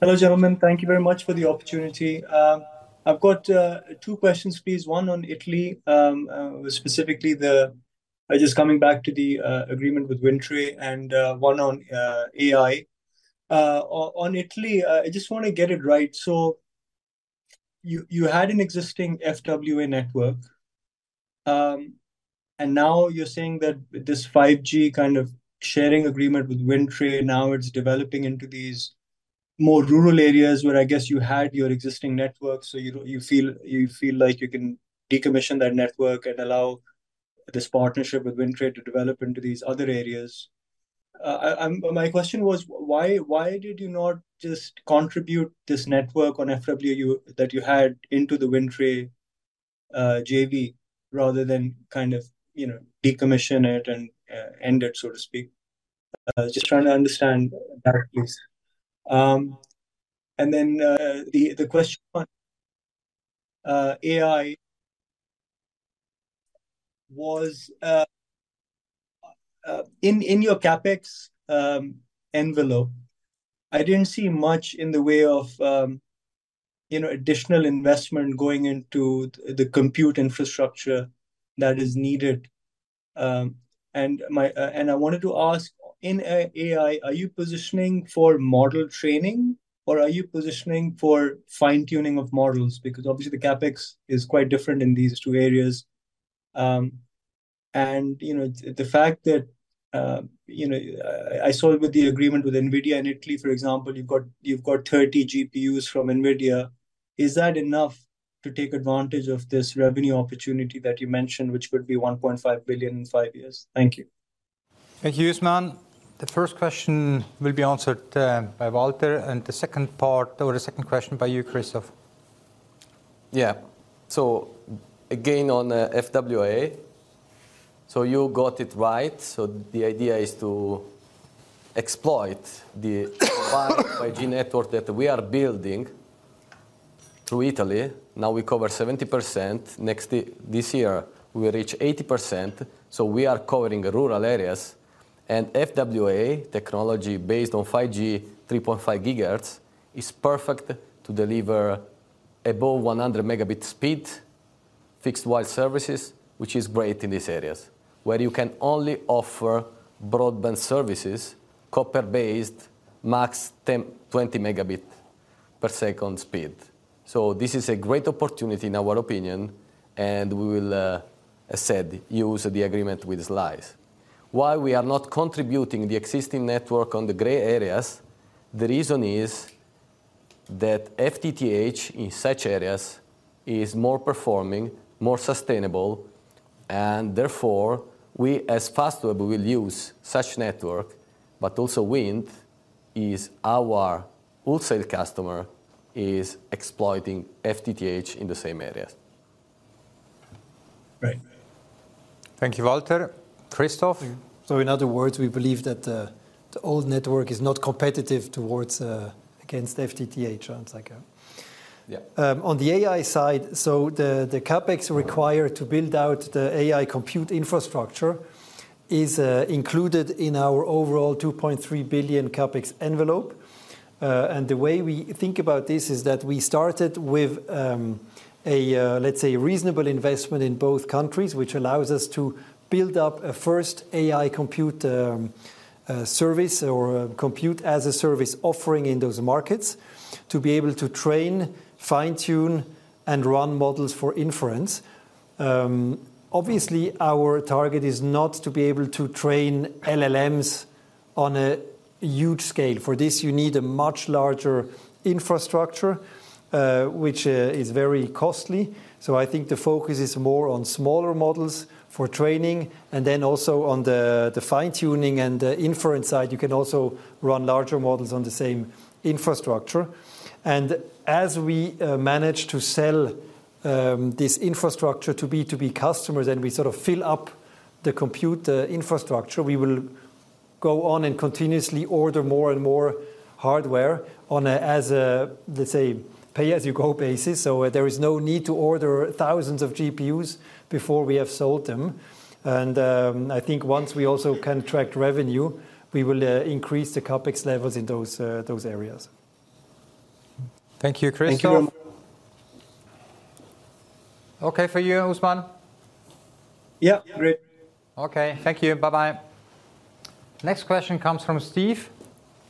Hello, gentlemen. Thank you very much for the opportunity. I've got two questions, please. One on Italy, specifically the, just coming back to the agreement with Wind Tre, and one on AI. On Italy, I just want to get it right. So you had an existing FWA network, and now you're saying that this 5G kind of sharing agreement with Wind Tre, now it's developing into these more rural areas where I guess you had your existing network. So you don't, you feel like you can decommission that network and allow this partnership with Wind Tre to develop into these other areas. My question was: why did you not just contribute this network on FWA that you had into the Wind Tre JV, rather than kind of, you know, decommission it and end it, so to speak? Just trying to understand that, please. And then, the question on AI was, in your CapEx envelope, I didn't see much in the way of, you know, additional investment going into the compute infrastructure that is needed. And I wanted to ask, in AI, are you positioning for model training or are you positioning for fine-tuning of models? Because obviously the CapEx is quite different in these two areas. And, you know, the fact that, you know, I saw with the agreement with NVIDIA in Italy, for example, you've got, you've got 30 GPUs from NVIDIA. Is that enough to take advantage of this revenue opportunity that you mentioned, which would be 1.5 billion in five years? Thank you. Thank you, Usman. The first question will be answered by Walter, and the second part or the second question by you, Christoph. Yeah. So again, on FWA, so you got it right. So the idea is to exploit the 5G network that we are building through Italy. Now we cover 70%. Next year, this year, we reach 80%, so we are covering rural areas. And FWA technology, based on 5G, 3.5 GHz, is perfect to deliver above 100 Mbps fixed wireless services, which is great in these areas, where you can only offer broadband services, copper-based, max 10-20 Mbps speed. So this is a great opportunity in our opinion, and we will, as said, use the agreement with slice. Why we are not contributing the existing network on the gray areas, the reason is that FTTH in such areas is more performing, more sustainable, and therefore, we as Fastweb will use such network. Also, Wind is our wholesale customer, is exploiting FTTH in the same areas. Great. Thank you, Walter. Christoph? So, in other words, we believe that the old network is not competitive toward against FTTH. Sounds like, yeah. Yeah. On the AI side, so the CapEx required to build out the AI compute infrastructure is included in our overall 2.3 billion CapEx envelope. And the way we think about this is that we started with a, let's say, reasonable investment in both countries, which allows us to build up a first AI compute service or a compute-as-a-service offering in those markets, to be able to train, fine-tune, and run models for inference. Obviously, our target is not to be able to train LLMs on a huge scale. For this, you need a much larger infrastructure, which is very costly. So I think the focus is more on smaller models for training, and then also on the fine-tuning and the inference side, you can also run larger models on the same infrastructure. As we manage to sell this infrastructure to B2B customers, and we sort of fill up the compute infrastructure, we will go on and continuously order more and more hardware on as a, let's say, pay-as-you-go basis. So there is no need to order thousands of GPUs before we have sold them. And I think once we also contract revenue, we will increase the CapEx levels in those areas. Thank you, Christoph. Thank you. Okay for you, Usman? Yeah, great. Okay, thank you. Bye-bye. Next question comes from Steve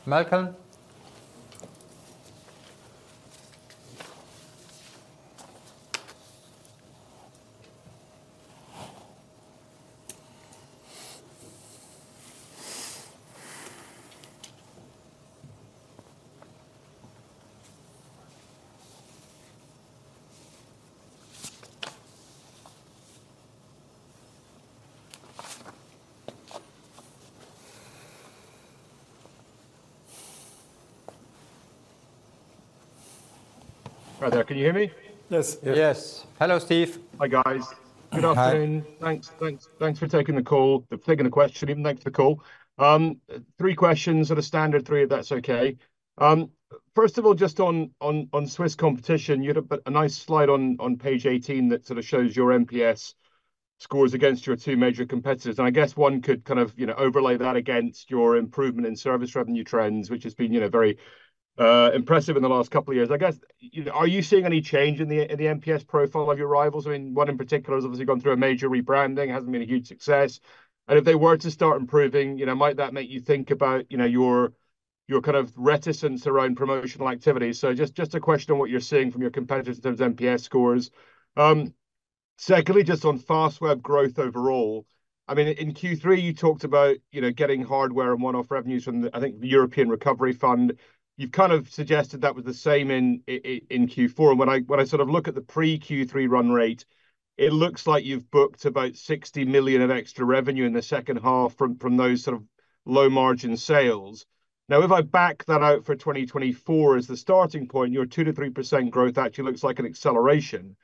Malcolm. Hi there, can you hear me? Yes. Yes. Hello, Steve. Hi, guys. Hi. Good afternoon. Thanks, thanks, thanks for taking the call, for taking the question, even thanks for the call. Three questions or the standard three, if that's okay. First of all, just on Swiss competition, you had a nice slide on page 18 that sort of shows your NPS scores against your two major competitors. And I guess one could kind of, you know, overlay that against your improvement in service revenue trends, which has been, you know, very impressive in the last couple of years. I guess, you know, are you seeing any change in the NPS profile of your rivals? I mean, one in particular has obviously gone through a major rebranding, it hasn't been a huge success. If they were to start improving, you know, might that make you think about, you know, your, your kind of reticence around promotional activities? So just, just a question on what you're seeing from your competitors in terms of NPS scores. Secondly, just on Fastweb growth overall, I mean, in Q3, you talked about, you know, getting hardware and one-off revenues from the, I think, the European Recovery Fund. You've kind of suggested that was the same in Q4. And when I sort of look at the pre-Q3 run rate, it looks like you've booked about 60 million of extra revenue in the second half from those sort of low-margin sales. Now, if I back that out for 2024 as the starting point, your 2%-3% growth actually looks like an acceleration.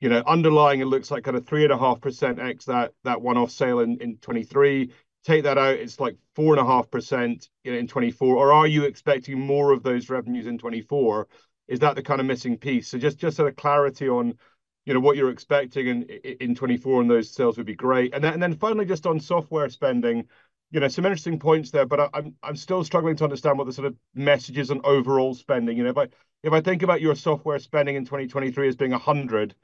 You know, underlying, it looks like kind of 3.5% ex that, that one-off sale in 2023. Take that out, it's like 4.5%, you know, in 2024. Or are you expecting more of those revenues in 2024? Is that the kind of missing piece? So just, just sort of clarity on, you know, what you're expecting in 2024 and those sales would be great. And then, and then finally, just on software spending, you know, some interesting points there, but I'm still struggling to understand what the sort of message is on overall spending. You know, if I think about your software spending in 2023 as being 100,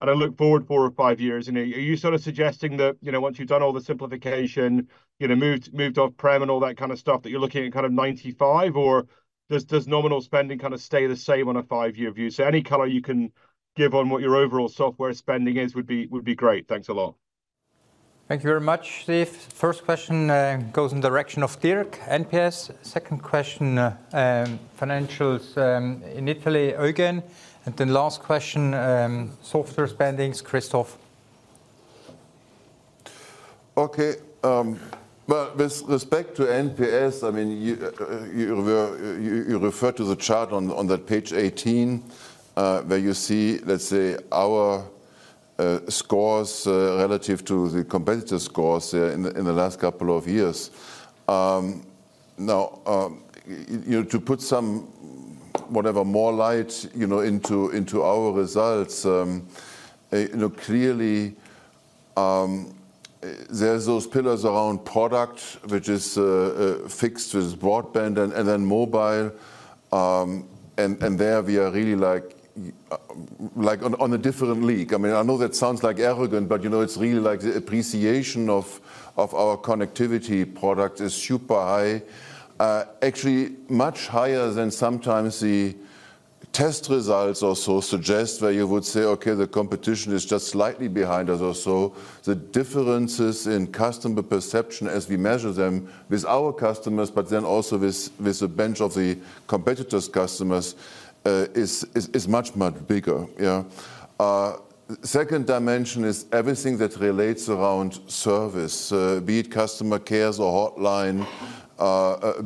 and I look forward 4 or 5 years, you know, are you sort of suggesting that, you know, once you've done all the simplification, you know, moved off-prem and all that kind of stuff, that you're looking at kind of 95, or does nominal spending kind of stay the same on a 5-year view? So any color you can give on what your overall software spending is would be great. Thanks a lot. Thank you very much, Steve. First question goes in the direction of Dirk, NPS. Second question, financials in Italy, Eugen. And then last question, software spendings, Christoph. Okay, well, with respect to NPS, I mean, you referred to the chart on that page 18, where you see, let's say, our scores relative to the competitor scores in the last couple of years. Now, you know, to put some whatever more light, you know, into our results, you know, clearly, there's those pillars around product, which is fixed with broadband and then mobile. And there we are really like on a different league. I mean, I know that sounds like arrogant, but, you know, it's really like the appreciation of our connectivity product is super high. Actually much higher than sometimes the test results also suggest, where you would say, "Okay, the competition is just slightly behind us or so." The differences in customer perception as we measure them with our customers, but then also with a bunch of the competitors' customers, is much, much bigger, yeah. Second dimension is everything that relates around service, be it customer cares or hotline,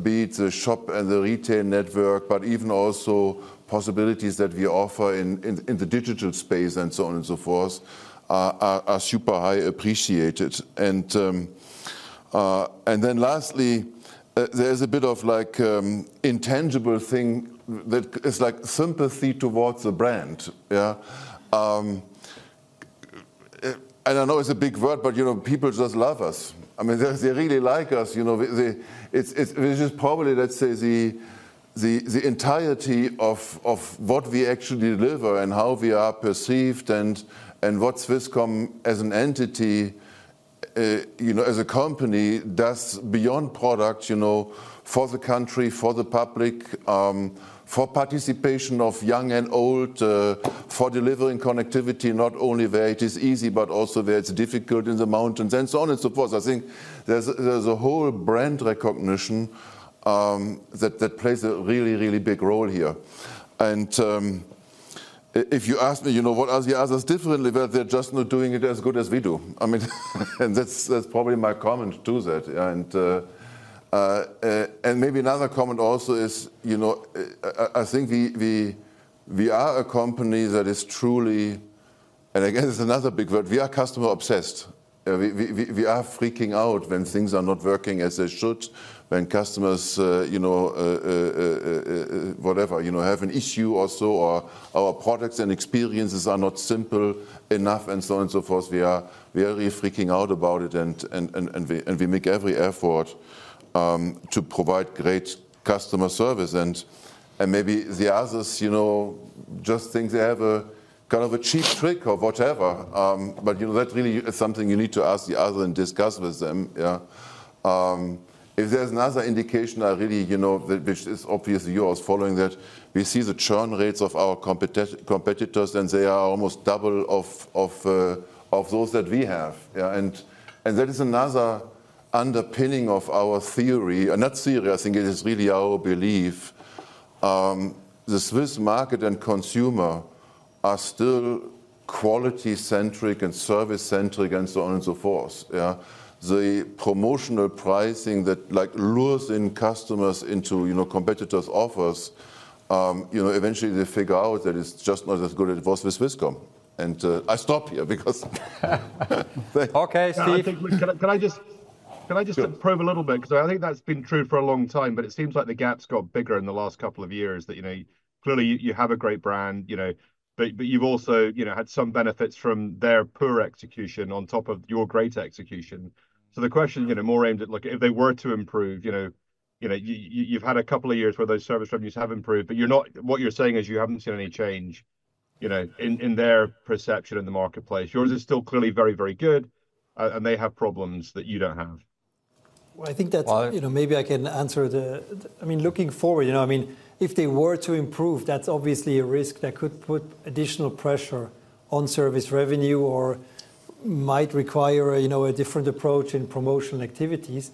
be it the shop and the retail network, but even also possibilities that we offer in the digital space, and so on and so forth, are super high appreciated. Then lastly, there's a bit of like intangible thing that is like sympathy towards the brand, yeah? And I know it's a big word, but you know, people just love us. I mean, they really like us, you know. It's, which is probably, let's say, the entirety of what we actually deliver and how we are perceived and what Swisscom as an entity, you know, as a company, does beyond product, you know, for the country, for the public, for participation of young and old, for delivering connectivity, not only where it is easy, but also where it's difficult in the mountains, and so on and so forth. I think there's a whole brand recognition that plays a really, really big role here. And if you ask me, you know, what are the others differently? Well, they're just not doing it as good as we do. I mean, and that's probably my comment to that. Maybe another comment also is, you know, I think we are a company that is truly, And again, it's another big word, we are customer obsessed. We are freaking out when things are not working as they should, when customers, you know, whatever, you know, have an issue or so, or our products and experiences are not simple enough, and so on and so forth. We are really freaking out about it, and we make every effort to provide great customer service. And maybe the others, you know, just think they have a kind of a cheap trick or whatever, but, you know, that really is something you need to ask the other and discuss with them, yeah. If there's another indication, I really, you know, which is obviously yours, following that, we see the churn rates of our competitors, and they are almost double of those that we have. Yeah. And that is another underpinning of our theory. And not theory, I think it is really our belief. The Swiss market and consumer are still quality-centric and service-centric, and so on and so forth, yeah? The promotional pricing that, like, lures in customers into, you know, competitors' offers, you know, eventually they figure out that it's just not as good as it was with Swisscom. And I stop here because Okay, Steve. I think, can I just Sure. Can I just probe a little bit? Because I think that's been true for a long time, but it seems like the gap's got bigger in the last couple of years. That, you know, clearly you have a great brand, you know, but you've also, you know, had some benefits from their poor execution on top of your great execution. So the question, you know, more aimed at, like, if they were to improve, you know, you've had a couple of years where those service revenues have improved, but you're not, what you're saying is you haven't seen any change, you know, in their perception in the marketplace. Yours is still clearly very, very good, and they have problems that you don't have. Well, I think that- Well you know, maybe I can answer the... I mean, looking forward, you know, I mean, if they were to improve, that's obviously a risk that could put additional pressure on service revenue or might require, you know, a different approach in promotional activities.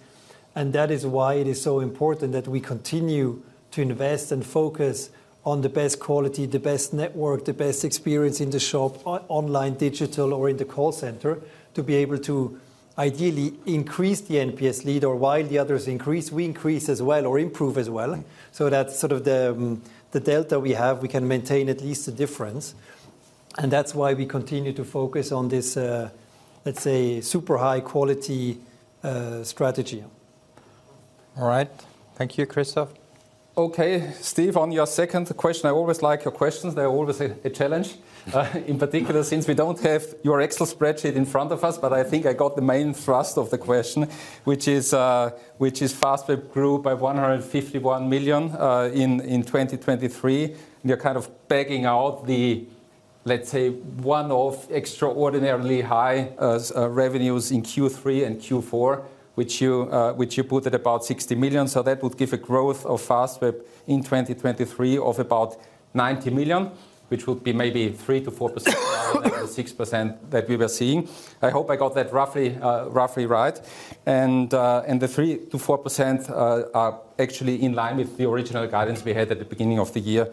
And that is why it is so important that we continue to invest and focus on the best quality, the best network, the best experience in the shop, online, digital or in the call center, to be able to ideally increase the NPS lead, or while the others increase, we increase as well or improve as well. So that's sort of the delta we have. We can maintain at least the difference, and that's why we continue to focus on this, let's say, super high quality strategy. All right. Thank you, Christoph. Okay, Steve, on your second question, I always like your questions. They're always a challenge. In particular, since we don't have your Excel spreadsheet in front of us, but I think I got the main thrust of the question, which is Fastweb grew by 151 million in 2023. You're kind of backing out the, let's say, one-off extraordinarily high revenues in Q3 and Q4, which you put at about 60 million. So that would give a growth of Fastweb in 2023 of about 90 million, which would be maybe 3%-6% that we were seeing. I hope I got that roughly right. And the 3%-4% are actually in line with the original guidance we had at the beginning of the year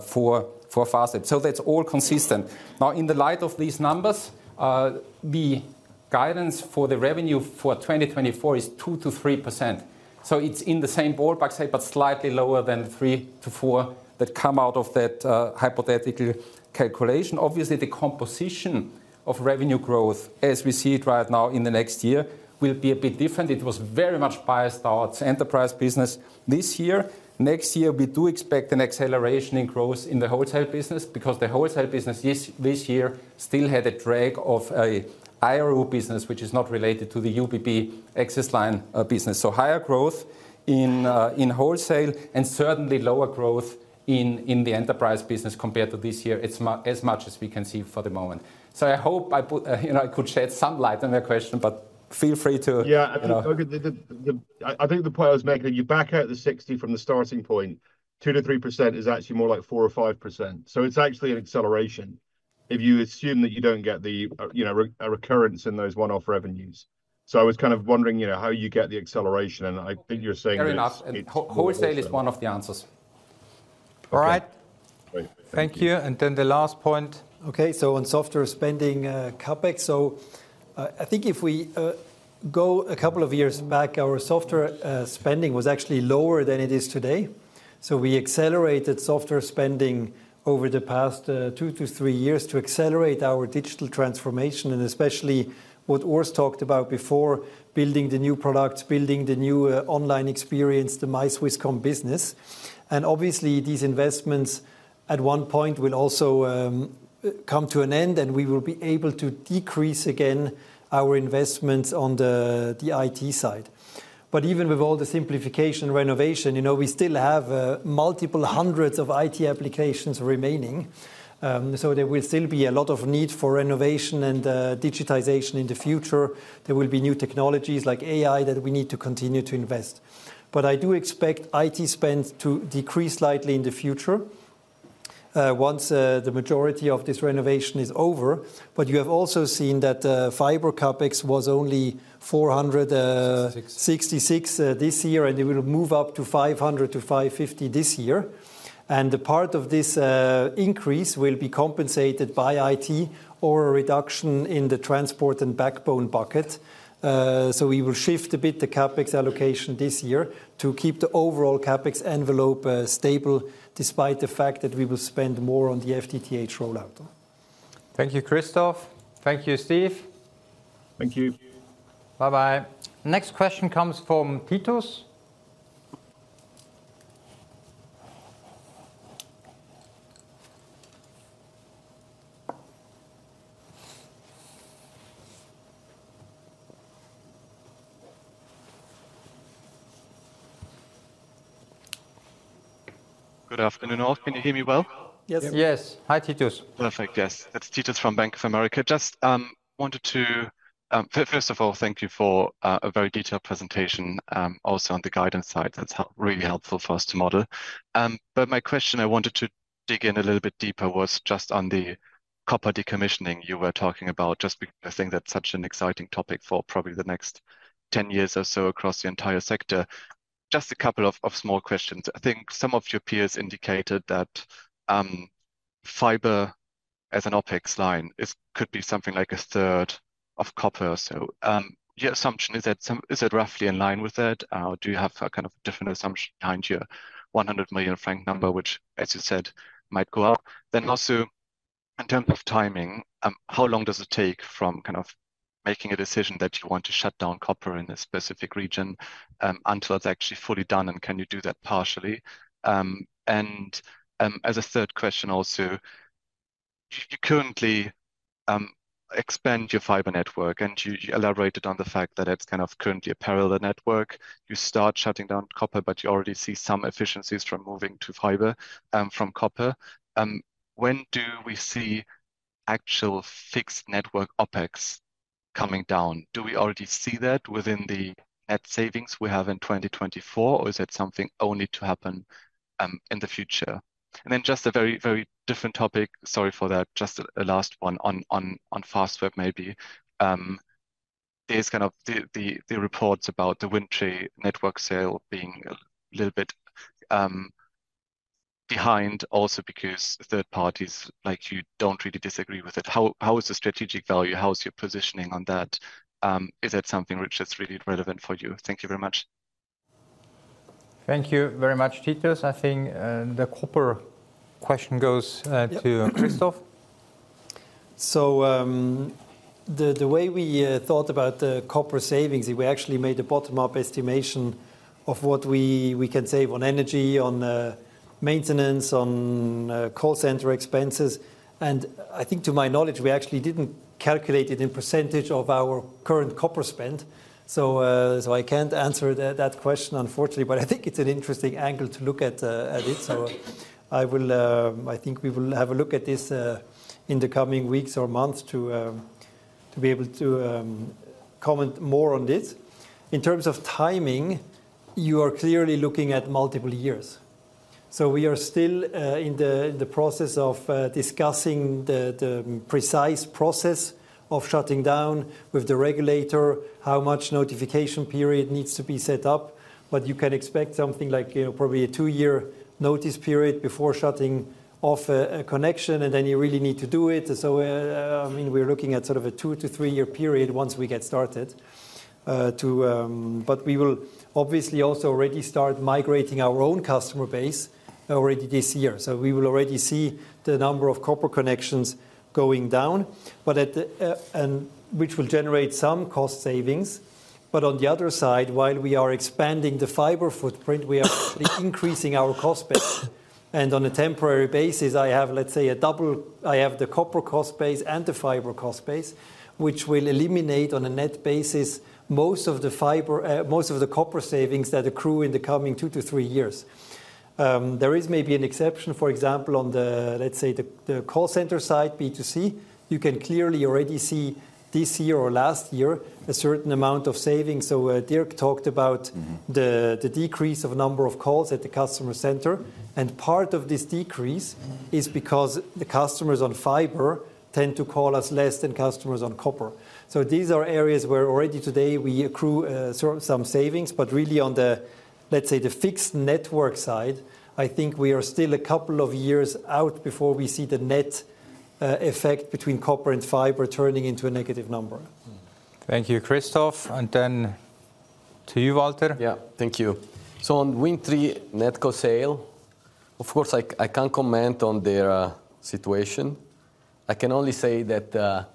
for Fastweb. So that's all consistent. Now, in the light of these numbers, the guidance for the revenue for 2024 is 2%-3%. So it's in the same ballpark say, but slightly lower than 3%-4% that come out of that hypothetical calculation. Obviously, the composition of revenue growth as we see it right now in the next year will be a bit different. It was very much biased towards enterprise business this year. Next year, we do expect an acceleration in growth in the wholesale business, because the wholesale business this year still had a drag of a IRU business, which is not related to the UBB access line business. So higher growth in wholesale, and certainly lower growth in the enterprise business compared to this year, as much as we can see for the moment. So I hope I put, you know, I could shed some light on that question, but feel free to- Yeah. You know. I think the point I was making, you back out the 60 from the starting point, 2%-3% is actually more like 4% or 5%. So it's actually an acceleration if you assume that you don't get the, you know, recurrence in those one-off revenues. So I was kind of wondering, you know, how you get the acceleration, and I think you're saying it's, it's Fair enough, and wholesale is one of the answers. All right? Great. Thank you. Thank you. Then the last point. Okay, so on software spending, CapEx. So, I think if we go a couple of years back, our software spending was actually lower than it is today. So we accelerated software spending over the past 2 to 3 years to accelerate our digital transformation, and especially what Urs talked about before, building the new products, building the new online experience, the My Swisscom Business. And obviously, these investments at one point will also come to an end, and we will be able to decrease again our investments on the IT side. But even with all the simplification renovation, you know, we still have multiple hundreds of IT applications remaining. So there will still be a lot of need for renovation and digitization in the future. There will be new technologies like AI that we need to continue to invest. But I do expect IT spend to decrease slightly in the future, once the majority of this renovation is over. But you have also seen that, fiber CapEx was only 466 this year, and it will move up to 500-550 this year. The part of this increase will be compensated by IT or a reduction in the transport and backbone bucket. So we will shift a bit the CapEx allocation this year to keep the overall CapEx envelope stable, despite the fact that we will spend more on the FTTH rollout. Thank you, Christoph. Thank you, Steve. Thank you. Bye-bye. Next question comes from Titus. Good afternoon, all. Can you hear me well? Yes. Yes. Hi, Titus. Perfect. Yes, it's Titus from Bank of America. Just wanted to first of all, thank you for a very detailed presentation, also on the guidance side. That's really helpful for us to model. But my question I wanted to dig in a little bit deeper was just on the copper decommissioning you were talking about, just because I think that's such an exciting topic for probably the next 10 years or so across the entire sector. Just a couple of small questions. I think some of your peers indicated that fiber as an OpEx line could be something like a third of copper or so. Your assumption, is it roughly in line with that? Do you have a kind of different assumption behind your 100 million franc number, which, as you said, might go up? Then also, in terms of timing, how long does it take from kind of making a decision that you want to shut down copper in a specific region, until it's actually fully done, and can you do that partially? And, as a third question also, you currently expand your fiber network, and you elaborated on the fact that it's kind of currently a parallel network. You start shutting down copper, but you already see some efficiencies from moving to fiber, from copper. When do we see actual fixed network OpEx coming down? Do we already see that within the net savings we have in 2024, or is that something only to happen, in the future? Then just a very, very different topic. Sorry for that. Just a last one on Fastweb, maybe. There's kind of the reports about the Wind Tre network sale being a little bit behind also because third parties, like you, don't really disagree with it. How is the strategic value? How is your positioning on that? Is that something which is really relevant for you? Thank you very much. Thank you very much, Titus. I think, the copper question goes, Yep to Christoph. So, the way we thought about the copper savings, we actually made a bottom-up estimation of what we can save on energy, on maintenance, on call center expenses. And I think to my knowledge, we actually didn't calculate it in percentage of our current copper spend, so I can't answer that question, unfortunately. But I think it's an interesting angle to look at it. So I will. I think we will have a look at this in the coming weeks or months to be able to comment more on this. In terms of timing, you are clearly looking at multiple years. So we are still in the process of discussing the precise process of shutting down with the regulator, how much notification period needs to be set up, but you can expect something like, you know, probably a two-year notice period before shutting off a connection, and then you really need to do it. So, I mean, we're looking at sort of a two- to three-year period once we get started, but we will obviously also already start migrating our own customer base already this year. So we will already see the number of copper connections going down, but at the, and which will generate some cost savings. But on the other side, while we are expanding the fiber footprint, we are increasing our cost base. On a temporary basis, I have, let's say, a double, I have the copper cost base and the fiber cost base, which will eliminate, on a net basis, most of the fiber, most of the copper savings that accrue in the coming 2-3 years. There is maybe an exception, for example, on the, let's say, the call center side, B2C. You can clearly already see this year or last year a certain amount of savings. So, Dirk talked about the decrease of number of calls at the customer center, and part of this decrease is because the customers on fiber tend to call us less than customers on copper. So these are areas where already today we accrue, so some savings, but really on the, let's say, the fixed network side, I think we are still a couple of years out before we see the net, effect between copper and fiber turning into a negative number. Thank you, Christoph. And then to you, Walter. Yeah. Thank you. So on Wind Tre NetCo sale, of course, I, I can't comment on their situation. I can only say that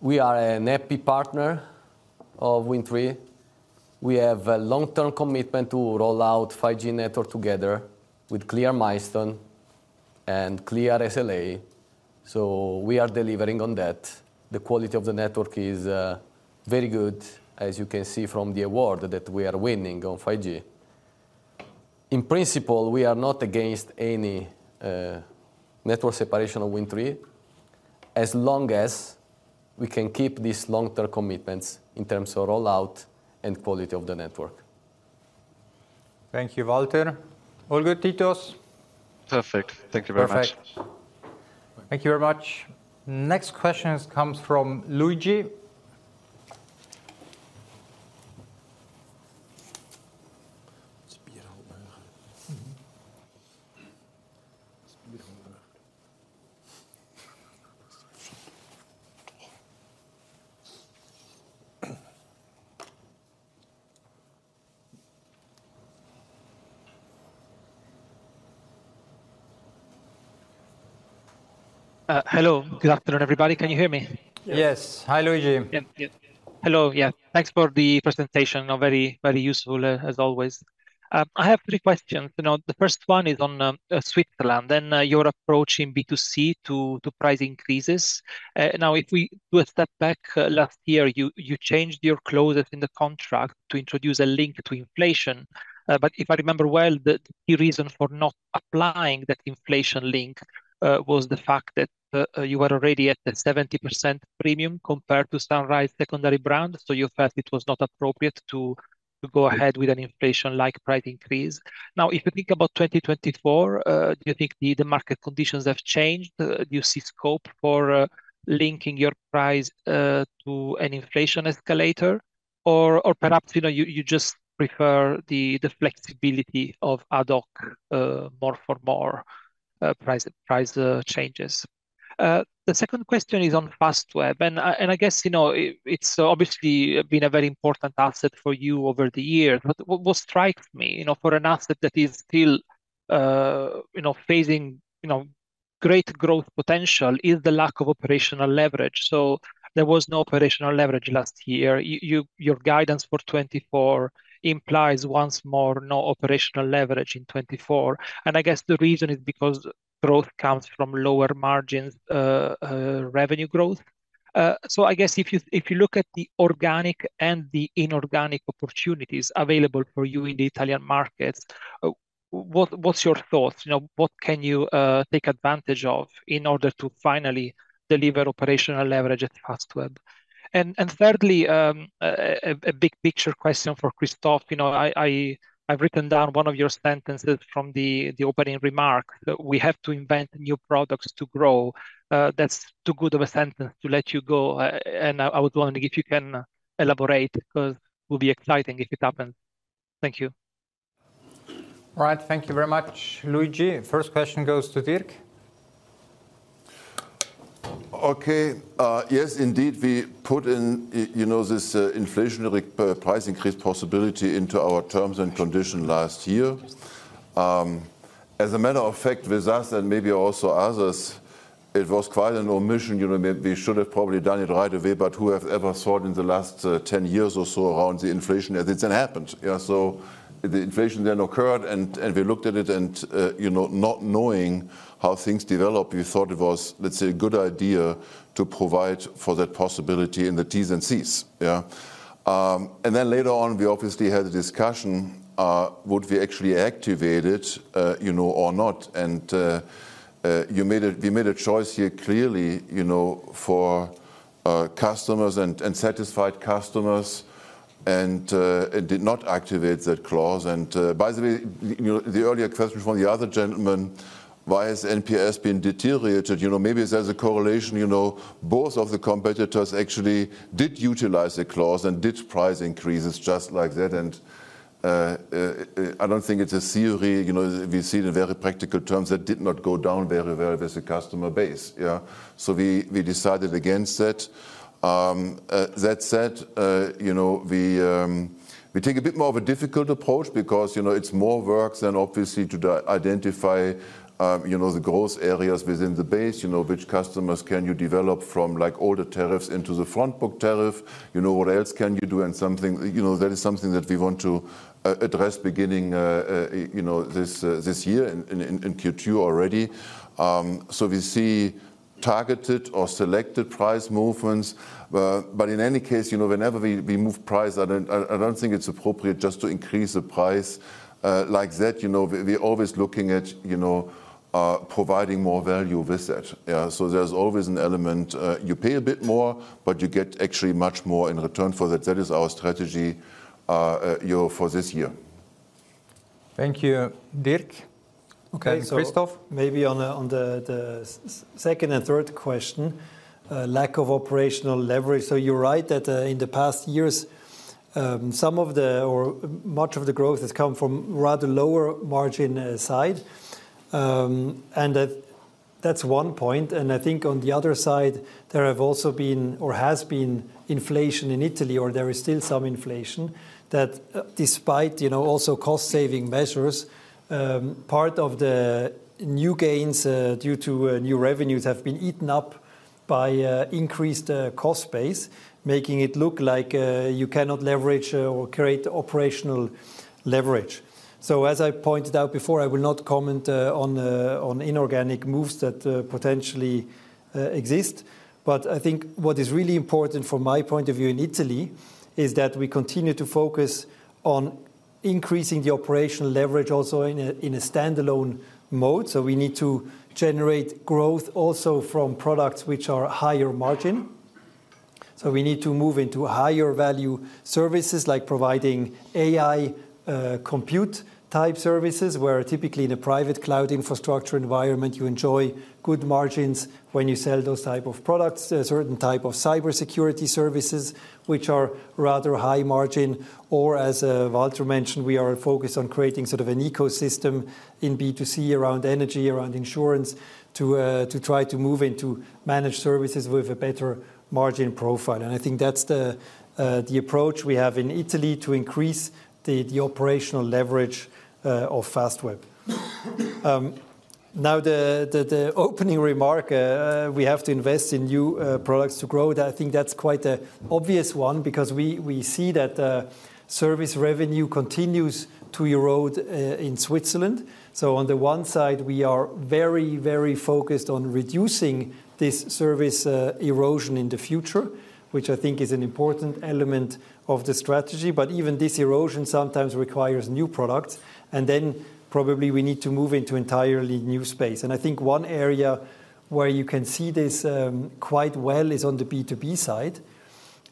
we are an happy partner of Wind Tre. We have a long-term commitment to roll out 5G network together with clear milestone and clear SLA. So we are delivering on that. The quality of the network is very good, as you can see from the award that we are winning on 5G. In principle, we are not against any network separation of Wind Tre, as long as we can keep these long-term commitments in terms of rollout and quality of the network. Thank you, Walter. All good, Titus? Perfect. Thank you very much. Perfect. Thank you very much. Next question comes from Luigi. Hello. Good afternoon, everybody. Can you hear me? Yes. Hi, Luigi. Yep. Yep. Hello, yeah. Thanks for the presentation. Very, very useful, as always. I have three questions. You know, the first one is on Switzerland, then your approach in B2C to price increases. Now, if we do a step back, last year, you changed your clauses in the contract to introduce a link to inflation. But if I remember well, the key reason for not applying that inflation link was the fact that you were already at a 70% premium compared to Sunrise secondary brand, so you felt it was not appropriate to go ahead with an inflation-like price increase. Now, if you think about 2024, do you think the market conditions have changed? Do you see scope for linking your price to an inflation escalator? Or perhaps, you know, you just prefer the flexibility of ad hoc, more for more, price changes. The second question is on Fastweb, and I guess, you know, it's obviously been a very important asset for you over the years. But what strikes me, you know, for an asset that is still, you know, facing, you know, great growth potential, is the lack of operational leverage. So there was no operational leverage last year. Your guidance for 2024 implies, once more, no operational leverage in 2024, and I guess the reason is because growth comes from lower margins, revenue growth. So I guess if you look at the organic and the inorganic opportunities available for you in the Italian markets, what's your thoughts? You know, what can you take advantage of in order to finally deliver operational leverage at Fastweb? And thirdly, a big picture question for Christoph. You know, I've written down one of your sentences from the opening remark, "We have to invent new products to grow." That's too good of a sentence to let you go, and I was wondering if you can elaborate, 'cause it will be exciting if it happens. Thank you. All right. Thank you very much, Luigi. First question goes to Dirk. Okay. Yes, indeed, we put in, you know, this, inflationary price increase possibility into our terms and condition last year. As a matter of fact, with us, and maybe also others, it was quite an omission. You know, we should have probably done it right away, but who have ever thought in the last 10 years or so around the inflation, and it then happened. Yeah, so the inflation then occurred, and we looked at it, and, you know, not knowing how things develop, we thought it was, let's say, a good idea to provide for that possibility in the T's and C's. Yeah. And then later on, we obviously had a discussion, would we actually activate it, you know, or not? And we made a choice here clearly, you know, for Customers and satisfied customers, it did not activate that clause. By the way, you know, the earlier question from the other gentleman, why has NPS been deteriorated? You know, maybe there's a correlation, you know. Both of the competitors actually did utilize the clause and did price increases just like that, and I don't think it's a theory. You know, we see it in very practical terms, that did not go down very well with the customer base. Yeah. So we decided against that. That said, you know, we take a bit more of a difficult approach because, you know, it's more work than obviously to identify, you know, the growth areas within the base. You know, which customers can you develop from, like, older tariffs into the front book tariff? You know, what else can you do? You know, that is something that we want to address, beginning, you know, this year in Q2 already. So we see targeted or selected price movements. But in any case, you know, whenever we move price, I don't think it's appropriate just to increase the price like that. You know, we're always looking at, you know, providing more value with that. Yeah. So there's always an element: you pay a bit more, but you get actually much more in return for that. That is our strategy, you know, for this year. Thank you, Dirk. Okay, Christoph? Maybe on the second and third question, lack of operational leverage. So you're right, that in the past years, some of the, or much of the growth has come from rather lower margin side. And that, that's one point. And I think on the other side, there have also been or has been inflation in Italy, or there is still some inflation, that, despite, you know, also cost-saving measures, part of the new gains due to new revenues have been eaten up by increased cost base, making it look like you cannot leverage or create operational leverage. So as I pointed out before, I will not comment on inorganic moves that potentially exist. But I think what is really important from my point of view in Italy is that we continue to focus on increasing the operational leverage also in a standalone mode. So we need to generate growth also from products which are higher margin. So we need to move into higher value services, like providing AI compute-type services, where typically in a private cloud infrastructure environment, you enjoy good margins when you sell those type of products. A certain type of cybersecurity services, which are rather high margin. Or, as Walter mentioned, we are focused on creating sort of an ecosystem in B2C around energy, around insurance, to try to move into managed services with a better margin profile. And I think that's the approach we have in Italy to increase the operational leverage of Fastweb. Now, the opening remark, we have to invest in new products to grow. That, I think that's quite an obvious one, because we see that service revenue continues to erode in Switzerland. So on the one side, we are very, very focused on reducing this service erosion in the future, which I think is an important element of the strategy. But even this erosion sometimes requires new products, and then probably we need to move into entirely new space. And I think one area where you know can see this quite well is on the B2B side,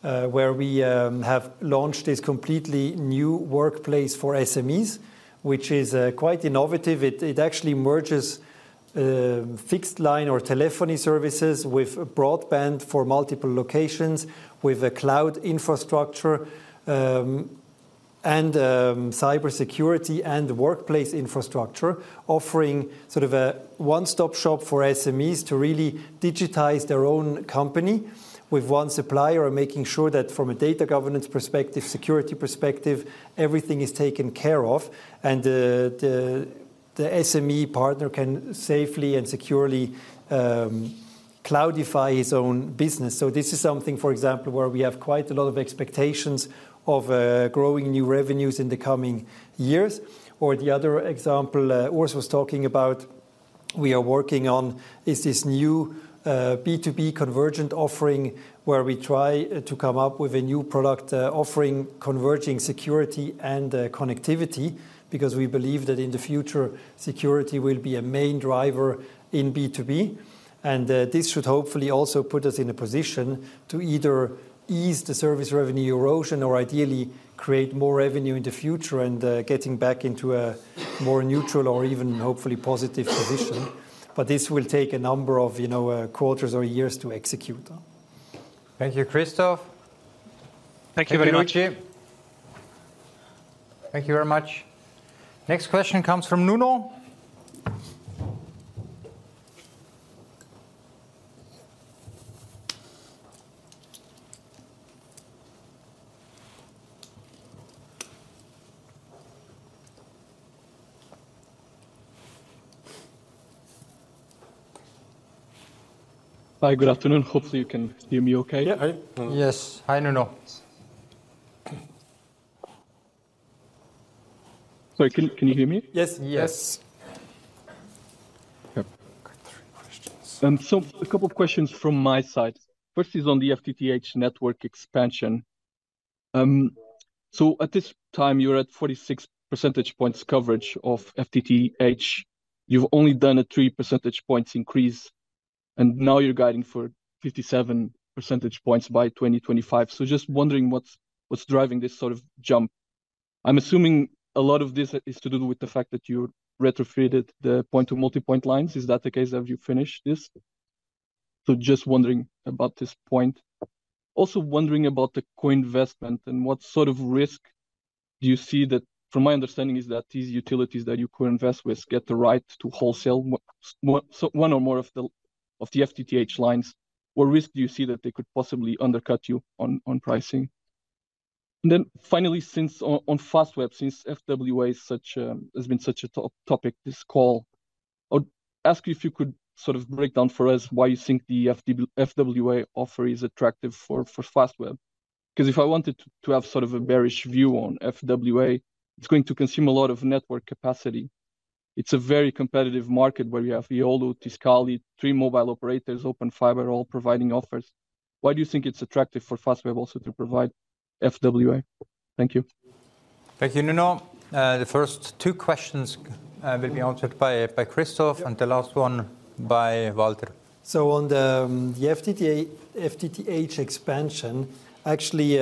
where we have launched this completely new workplace for SMEs, which is quite innovative. It actually merges fixed line or telephony services with broadband for multiple locations, with a cloud infrastructure, and cybersecurity and workplace infrastructure. Offering sort of a one-stop shop for SMEs to really digitize their own company with one supplier and making sure that from a data governance perspective, security perspective, everything is taken care of, and the SME partner can safely and securely cloudify his own business. So this is something, for example, where we have quite a lot of expectations of growing new revenues in the coming years. Or the other example Urs was talking about we are working on is this new B2B convergent offering, where we try to come up with a new product offering converging security and connectivity. Because we believe that in the future, security will be a main driver in B2B. This should hopefully also put us in a position to either ease the service revenue erosion or ideally create more revenue in the future and getting back into a more neutral or even hopefully positive position. But this will take a number of, you know, quarters or years to execute on. Thank you, Christoph. Thank you very much. Thank you. Thank you very much. Next question comes from Nuno. Hi, good afternoon. Hopefully you can hear me okay. Yeah. Yes. Hi, Nuno. Sorry, can you hear me? Yes. Yes. Yes. Yep. Got three questions. So a couple of questions from my side. First is on the FTTH network expansion, So at this time, you're at 46 percentage points coverage of FTTH. You've only done a 3 percentage points increase, and now you're guiding for 57 percentage points by 2025. So just wondering what's, what's driving this sort of jump? I'm assuming a lot of this is to do with the fact that you retrofitted the point-to-multipoint lines. Is that the case? Have you finished this? So just wondering about this point. Also wondering about the co-investment, and what sort of risk do you see that. From my understanding is that these utilities that you co-invest with get the right to wholesale so one or more of the, of the FTTH lines. What risk do you see that they could possibly undercut you on, on pricing? Then finally, since, on Fastweb, FWA has been such a top topic this call, I would ask you if you could sort of break down for us why you think the FWA offer is attractive for Fastweb. Because if I wanted to have sort of a bearish view on FWA, it's going to consume a lot of network capacity. It's a very competitive market where you have Iliad, Tiscali, three mobile operators, Open Fiber, all providing offers. Why do you think it's attractive for Fastweb also to provide FWA? Thank you. Thank you, Nuno. The first two questions will be answered by Christoph Yeah. And the last one by Walter. So on the FTTH expansion, actually,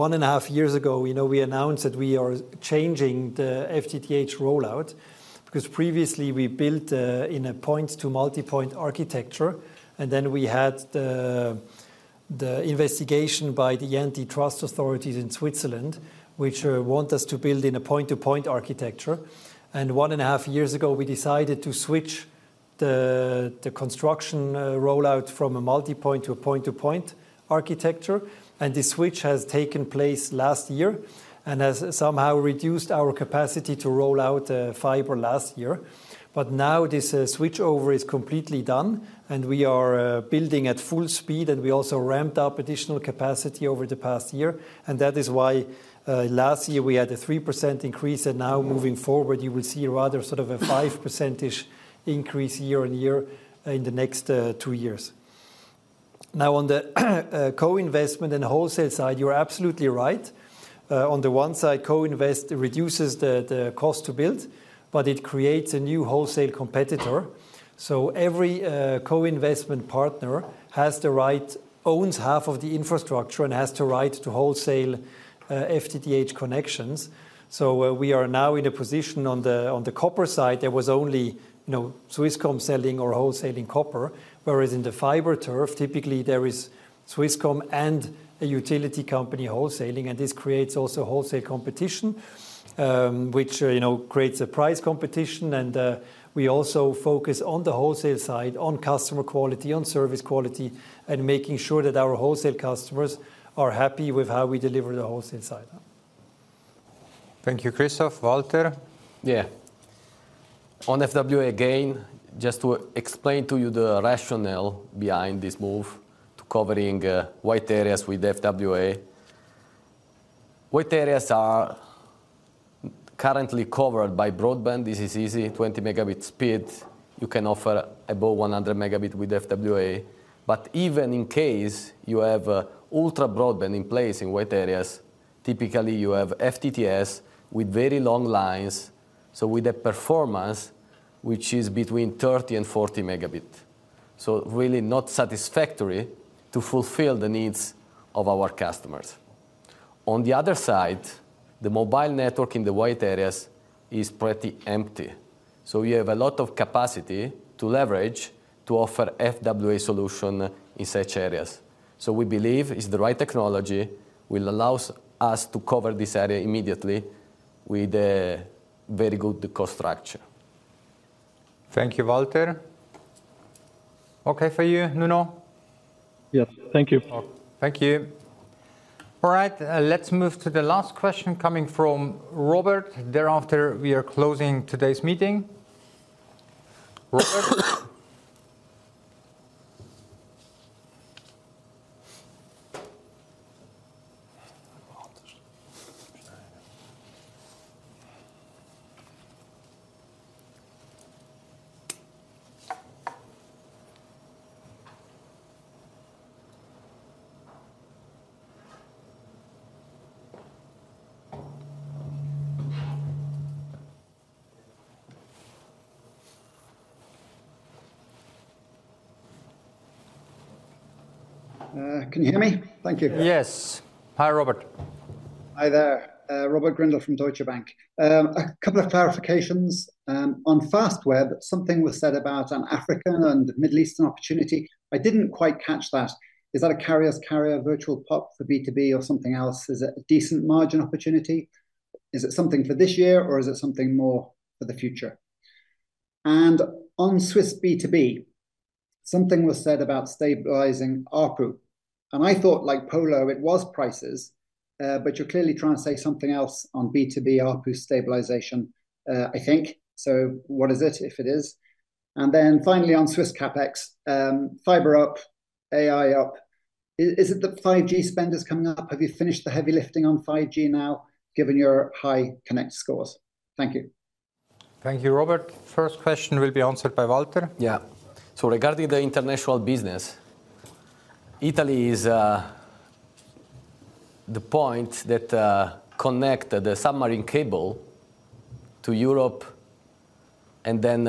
one and a half years ago, you know, we announced that we are changing the FTTH rollout. Because previously, we built in a point to multipoint architecture, and then we had the investigation by the antitrust authorities in Switzerland, which want us to build in a point-to-point architecture. And one and a half years ago, we decided to switch the construction rollout from a multipoint to a point-to-point architecture, and the switch has taken place last year and has somehow reduced our capacity to roll out fiber last year. But now this switchover is completely done, and we are building at full speed, and we also ramped up additional capacity over the past year. That is why, last year we had a 3% increase, and now moving forward, you will see rather sort of a 5% increase year-on-year in the next two years. Now, on the co-investment and wholesale side, you're absolutely right. On the one side, co-invest reduces the cost to build, but it creates a new wholesale competitor. So every co-investment partner has the right, owns half of the infrastructure and has the right to wholesale FTTH connections. So we are now in a position on the copper side, there was only, you know, Swisscom selling or wholesaling copper, whereas in the fiber turf, typically there is Swisscom and a utility company wholesaling, and this creates also wholesale competition, which, you know, creates a price competition. We also focus on the wholesale side, on customer quality, on service quality, and making sure that our wholesale customers are happy with how we deliver the wholesale side. Thank you, Christoph. Walter? Yeah. On FWA, again, just to explain to you the rationale behind this move to covering white areas with FWA. White areas are currently covered by broadband. This is easy, 20 Mbps. You can offer above 100 Mbps with FWA. But even in case you have ultra broadband in place in white areas, typically you have FTTS with very long lines, so with a performance which is between 30 and 40 Mbps. So really not satisfactory to fulfill the needs of our customers. On the other side, the mobile network in the white areas is pretty empty. So we have a lot of capacity to leverage to offer FWA solution in such areas. So we believe it's the right technology, will allows us to cover this area immediately with a very good cost structure. Thank you, Walter. Okay for you, Nuno? Yes. Thank you. Thank you. All right, let's move to the last question coming from Robert. Thereafter, we are closing today's meeting. Robert? Can you hear me? Thank you. Yes. Hi, Robert. Hi there, Robert Grindle from Deutsche Bank. A couple of clarifications. On Fastweb, something was said about an African and Middle Eastern opportunity. I didn't quite catch that. Is that a carrier's carrier, virtual POP for B2B or something else? Is it a decent margin opportunity? Is it something for this year, or is it something more for the future? And on Swiss B2B, something was said about stabilizing ARPU, and I thought, like Polo, it was prices, but you're clearly trying to say something else on B2B ARPU stabilization, I think. So what is it, if it is? And then finally, on Swiss CapEx, fiber up, AI up. Is it the 5G spend is coming up? Have you finished the heavy lifting on 5G now, given your high Connect scores? Thank you. Thank you, Robert. First question will be answered by Walter. Yeah. So regarding the international business, Italy is the point that connect the submarine cable to Europe and then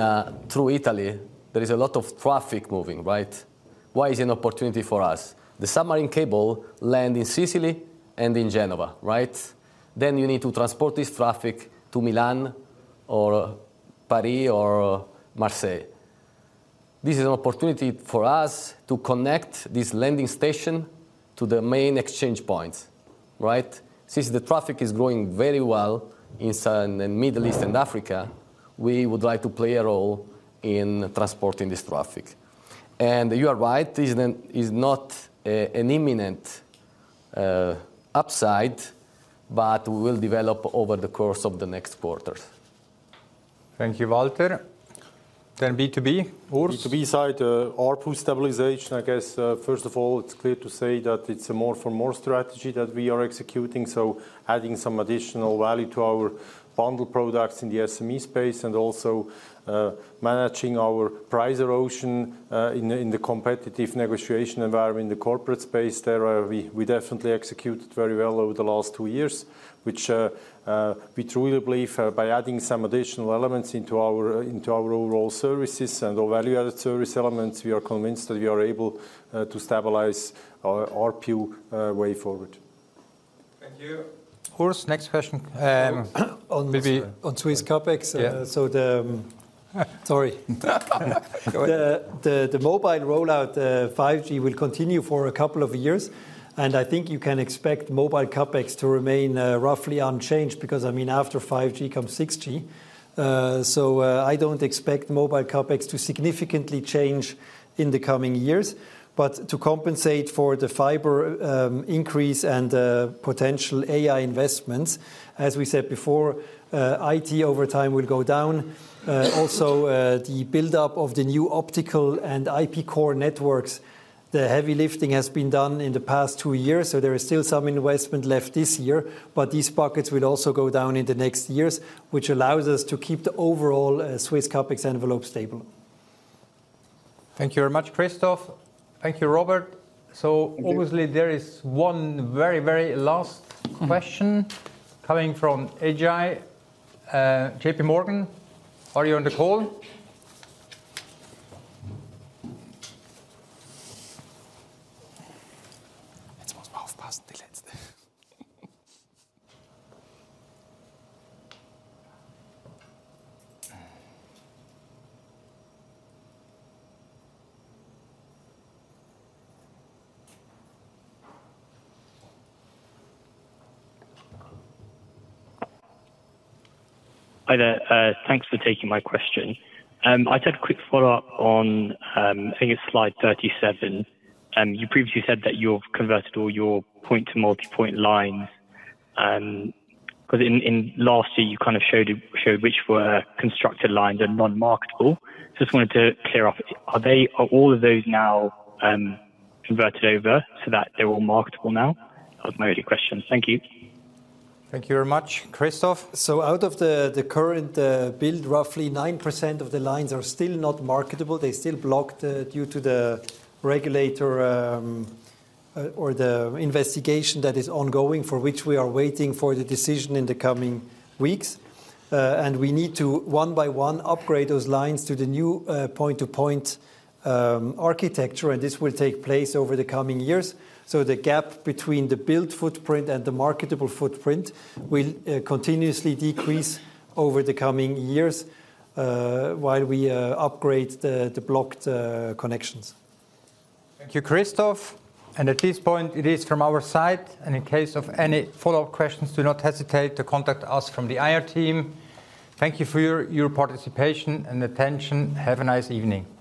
through Italy, there is a lot of traffic moving, right? Why is it an opportunity for us? The submarine cable land in Sicily and in Genova, right? Then you need to transport this traffic to Milan or Paris or Marseille. This is an opportunity for us to connect this landing station to the main exchange points, right? Since the traffic is growing very well in Southern and Middle East and Africa, we would like to play a role in transporting this traffic. And you are right, this is then is not an imminent upside, but will develop over the course of the next quarter. Thank you, Walter. Then B2B, Urs? B2B side, ARPU stabilization, I guess, first of all, it's clear to say that it's a more for more strategy that we are executing, so adding some additional value to our bundle products in the SME space and also managing our price erosion in the competitive negotiation environment, the corporate space. There, we definitely executed very well over the last two years, which we truly believe by adding some additional elements into our overall services and our value-added service elements, we are convinced that we are able to stabilize our ARPU way forward. Thank you. Urs, next question. On maybe On Swiss CapEx. Yeah. So the, Sorry. Go ahead. The mobile rollout 5G will continue for a couple of years, and I think you can expect mobile CapEx to remain roughly unchanged, because, I mean, after 5G comes 6G. So, I don't expect mobile CapEx to significantly change in the coming years. But to compensate for the fiber increase and potential AI investments, as we said before, IT over time will go down. Also, the buildup of the new optical and IP core networks, the heavy lifting has been done in the past two years, so there is still some investment left this year, but these pockets will also go down in the next years, which allows us to keep the overall Swiss CapEx envelope stable. Thank you very much, Christoph. Thank you, Robert. Thank you. Obviously, there is one very, very last question coming from AJ, J.P. Morgan. Are you on the call? Hi there, thanks for taking my question. I just had a quick follow-up on, I think it's slide 37. You previously said that you've converted all your point to multipoint lines. But in last year, you kind of showed which were constructed lines and non-marketable. Just wanted to clear off, are all of those now converted over so that they're all marketable now? That was my only question. Thank you. Thank you very much. Christoph? So out of the current build, roughly 9% of the lines are still not marketable. They're still blocked due to the regulator or the investigation that is ongoing, for which we are waiting for the decision in the coming weeks. And we need to, one by one, upgrade those lines to the new point-to-point architecture, and this will take place over the coming years. So the gap between the built footprint and the marketable footprint will continuously decrease over the coming years while we upgrade the blocked connections. Thank you, Christoph. At this point, it is from our side. In case of any follow-up questions, do not hesitate to contact us from the IR team. Thank you for your participation and attention. Have a nice evening. Thank you!